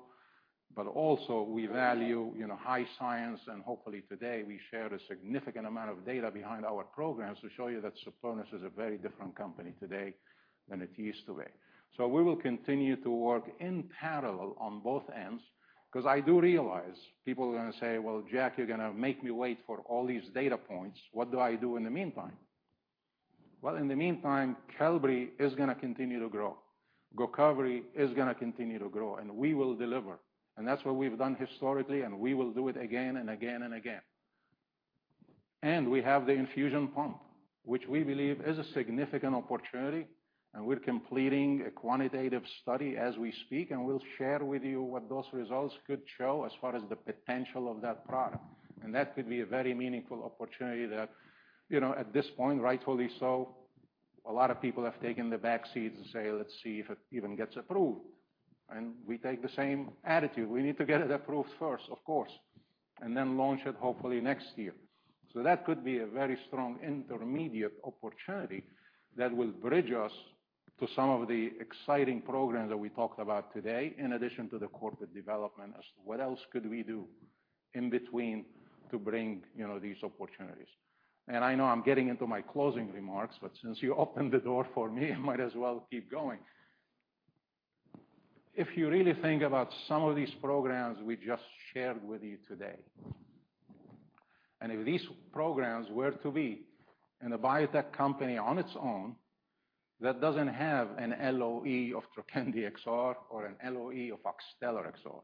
but also we value, you know, high science, and hopefully today we shared a significant amount of data behind our programs to show you that Supernus is a very different company today than it used to be. We will continue to work in parallel on both ends, because I do realize people are going to say, "Well, Jack, you're going to make me wait for all these data points. What do I do in the meantime?" Well, in the meantime, Qelbree is going to continue to grow. GOCOVRI is going to continue to grow, and we will deliver, and that's what we've done historically, and we will do it again and again, and again. We have the infusion pump, which we believe is a significant opportunity, and we're completing a quantitative study as we speak, and we'll share with you what those results could show as far as the potential of that product. That could be a very meaningful opportunity that, you know, at this point, rightfully so, a lot of people have taken the back seat and say, "Let's see if it even gets approved." We take the same attitude. We need to get it approved first, of course, and then launch it hopefully next year. So that could be a very strong intermediate opportunity that will bridge us to some of the exciting programs that we talked about today, in addition to the corporate development, as what else could we do in between to bring, you know, these opportunities? And I know I'm getting into my closing remarks, but since you opened the door for me, I might as well keep going. If you really think about some of these programs we just shared with you today, and if these programs were to be in a biotech company on its own, that doesn't have an LOE of Trokendi XR or an LOE of Oxtellar XR,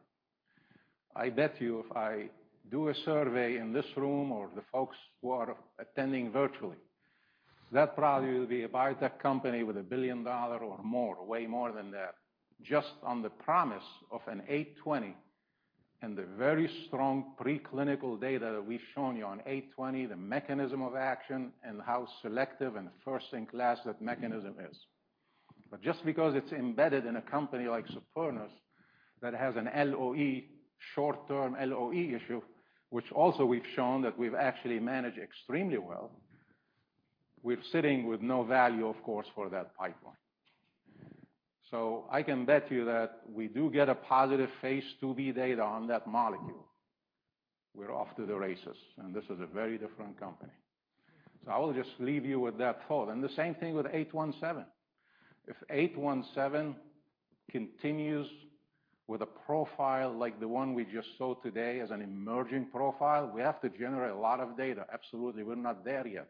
I bet you if I do a survey in this room or the folks who are attending virtually, that probably will be a biotech company with a billion-dollar or more, way more than that, just on the promise of an 820 and the very strong preclinical data that we've shown you on 820, the mechanism of action and how selective and first in class that mechanism is. But just because it's embedded in a company like Supernus that has an LOE, short-term LOE issue, which also we've shown that we've actually managed extremely well, we're sitting with no value, of course, for that pipeline. So I can bet you that we do get a positive phase II-B data on that molecule. We're off to the races, and this is a very different company. So I will just leave you with that thought. And the same thing with 817. If 817 continues with a profile like the one we just saw today as an emerging profile, we have to generate a lot of data. Absolutely, we're not there yet.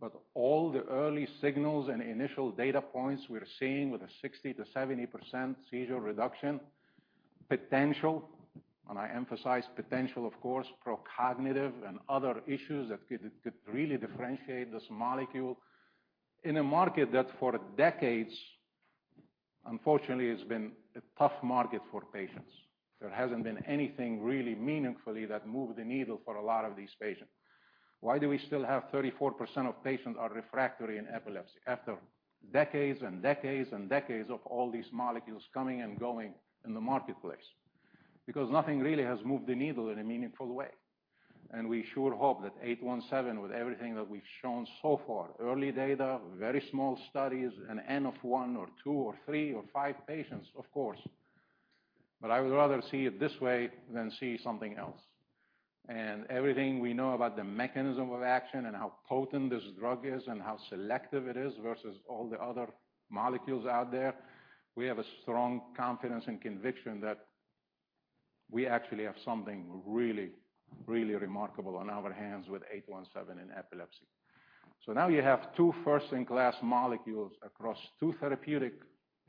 But all the early signals and initial data points we're seeing with a 60%-70% seizure reduction, potential, and I emphasize potential, of course, procognitive and other issues that could, could really differentiate this molecule in a market that for decades, unfortunately, has been a tough market for patients. There hasn't been anything really meaningfully that moved the needle for a lot of these patients. Why do we still have 34% of patients are refractory in epilepsy after decades and decades, and decades of all these molecules coming and going in the marketplace? Because nothing really has moved the needle in a meaningful way. And we sure hope that SPN-817, with everything that we've shown so far, early data, very small studies, an N of one or two, or three, or five patients, of course. But I would rather see it this way than see something else. And everything we know about the mechanism of action and how potent this drug is, and how selective it is versus all the other molecules out there, we have a strong confidence and conviction that we actually have something really, really remarkable on our hands with SPN-817 in epilepsy. So now you have two first-in-class molecules across two therapeutic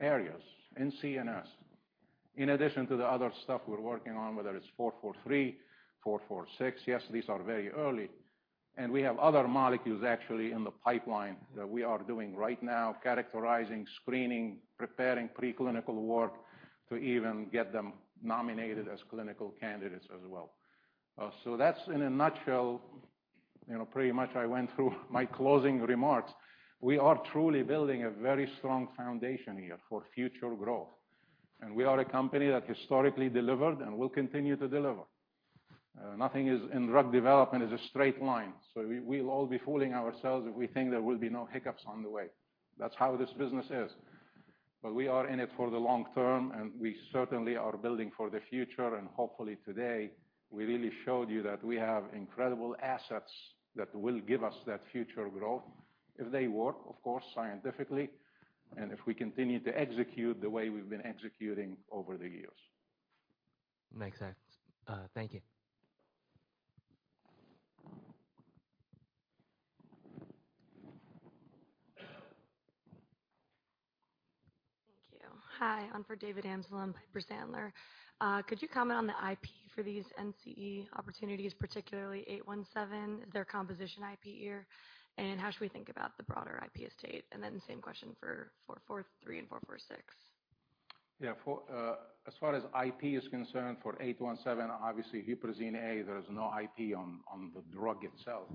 areas in CNS, in addition to the other stuff we're working on, whether it's 443, 446. Yes, these are very early, and we have other molecules actually in the pipeline that we are doing right now, characterizing, screening, preparing preclinical work to even get them nominated as clinical candidates as well. So that's in a nutshell, you know, pretty much I went through my closing remarks. We are truly building a very strong foundation here for future growth, and we are a company that historically delivered and will continue to deliver. Nothing in drug development is a straight line, so we, we'll all be fooling ourselves if we think there will be no hiccups on the way. That's how this business is. We are in it for the long term, and we certainly are building for the future. Hopefully today, we really showed you that we have incredible assets that will give us that future growth if they work, of course, scientifically, and if we continue to execute the way we've been executing over the years. Makes sense. Thank you. Thank you. Hi, I'm David Amsellem from Piper Sandler. Could you comment on the IP for these NCE opportunities, particularly 817, their composition IP year, and how should we think about the broader IP estate? And then the same question for 443 and 446. Yeah, for as far as IP is concerned, for 817, obviously, Huperzine A, there is no IP on, on the drug itself.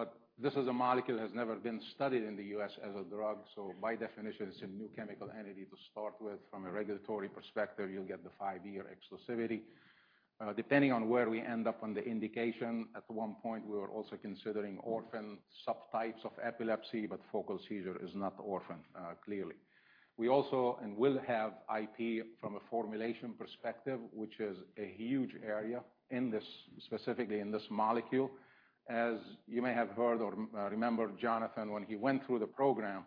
But this is a molecule that has never been studied in the U.S. as a drug, so by definition, it's a new chemical entity to start with. From a regulatory perspective, you'll get the five-year exclusivity, depending on where we end up on the indication. At one point, we were also considering orphan subtypes of epilepsy, but focal seizure is not orphan, clearly. We also, and will have IP from a formulation perspective, which is a huge area in this, specifically in this molecule. As you may have heard or remembered Jonathan, when he went through the program,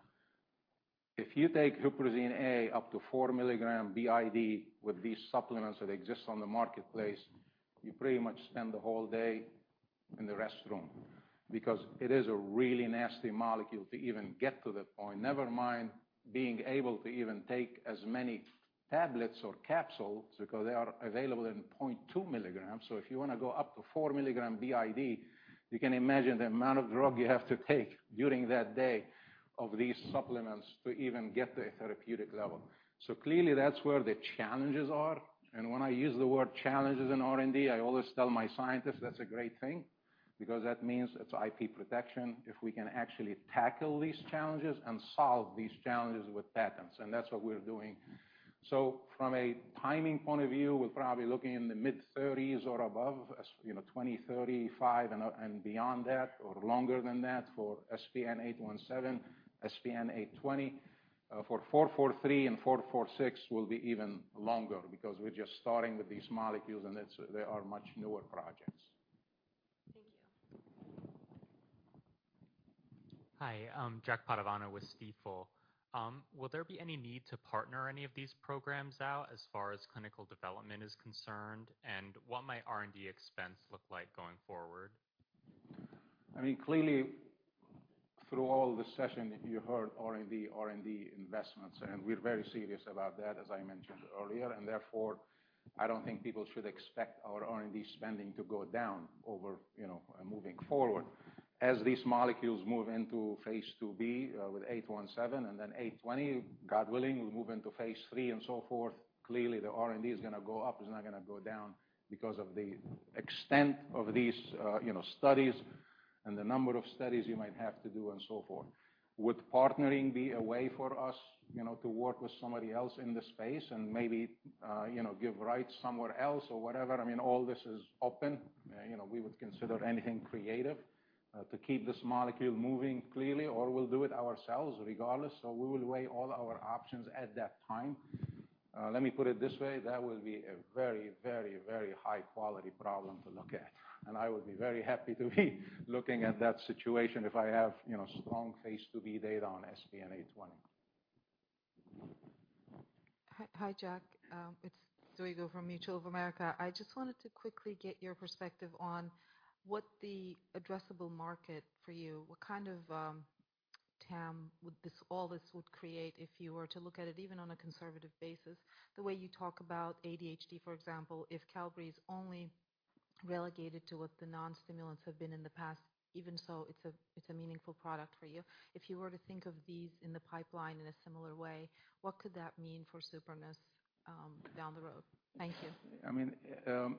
if you take Huperzine A up to 4 mg BID with these supplements that exist on the marketplace, you pretty much spend the whole day in the restroom. Because it is a really nasty molecule to even get to the point, never mind being able to even take as many tablets or capsules, because they are available in 0.2 mg. So if you want to go up to 4 mg BID, you can imagine the amount of drug you have to take during that day of these supplements to even get the therapeutic level. So clearly, that's where the challenges are. When I use the word challenges in R&D, I always tell my scientists that's a great thing, because that means it's IP protection, if we can actually tackle these challenges and solve these challenges with patents, and that's what we're doing. So from a timing point of view, we're probably looking in the mid-30s or above, as, you know, 2035 and beyond that, or longer than that for SPN-817, SPN-820. For SPN-443 and SPN-446 will be even longer because we're just starting with these molecules, and they are much newer projects. Thank you. Hi, Jack Padovano with Stifel. Will there be any need to partner any of these programs out as far as clinical development is concerned? And what might R&D expense look like going forward? I mean, clearly, through all the session, you heard R&D, R&D investments, and we're very serious about that, as I mentioned earlier, and therefore, I don't think people should expect our R&D spending to go down over, you know, moving forward. As these molecules move into phase II-B, with 817 and then 820, God willing, we move into phase III and so forth. Clearly, the R&D is gonna go up, it's not gonna go down because of the extent of these, you know, studies and the number of studies you might have to do and so forth. Would partnering be a way for us, you know, to work with somebody else in this space and maybe, you know, give rights somewhere else or whatever? I mean, all this is open. You know, we would consider anything creative to keep this molecule moving clearly, or we'll do it ourselves regardless. So we will weigh all our options at that time. Let me put it this way, that will be a very, very, very high-quality problem to look at, and I would be very happy to be looking at that situation if I have, you know, strong phase II-B data on SPN-820. Hi, hi, Jack. It's Zuyogo from Mutual of America. I just wanted to quickly get your perspective on what the addressable market for you. What kind of TAM would this all this would create if you were to look at it, even on a conservative basis? The way you talk about ADHD, for example, if Qelbree is only relegated to what the non-stimulants have been in the past, even so, it's a, it's a meaningful product for you. If you were to think of these in the pipeline in a similar way, what could that mean for Supernus down the road? Thank you. I mean,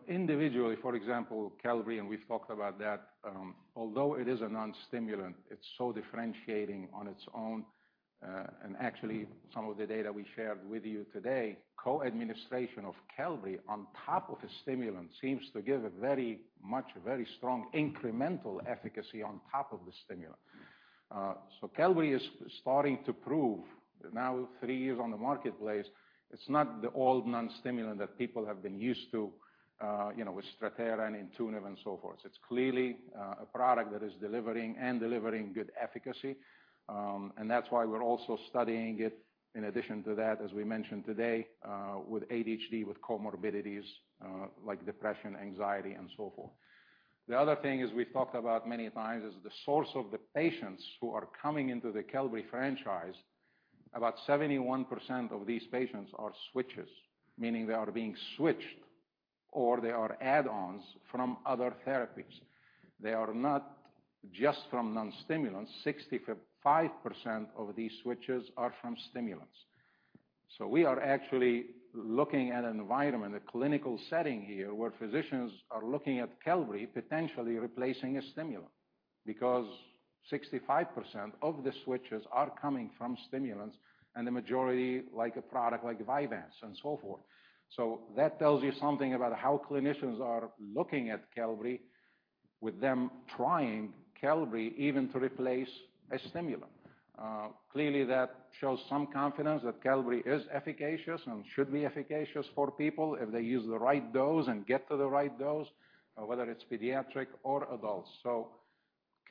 individually, for example, Qelbree, and we've talked about that, although it is a non-stimulant, it's so differentiating on its own. And actually, some of the data we shared with you today, co-administration of Qelbree on top of a stimulant seems to give a very much, very strong incremental efficacy on top of the stimulant. So Qelbree is starting to prove, now three years on the marketplace, it's not the old non-stimulant that people have been used to, you know, with Strattera and Intuniv and so forth. It's clearly a product that is delivering and delivering good efficacy. And that's why we're also studying it in addition to that, as we mentioned today, with ADHD, with comorbidities, like depression, anxiety and so forth. The other thing is, we've talked about many times, is the source of the patients who are coming into the Qelbree franchise. About 71% of these patients are switchers, meaning they are being switched or they are add-ons from other therapies. They are not just from non-stimulants. 65% of these switchers are from stimulants. So we are actually looking at an environment, a clinical setting here, where physicians are looking at Qelbree potentially replacing a stimulant, because 65% of the switchers are coming from stimulants, and the majority like a product like Vyvanse and so forth. So that tells you something about how clinicians are looking at Qelbree, with them trying Qelbree even to replace a stimulant. Clearly, that shows some confidence that Qelbree is efficacious and should be efficacious for people if they use the right dose and get to the right dose, whether it's pediatric or adults.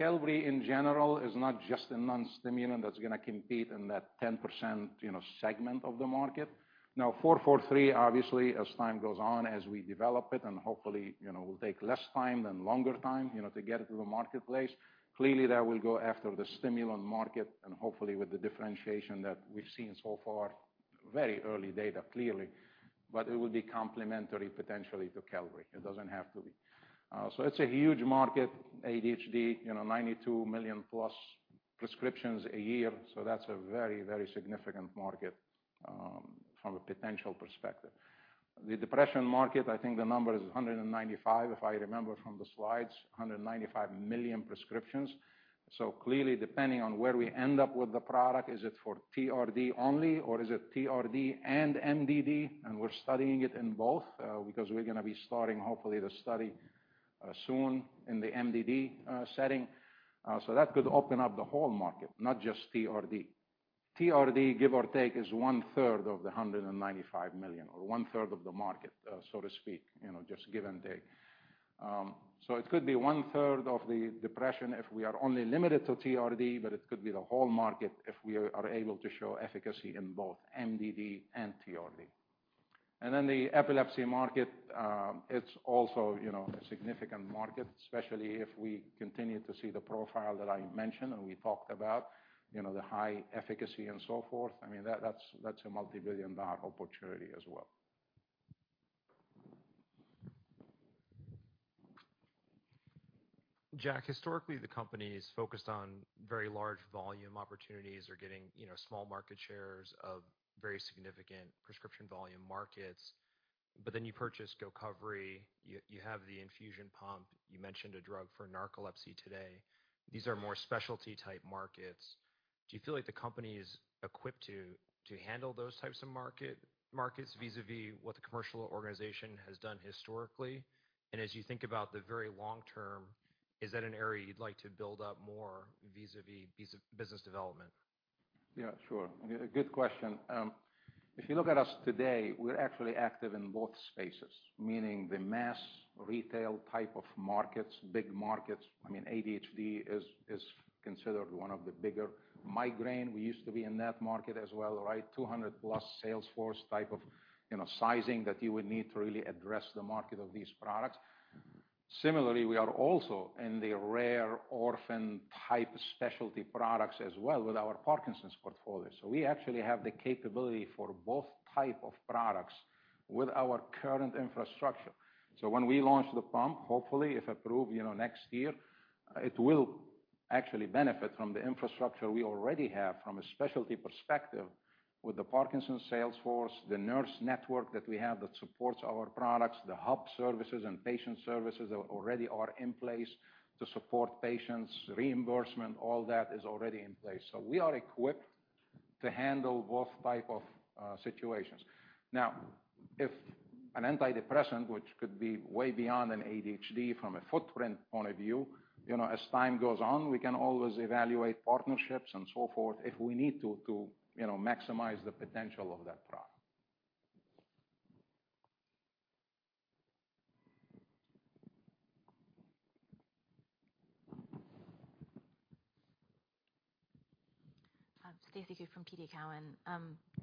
So Qelbree, in general, is not just a non-stimulant that's gonna compete in that 10%, you know, segment of the market. Now, SPN-443, obviously, as time goes on, as we develop it, and hopefully, you know, will take less time than longer time, you know, to get it to the marketplace. Clearly, that will go after the stimulant market and hopefully with the differentiation that we've seen so far, very early data, clearly, but it will be complementary potentially to Qelbree. It doesn't have to be. So it's a huge market, ADHD, you know, 92 million-plus prescriptions a year, so that's a very, very significant market from a potential perspective. The depression market, I think the number is 195, if I remember from the slides, 195 million prescriptions. So clearly, depending on where we end up with the product, is it for TRD only, or is it TRD and MDD? And we're studying it in both, because we're gonna be starting hopefully the study soon in the MDD setting. So that could open up the whole market, not just TRD. TRD, give or take, is 1/3 of the 195 million, or 1/3 of the market, so to speak, you know, just give and take. So it could be one-third of the depression if we are only limited to TRD, but it could be the whole market if we are able to show efficacy in both MDD and TRD. Then the epilepsy market, it's also, you know, a significant market, especially if we continue to see the profile that I mentioned and we talked about, you know, the high efficacy and so forth. I mean, that, that's, that's a multi-billion-dollar opportunity as well. Jack, historically, the company's focused on very large volume opportunities or getting, you know, small market shares of very significant prescription volume markets. But then you purchase GOCOVRI, you have the infusion pump. You mentioned a drug for narcolepsy today. These are more specialty-type markets. Do you feel like the company is equipped to handle those types of markets, vis-à-vis what the commercial organization has done historically? And as you think about the very long term, is that an area you'd like to build up more vis-à-vis business development? Yeah, sure. A good question. If you look at us today, we're actually active in both spaces, meaning the mass retail type of markets, big markets. I mean, ADHD is considered one of the bigger... Migraine, we used to be in that market as well, right? 200+ sales force type of, you know, sizing that you would need to really address the market of these products. Similarly, we are also in the rare orphan-type specialty products as well with our Parkinson's portfolio. So we actually have the capability for both type of products with our current infrastructure. So when we launch the pump, hopefully, if approved, you know, next year, it will actually benefit from the infrastructure we already have from a specialty perspective with the Parkinson's sales force, the nurse network that we have that supports our products, the hub services and patient services that already are in place to support patients. Reimbursement, all that is already in place. So we are equipped to handle both type of situations. Now, if an antidepressant, which could be way beyond an ADHD from a footprint point of view, you know, as time goes on, we can always evaluate partnerships and so forth, if we need to, to, you know, maximize the potential of that product. Stacy Ku from TD Cowen.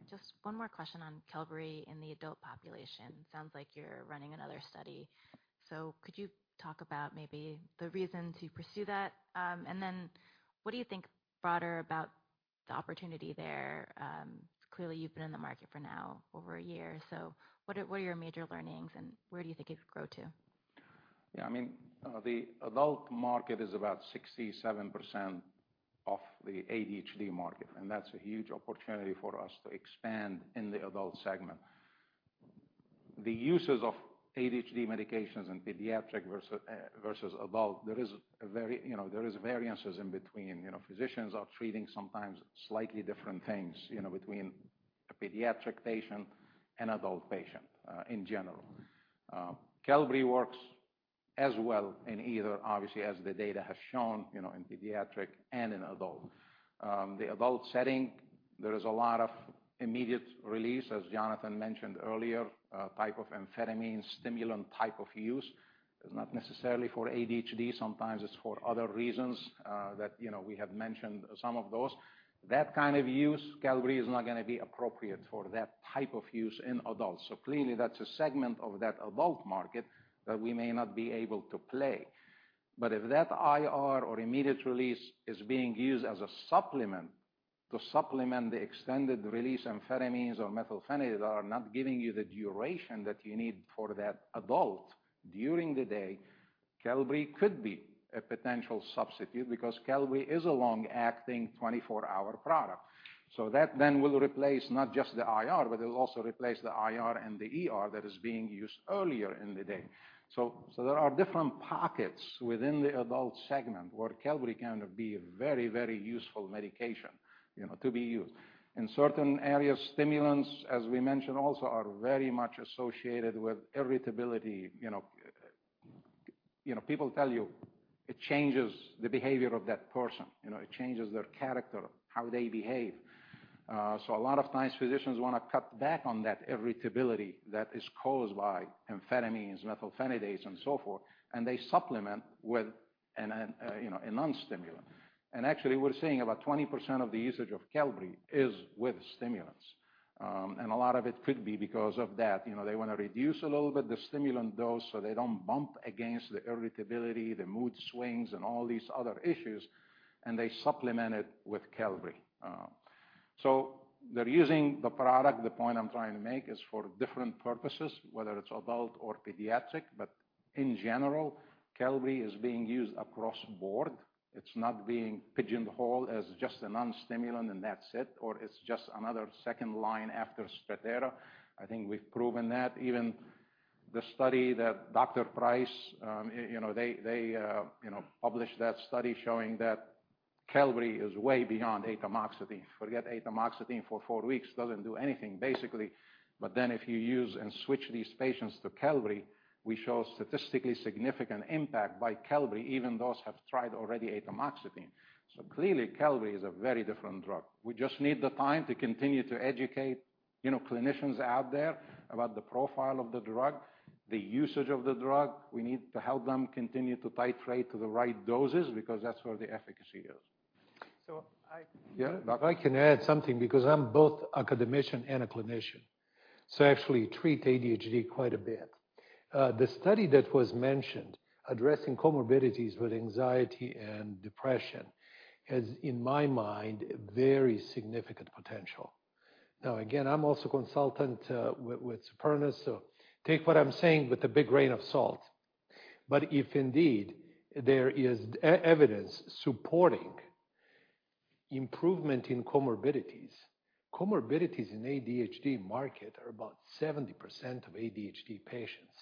Just one more question on Qelbree in the adult population. Sounds like you're running another study. So could you talk about maybe the reason to pursue that? And then what do you think broader about the opportunity there? Clearly, you've been in the market for now over a year, so what are, what are your major learnings, and where do you think it could grow to? Yeah, I mean, the adult market is about 67% of the ADHD market, and that's a huge opportunity for us to expand in the adult segment. The uses of ADHD medications in pediatric versus adult, there is a very, you know, there is variances in between. You know, physicians are treating sometimes slightly different things, you know, between a pediatric patient and adult patient, in general. Qelbree works as well in either, obviously, as the data has shown, you know, in pediatric and in adult. The adult setting, there is a lot of immediate release, as Jonathan mentioned earlier, a type of amphetamine stimulant type of use. It's not necessarily for ADHD. Sometimes it's for other reasons, that, you know, we have mentioned some of those. That kind of use, Qelbree is not gonna be appropriate for that type of use in adults. So clearly, that's a segment of that adult market that we may not be able to play. But if that IR or immediate release is being used as a supplement to supplement the extended-release amphetamines or methylphenidate are not giving you the duration that you need for that adult during the day, Qelbree could be a potential substitute because Qelbree is a long-acting 24-hour product. So that then will replace not just the IR, but it'll also replace the IR and the ER that is being used earlier in the day. So, so there are different pockets within the adult segment, where Qelbree can be a very, very useful medication, you know, to be used. In certain areas, stimulants, as we mentioned, also are very much associated with irritability. You know, you know, people tell you it changes the behavior of that person. You know, it changes their character, how they behave. So a lot of times, physicians wanna cut back on that irritability that is caused by amphetamines, methylphenidates, and so forth, and they supplement with, you know, a non-stimulant. And actually, we're seeing about 20% of the usage of Qelbree is with stimulants, and a lot of it could be because of that. You know, they wanna reduce a little bit the stimulant dose, so they don't bump against the irritability, the mood swings, and all these other issues, and they supplement it with Qelbree. So they're using the product, the point I'm trying to make, is for different purposes, whether it's adult or pediatric, but in general, Qelbree is being used across board. It's not being pigeonholed as just a non-stimulant, and that's it, or it's just another second line after Strattera. I think we've proven that. Even the study that Dr. Price, you know, published that study showing that Qelbree is way beyond atomoxetine. Forget atomoxetine for four weeks, doesn't do anything, basically. But then if you use and switch these patients to Qelbree, we show statistically significant impact by Qelbree, even those have tried already atomoxetine. So clearly, Qelbree is a very different drug. We just need the time to continue to educate, you know, clinicians out there about the profile of the drug, the usage of the drug. We need to help them continue to titrate to the right doses, because that's where the efficacy is. So I- Yeah. If I can add something, because I'm both academician and a clinician, so I actually treat ADHD quite a bit. The study that was mentioned, addressing comorbidities with anxiety and depression, has, in my mind, a very significant potential. Now, again, I'm also a consultant with Supernus, so take what I'm saying with a big grain of salt. But if indeed there is evidence supporting improvement in comorbidities, comorbidities in ADHD market are about 70% of ADHD patients.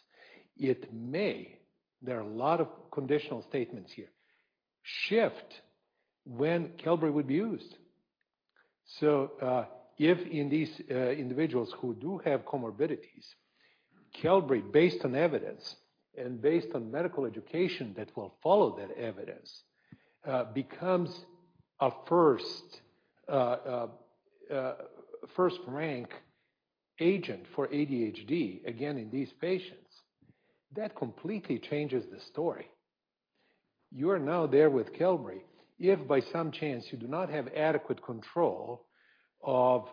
It may, there are a lot of conditional statements here, shift when Qelbree would be used. So, if in these individuals who do have comorbidities, Qelbree, based on evidence and based on medical education that will follow that evidence, becomes a first-rank agent for ADHD, again, in these patients, that completely changes the story. You are now there with Qelbree. If by some chance you do not have adequate control of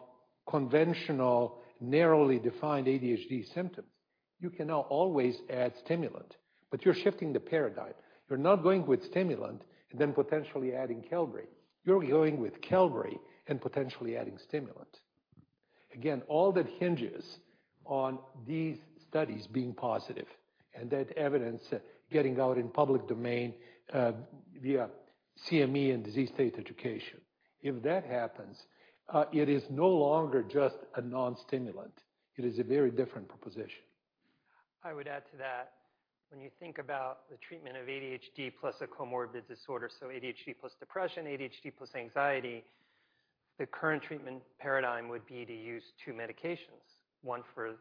conventional, narrowly defined ADHD symptoms, you can now always add stimulant, but you're shifting the paradigm. You're not going with stimulant and then potentially adding Qelbree. You're going with Qelbree and potentially adding stimulant. Again, all that hinges on these studies being positive and that evidence getting out in public domain via CME and disease state education. If that happens, it is no longer just a non-stimulant. It is a very different proposition. I would add to that. When you think about the treatment of ADHD plus a comorbid disorder, so ADHD plus depression, ADHD plus anxiety, the current treatment paradigm would be to use two medications, one for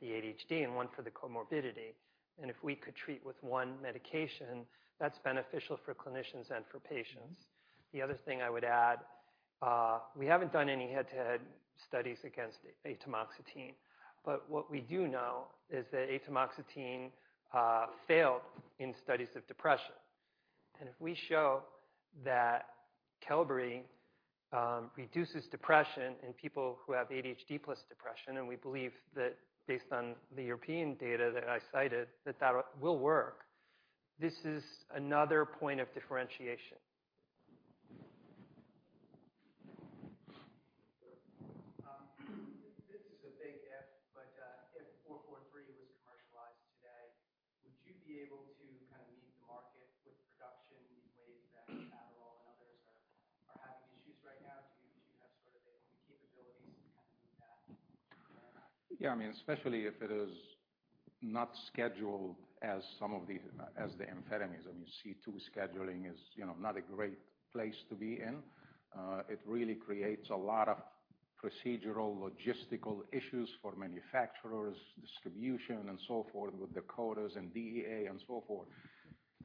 the ADHD and one for the comorbidity, and if we could treat with one medication, that's beneficial for clinicians and for patients. The other thing I would add, we haven't done any head-to-head studies against Atomoxetine, but what we do know is that Atomoxetine failed in studies of depression. And if we show that Qelbree reduces depression in people who have ADHD plus depression, and we believe that based on the European data that I cited, that that will work, this is another point of differentiation. This is a big if, but if 443 was commercialized today, would you be able to kind of meet the market with production in ways that Adderall and others are, are having issues right now? Do you, do you have sort of the capabilities to kind of do that? Yeah, I mean, especially if it is not scheduled as some of the... as the amphetamines. I mean, C-II scheduling is, you know, not a great place to be in. It really creates a lot of procedural, logistical issues for manufacturers, distribution and so forth, with the quotas and DEA and so forth.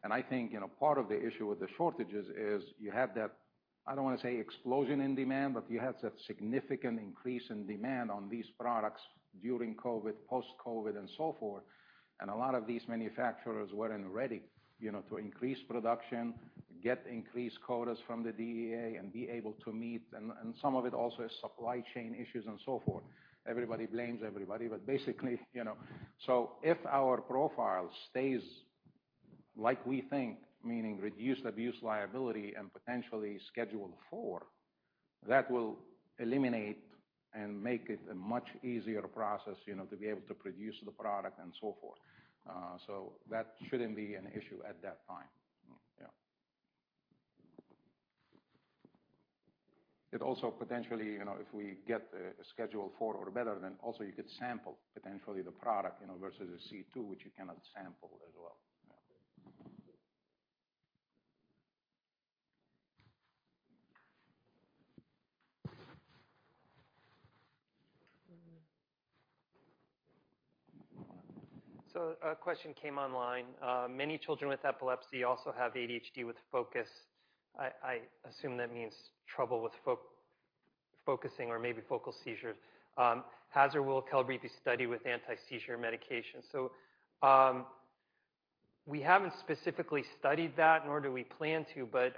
And I think, you know, part of the issue with the shortages is you have that, I don't want to say explosion in demand. But you have that significant increase in demand on these products during COVID, post-COVID, and so forth, and a lot of these manufacturers weren't ready, you know, to increase production, get increased quotas from the DEA, and be able to meet and some of it also is supply chain issues and so forth. Everybody blames everybody, but basically, you know. So if our profile stays like we think, meaning reduced abuse liability and potentially Schedule IV, that will eliminate and make it a much easier process, you know, to be able to produce the product and so forth. So that shouldn't be an issue at that time. Yeah. It also potentially, you know, if we get a Schedule IV or better, then also you could sample potentially the product, you know, versus a C-II, which you cannot sample as well. Yeah. So a question came online. Many children with epilepsy also have ADHD with focus. I assume that means trouble with focusing or maybe focal seizures. Has or will Qelbree be studied with anti-seizure medications? So, we haven't specifically studied that, nor do we plan to, but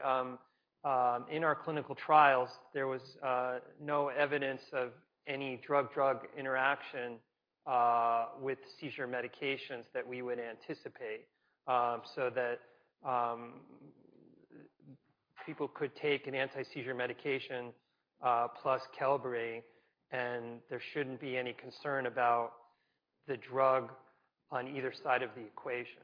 in our clinical trials, there was no evidence of any drug-drug interaction with seizure medications that we would anticipate. So that people could take an anti-seizure medication plus Qelbree, and there shouldn't be any concern about the drug on either side of the equation.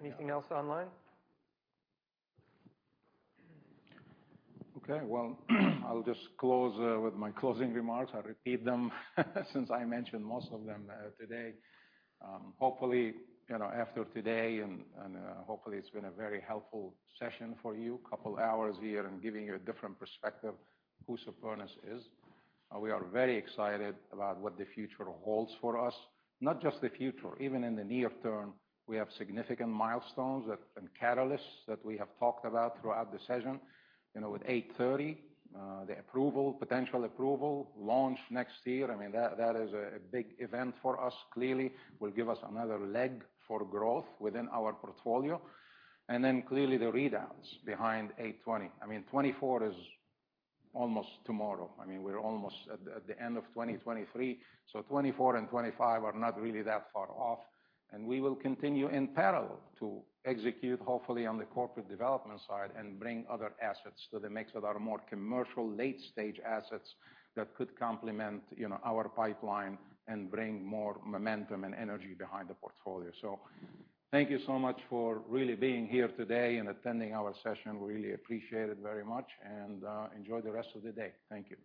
Anything else online? Okay, well, I'll just close with my closing remarks. I'll repeat them since I mentioned most of them today. Hopefully, you know, after today and hopefully, it's been a very helpful session for you, couple hours here and giving you a different perspective who Supernus is. We are very excited about what the future holds for us. Not just the future, even in the near term, we have significant milestones and catalysts that we have talked about throughout the session. You know, with SPN-830, the approval, potential approval, launch next year, I mean, that is a big event for us, clearly will give us another leg for growth within our portfolio. And then clearly, the readouts behind SPN-820. I mean, 2024 is almost tomorrow. I mean, we're almost at the end of 2023, so 2024 and 2025 are not really that far off, and we will continue in parallel to execute hopefully on the corporate development side and bring other assets. So that makes a lot more commercial late-stage assets that could complement, you know, our pipeline and bring more momentum and energy behind the portfolio. So thank you so much for really being here today and attending our session. We really appreciate it very much, and enjoy the rest of the day. Thank you.